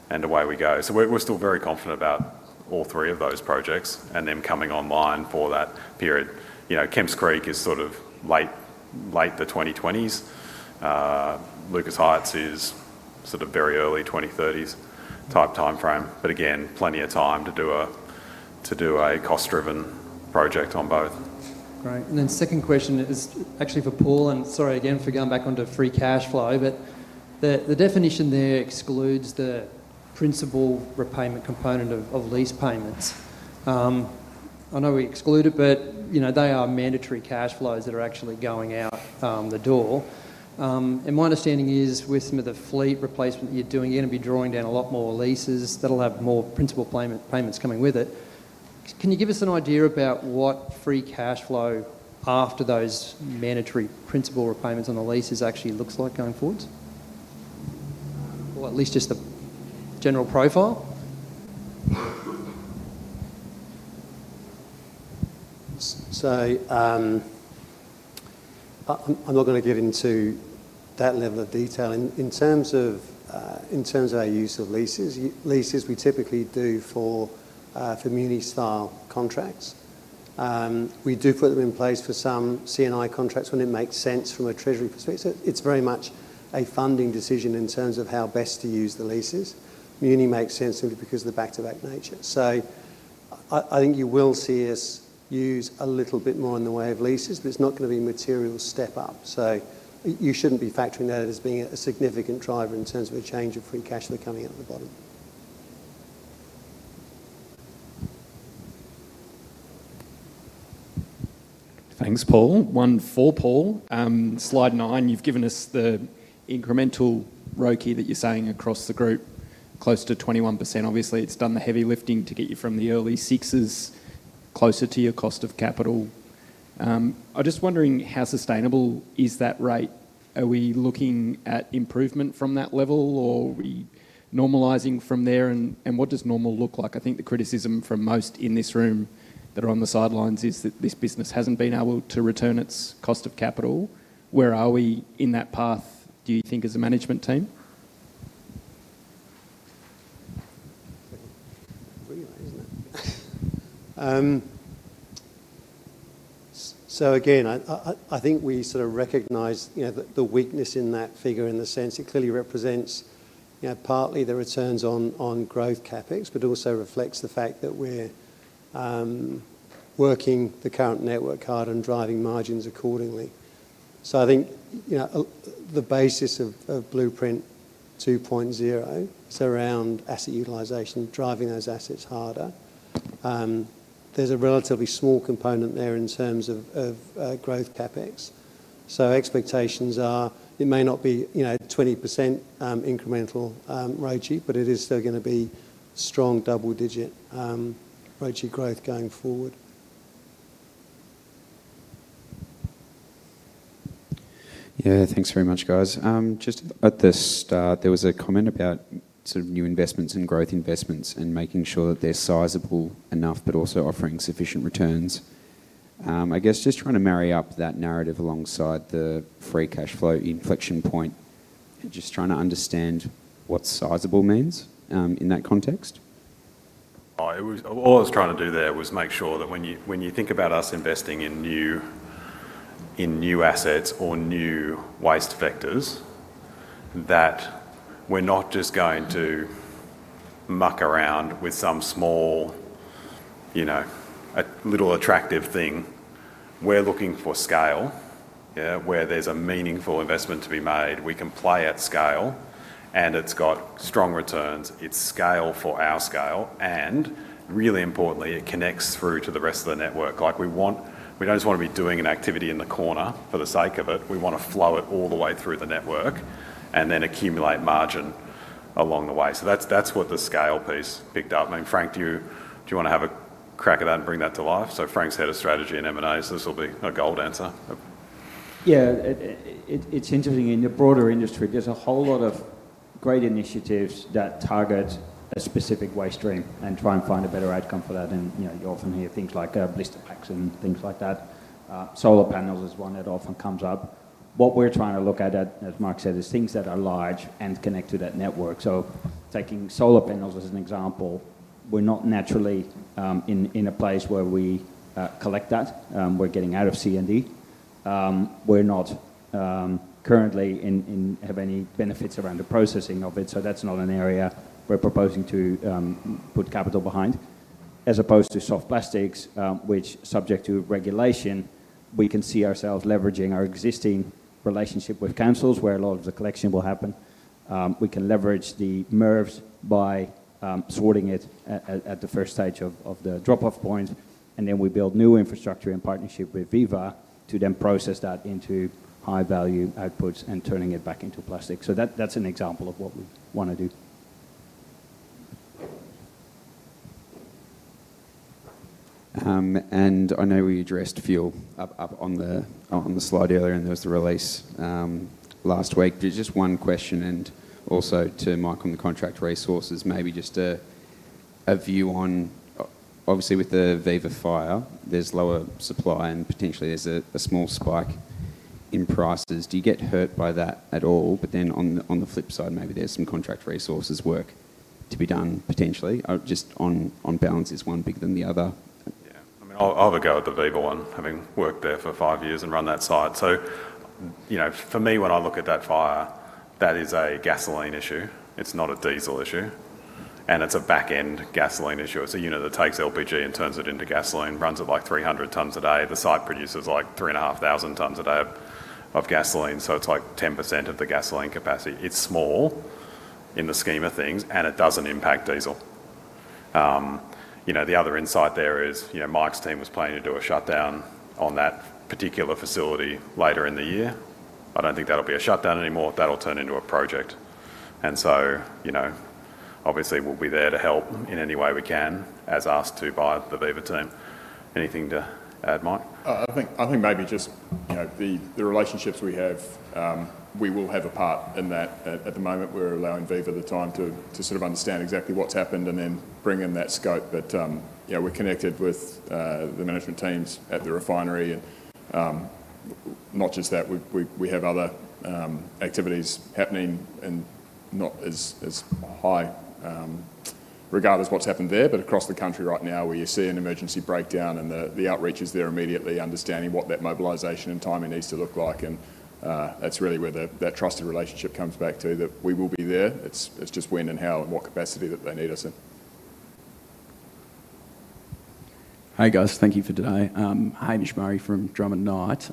and away we go. We're still very confident about all three of those projects and them coming online for that period. Kemps Creek is sort of late 2020s. Lucas Heights is sort of very early 2030s type timeframe. Again, plenty of time to do a cost-driven project on both. Great. Then second question is actually for Paul, and sorry again for going back onto free cash flow. The definition there excludes the principal repayment component of lease payments. I know we exclude it, but they are mandatory cash flows that are actually going out the door. My understanding is with some of the fleet replacement that you're doing, you're going to be drawing down a lot more leases that'll have more principal payments coming with it. Can you give us an idea about what free cash flow after those mandatory principal repayments on the leases actually looks like going forward? Or at least just the general profile? I'm not going to get into that level of detail. In terms of our use of leases, we typically do for muni style contracts. We do put them in place for some C&I contracts when it makes sense from a treasury perspective. It's very much a funding decision in terms of how best to use the leases. Muni makes sense simply because of the back-to-back nature. I think you will see us use a little bit more in the way of leases, but it's not going to be a material step up. You shouldn't be factoring that as being a significant driver in terms of a change of free cash flow coming out the bottom. Thanks, Paul. One for Paul. Slide nine, you've given us the incremental ROCE that you're seeing across the group. Close to 21%. Obviously, it's done the heavy lifting to get you from the early sixes closer to your cost of capital. I'm just wondering how sustainable is that rate? Are we looking at improvement from that level, or are we normalizing from there, and what does normal look like? I think the criticism from most in this room that are on the sidelines is that this business hasn't been able to return its cost of capital. Where are we in that path, do you think, as a management team? Again, I think we sort of recognize the weakness in that figure in the sense it clearly represents partly the returns on growth CapEx, but also reflects the fact that we're working the current network hard and driving margins accordingly. I think the basis of Blueprint 2.0 is around asset utilization, driving those assets harder. There's a relatively small component there in terms of growth CapEx. Expectations are it may not be 20% incremental ROCE, but it is still going to be strong double-digit ROCE growth going forward. Yeah. Thanks very much, guys. Just at the start, there was a comment about new investments and growth investments, and making sure that they're sizable enough, but also offering sufficient returns. I guess, just trying to marry up that narrative alongside the free cash flow inflection point, just trying to understand what sizable means in that context. All I was trying to do there was make sure that when you think about us investing in new assets or new waste vectors, that we're not just going to muck around with some small, little attractive thing. We're looking for scale, where there's a meaningful investment to be made. We can play at scale, and it's got strong returns. It's scale for our scale, and really importantly, it connects through to the rest of the network. We don't just want to be doing an activity in the corner for the sake of it, we want to flow it all the way through the network and then accumulate margin along the way. That's what the scale piece picked up. Frank, do you want to have a crack at that and bring that to life? Frank's head of strategy and M&A, so this will be a gold answer. Yeah. It's interesting. In the broader industry, there's a whole lot of great initiatives that target a specific waste stream and try and find a better outcome for that, and you often hear things like blister packs and things like that. Solar panels is one that often comes up. What we're trying to look at, as Mark said, is things that are large and connect to that network. Taking solar panels as an example, we're not naturally in a place where we collect that. We're getting out of C&D. We're not currently have any benefits around the processing of it, so that's not an area we're proposing to put capital behind. As opposed to soft plastics, which, subject to regulation, we can see ourselves leveraging our existing relationship with councils where a lot of the collection will happen. We can leverage the MRFs by sorting it at the first stage of the drop-off point, and then we build new infrastructure in partnership with Viva to then process that into high-value outputs and turning it back into plastic. That's an example of what we want to do. I know we addressed fuel up on the slide earlier, and there was the release last week. There's just one question, and also to Mike on the Contract Resources, maybe just a view on, obviously, with the Viva fire, there's lower supply and potentially there's a small spike in prices. Do you get hurt by that at all? On the flip side, maybe there's some Contract Resources work to be done, potentially. Just on balance, is one bigger than the other? Yeah. I'll have a go at the Viva one, having worked there for five years and run that site. For me, when I look at that fire, that is a gasoline issue, it's not a diesel issue. It's a back end gasoline issue. It's a unit that takes LPG and turns it into gasoline, runs at, like, 300 tons a day. The site produces, like, 3,500 tons a day of gasoline, so it's like 10% of the gasoline capacity. It's small in the scheme of things, and it doesn't impact diesel. The other insight there is, Mike's team was planning to do a shutdown on that particular facility later in the year. I don't think that'll be a shutdown anymore. That'll turn into a project. Obviously, we'll be there to help in any way we can, as asked to by the Viva team. Anything to add, Mike? I think maybe just the relationships we have, we will have a part in that. At the moment, we're allowing Viva the time to sort of understand exactly what's happened and then bring in that scope. Yeah, we're connected with the management teams at the refinery, and not just that, we have other activities happening, and not as high regardless of what's happened there, but across the country right now, where you see an emergency breakdown and the outreach is there immediately, understanding what that mobilization and timing needs to look like, and that's really where that trusted relationship comes back to, that we will be there. It's just when and how and what capacity that they need us in. Hi, guys. Thank you for today. Hamish Murray from Drummond Knight.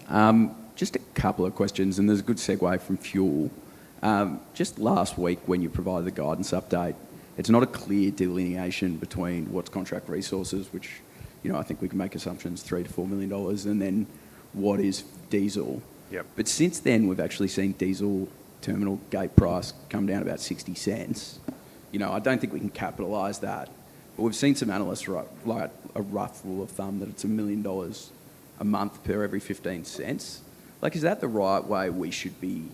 Just a couple of questions. There's a good segue from fuel. Just last week, when you provided the guidance update, it's not a clear delineation between what's Contract Resources, which I think we can make assumptions, 3 million-4 million dollars, and then what is diesel? Yep. Since then, we've actually seen diesel Terminal Gate Price come down about 0.60. I don't think we can capitalize that. We've seen some analysts write a rough rule of thumb that it's 1 million dollars a month per every 0.15. Is that the right way we should be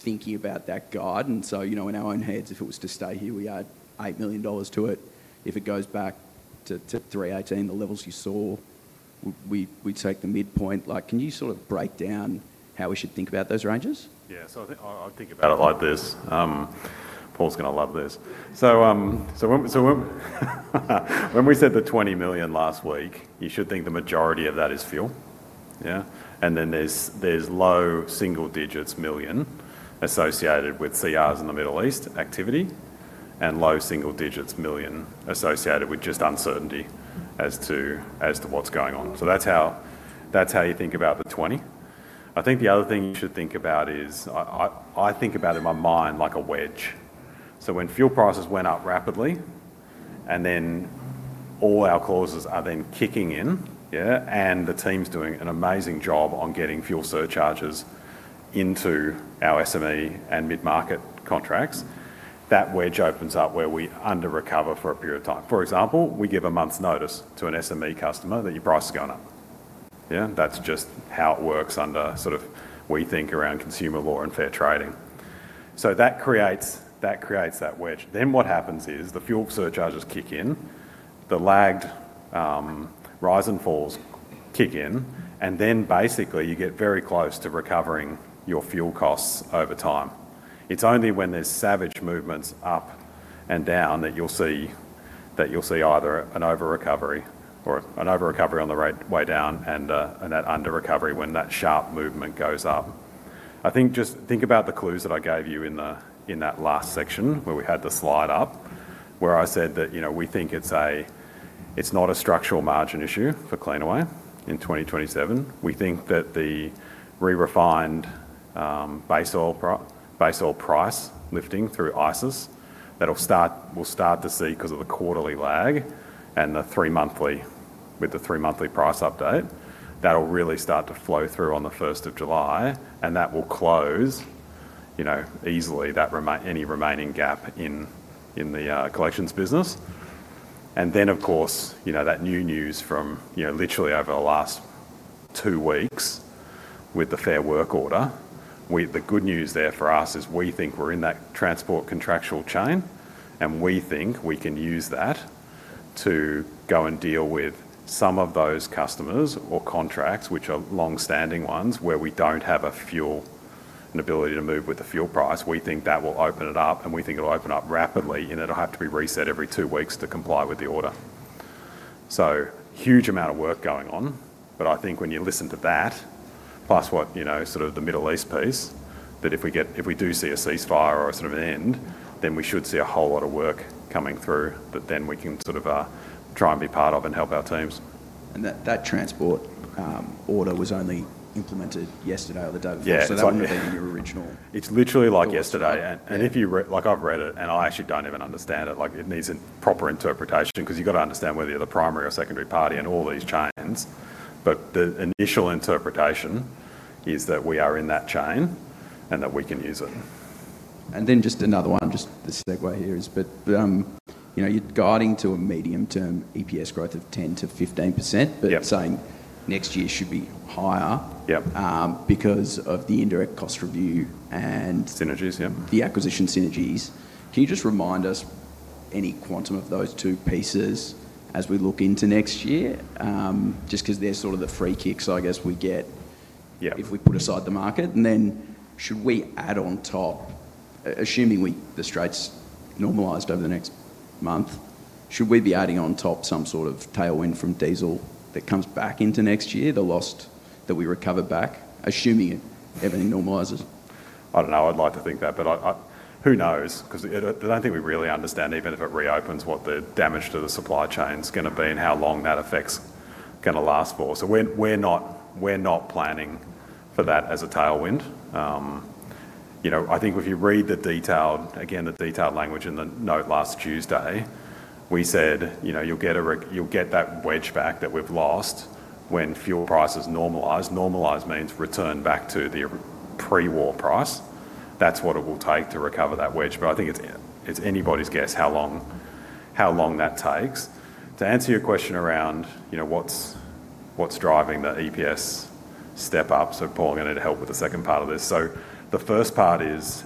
thinking about that guide? In our own heads, if it was to stay here, we add 8 million dollars to it. If it goes back to 3.18/L, the levels you saw, we'd take the midpoint. Can you break down how we should think about those ranges? Yeah. I think about it like this. Paul's going to love this. When we said the 20 million last week, you should think the majority of that is fuel. Yeah? Then there's low single-digit millions associated with CRs in the Middle East activity, and low single-digit millions associated with just uncertainty as to what's going on. That's how you think about the 20. I think the other thing you should think about is, I think about in my mind like a wedge. When fuel prices went up rapidly, and then all our clauses are then kicking in, yeah, and the team's doing an amazing job on getting fuel surcharges into our SME and mid-market contracts, that wedge opens up where we under-recover for a period of time. For example, we give a month's notice to an SME customer that your price is going up. Yeah? That's just how it works under what you think around consumer law and fair trading. That creates that wedge. What happens is the fuel surcharges kick in, the lagged rise and falls kick in, and then basically you get very close to recovering your fuel costs over time. It's only when there's savage movements up and down that you'll see either an over-recovery on the way down and an under-recovery when that sharp movement goes up. I think just think about the clues that I gave you in that last section where we had the slide up where I said that we think it's not a structural margin issue for Cleanaway in 2027. We think that the re-refined base oil price lifting through ICIS, we'll start to see because of the quarterly lag and with the three-monthly price update, that'll really start to flow through on the 1st of July, and that will close easily any remaining gap in the collections business. Of course, that new news from literally over the last two weeks with the Fair Work Order, the good news there for us is we think we're in that transport contractual chain, and we think we can use that to go and deal with some of those customers or contracts, which are longstanding ones, where we don't have an ability to move with the fuel price. We think that will open it up, and we think it'll open up rapidly, and it'll have to be reset every two weeks to comply with the order. Huge amount of work going on. I think when you listen to that, plus what sort of the Middle East piece, that if we do see a ceasefire or a sort of an end, then we should see a whole lot of work coming through that then we can try and be part of and help our teams. That transport order was only implemented yesterday or the day before. Yeah. that wouldn't have been in your original. It's literally like yesterday. Yeah. I've read it, and I actually don't even understand it. It needs a proper interpretation because you've got to understand whether you're the primary or secondary party in all these chains. The initial interpretation is that we are in that chain and that we can use it. Just another one, just the segue here is, but you're guiding to a medium-term EPS growth of 10%-15%. Yep saying next year should be higher. Yep because of the indirect cost review and Synergies. Yeah. The acquisition synergies. Can you just remind us any quantum of those two pieces as we look into next year? Just because they're sort of the free kicks, I guess, we get. Yeah if we put aside the market. Then should we add on top, assuming Bass Strait's normalized over the next month, should we be adding on top some sort of tailwind from diesel that comes back into next year, the loss that we recover back, assuming everything normalizes? I don't know. I'd like to think that, but who knows? Because I don't think we really understand even if it reopens, what the damage to the supply chain's going to be and how long that effect's going to last for. We're not planning for that as a tailwind. I think if you read the detailed, again, the detailed language in the note last Tuesday, we said, you'll get that wedge back that we've lost when fuel prices normalize. Normalize means return back to the pre-war price. That's what it will take to recover that wedge. I think it's anybody's guess how long that takes. To answer your question around what's driving the EPS step up, so Paul, you're going to help with the second part of this. The first part is,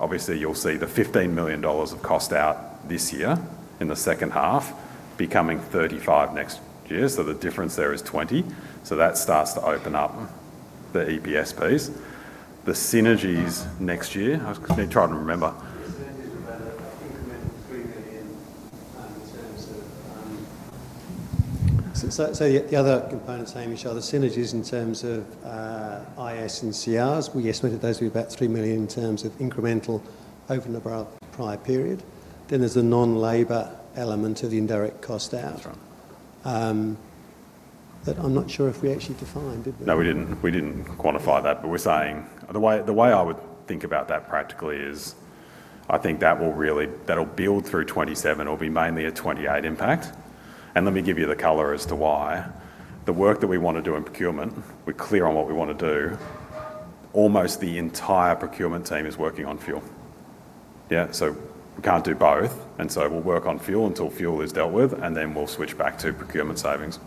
obviously you'll see the 15 million dollars of cost out this year in the second half becoming 35 million next year. The difference there is 20 million. That starts to open up the EPS piece. The synergies next year, I'm just going to try to remember. The synergies are about incremental AUD 3 million. The other components, Hamish, are the synergies in terms of IS and CRs. We estimated those to be about 3 million in terms of incremental over the prior period. There's a non-labor element of the indirect cost out. Sure. That I'm not sure if we actually defined, did we? No, we didn't quantify that. We're saying, the way I would think about that practically is, I think that'll build through 2027, or be mainly a 2028 impact. Let me give you the color as to why. The work that we want to do in procurement, we're clear on what we want to do. Almost the entire procurement team is working on fuel. Yeah, so we can't do both, and we'll work on fuel until fuel is dealt with, and then we'll switch back to procurement savings.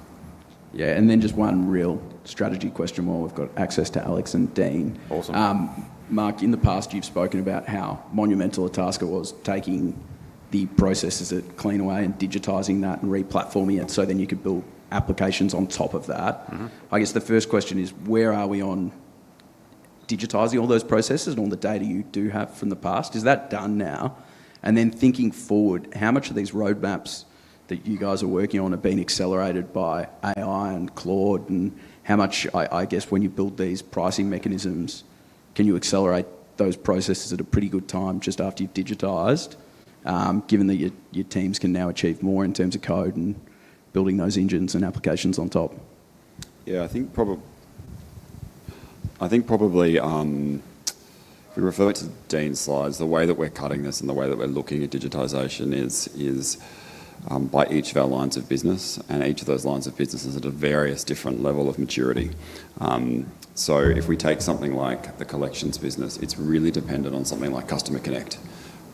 Yeah. Just one real strategy question while we've got access to Alex and Dean. Awesome. Mark, in the past, you've spoken about how monumental a task it was taking the processes at Cleanaway and digitizing that and re-platforming it, so then you could build applications on top of that. Mm-hmm. I guess the first question is, where are we on digitizing all those processes and all the data you do have from the past? Is that done now? Then thinking forward, how much of these roadmaps that you guys are working on have been accelerated by AI and Claude, and how much, I guess, when you build these pricing mechanisms, can you accelerate those processes at a pretty good time just after you've digitized, given that your teams can now achieve more in terms of code and building those engines and applications on top? Yeah. I think probably, if we refer to Dean's slides, the way that we're cutting this and the way that we're looking at digitization is by each of our lines of business, and each of those lines of business is at a various different level of maturity. If we take something like the collections business, it's really dependent on something like Customer Connect,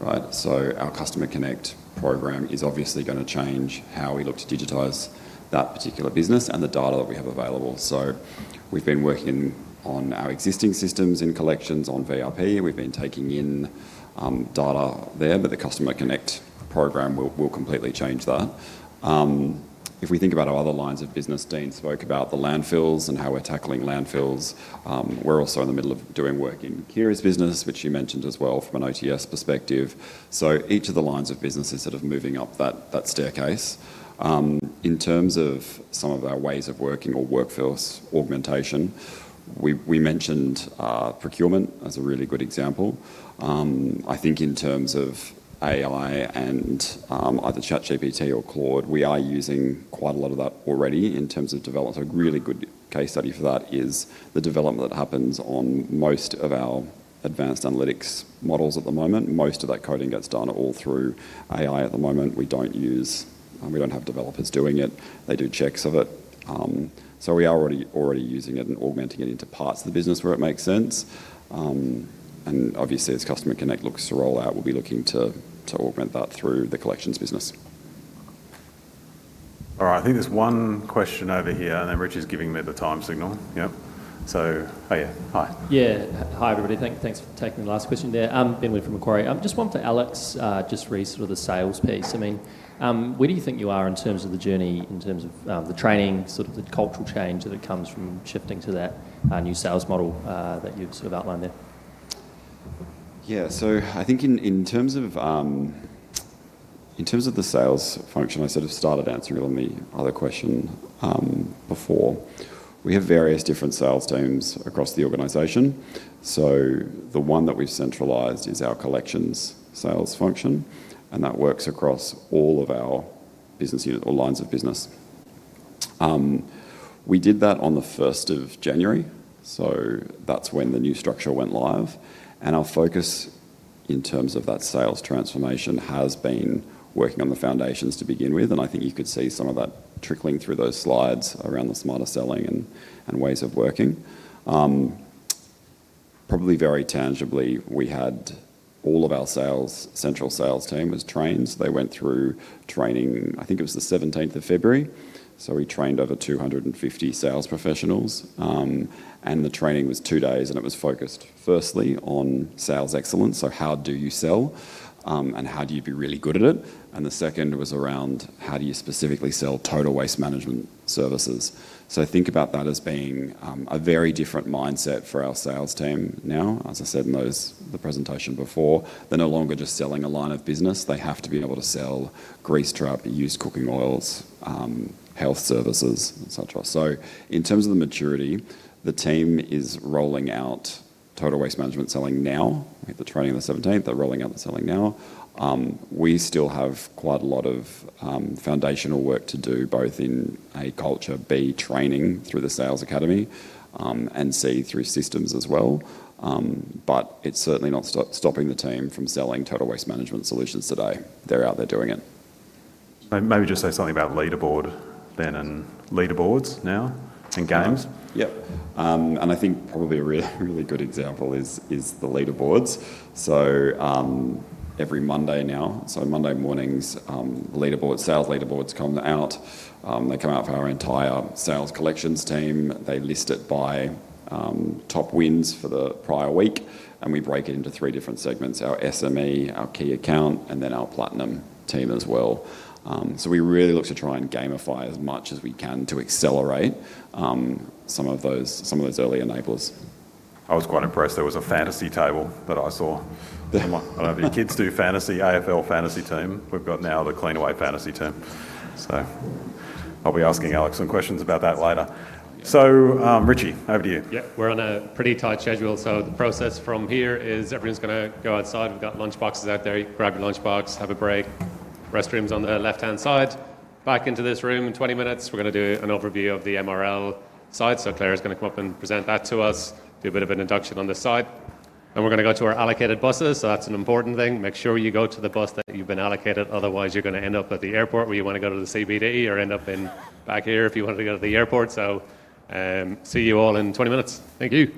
right? Our Customer Connect program is obviously going to change how we look to digitize that particular business and the data that we have available. We've been working on our existing systems in collections on VIP. We've been taking in data there, but the Customer Connect program will completely change that. If we think about our other lines of business, Dean spoke about the landfills and how we're tackling landfills. We're also in the middle of doing work in Ciara's business, which you mentioned as well from an OTS perspective. Each of the lines of business is sort of moving up that staircase. In terms of some of our ways of working or workforce augmentation, we mentioned procurement as a really good example. I think in terms of AI and either ChatGPT or Claude, we are using quite a lot of that already in terms of development. A really good case study for that is the development that happens on most of our advanced analytics models at the moment. Most of that coding gets done all through AI at the moment. We don't have developers doing it. They do checks of it. We are already using it and augmenting it into parts of the business where it makes sense. Obviously, as Customer Connect looks to roll out, we'll be looking to augment that through the collections business. All right. I think there's one question over here, and then Richie is giving me the time signal. Yep. Oh, yeah. Hi. Yeah. Hi, everybody. Thanks for taking the last question there. Ben Lee from Macquarie. Just one for Alex, just regarding sort of the sales piece. Where do you think you are in terms of the journey, in terms of the training, sort of the cultural change that comes from shifting to that new sales model, that you've sort of outlined there? Yeah. I think in terms of the sales function, I sort of started answering on the other question, before. We have various different sales teams across the organization. The one that we've centralized is our collections sales function, and that works across all of our business unit or lines of business. We did that on the 1st of January, so that's when the new structure went live. Our focus in terms of that sales transformation has been working on the foundations to begin with, and I think you could see some of that trickling through those slides around the smarter selling and ways of working. Probably very tangibly, we had all of our central sales team was trained. They went through training, I think it was the 17th of February. We trained over 250 sales professionals, and the training was two days, and it was focused firstly on sales excellence, so how do you sell, and how do you be really good at it. The second was around, how do you specifically sell total waste management services. Think about that as being a very different mindset for our sales team now. As I said in the presentation before, they're no longer just selling a line of business. They have to be able to sell grease trap, used cooking oils, Health Services, and so on, so on. In terms of the maturity, the team is rolling out total waste management selling now. We had the training on the 17th. They're rolling out the selling now. We still have quite a lot of foundational work to do, both in, A, culture, B, training through the sales academy, and C, through systems as well. It's certainly not stopping the team from selling total waste management solutions today. They're out there doing it. Maybe just say something about leaderboard then, and leaderboards now, and games. Yep. I think probably a really good example is the leaderboards. Every Monday now, so Monday mornings, sales leaderboards come out. They come out for our entire sales collections team. They list it by top wins for the prior week, and we break it into three different segments, our SME, our key account, and then our platinum team as well. We really look to try and gamify as much as we can to accelerate some of those early enablers. I was quite impressed. There was a fantasy table that I saw. I don't know if your kids do AFL fantasy team. We've got now the Cleanaway fantasy team. I'll be asking Alex some questions about that later. Richie, over to you. Yeah. We're on a pretty tight schedule, so the process from here is everyone's going to go outside. We've got lunchboxes out there. Grab your lunchbox, have a break. Restroom's on the left-hand side. Back into this room in 20 minutes. We're going to do an overview of the MRL side, so Claire is going to come up and present that to us, do a bit of an induction on this side. We're going to go to our allocated buses. That's an important thing. Make sure you go to the bus that you've been allocated. Otherwise, you're going to end up at the airport where you want to go to the CBD or end up in back here if you wanted to go to the airport. See you all in 20 minutes. Thank you.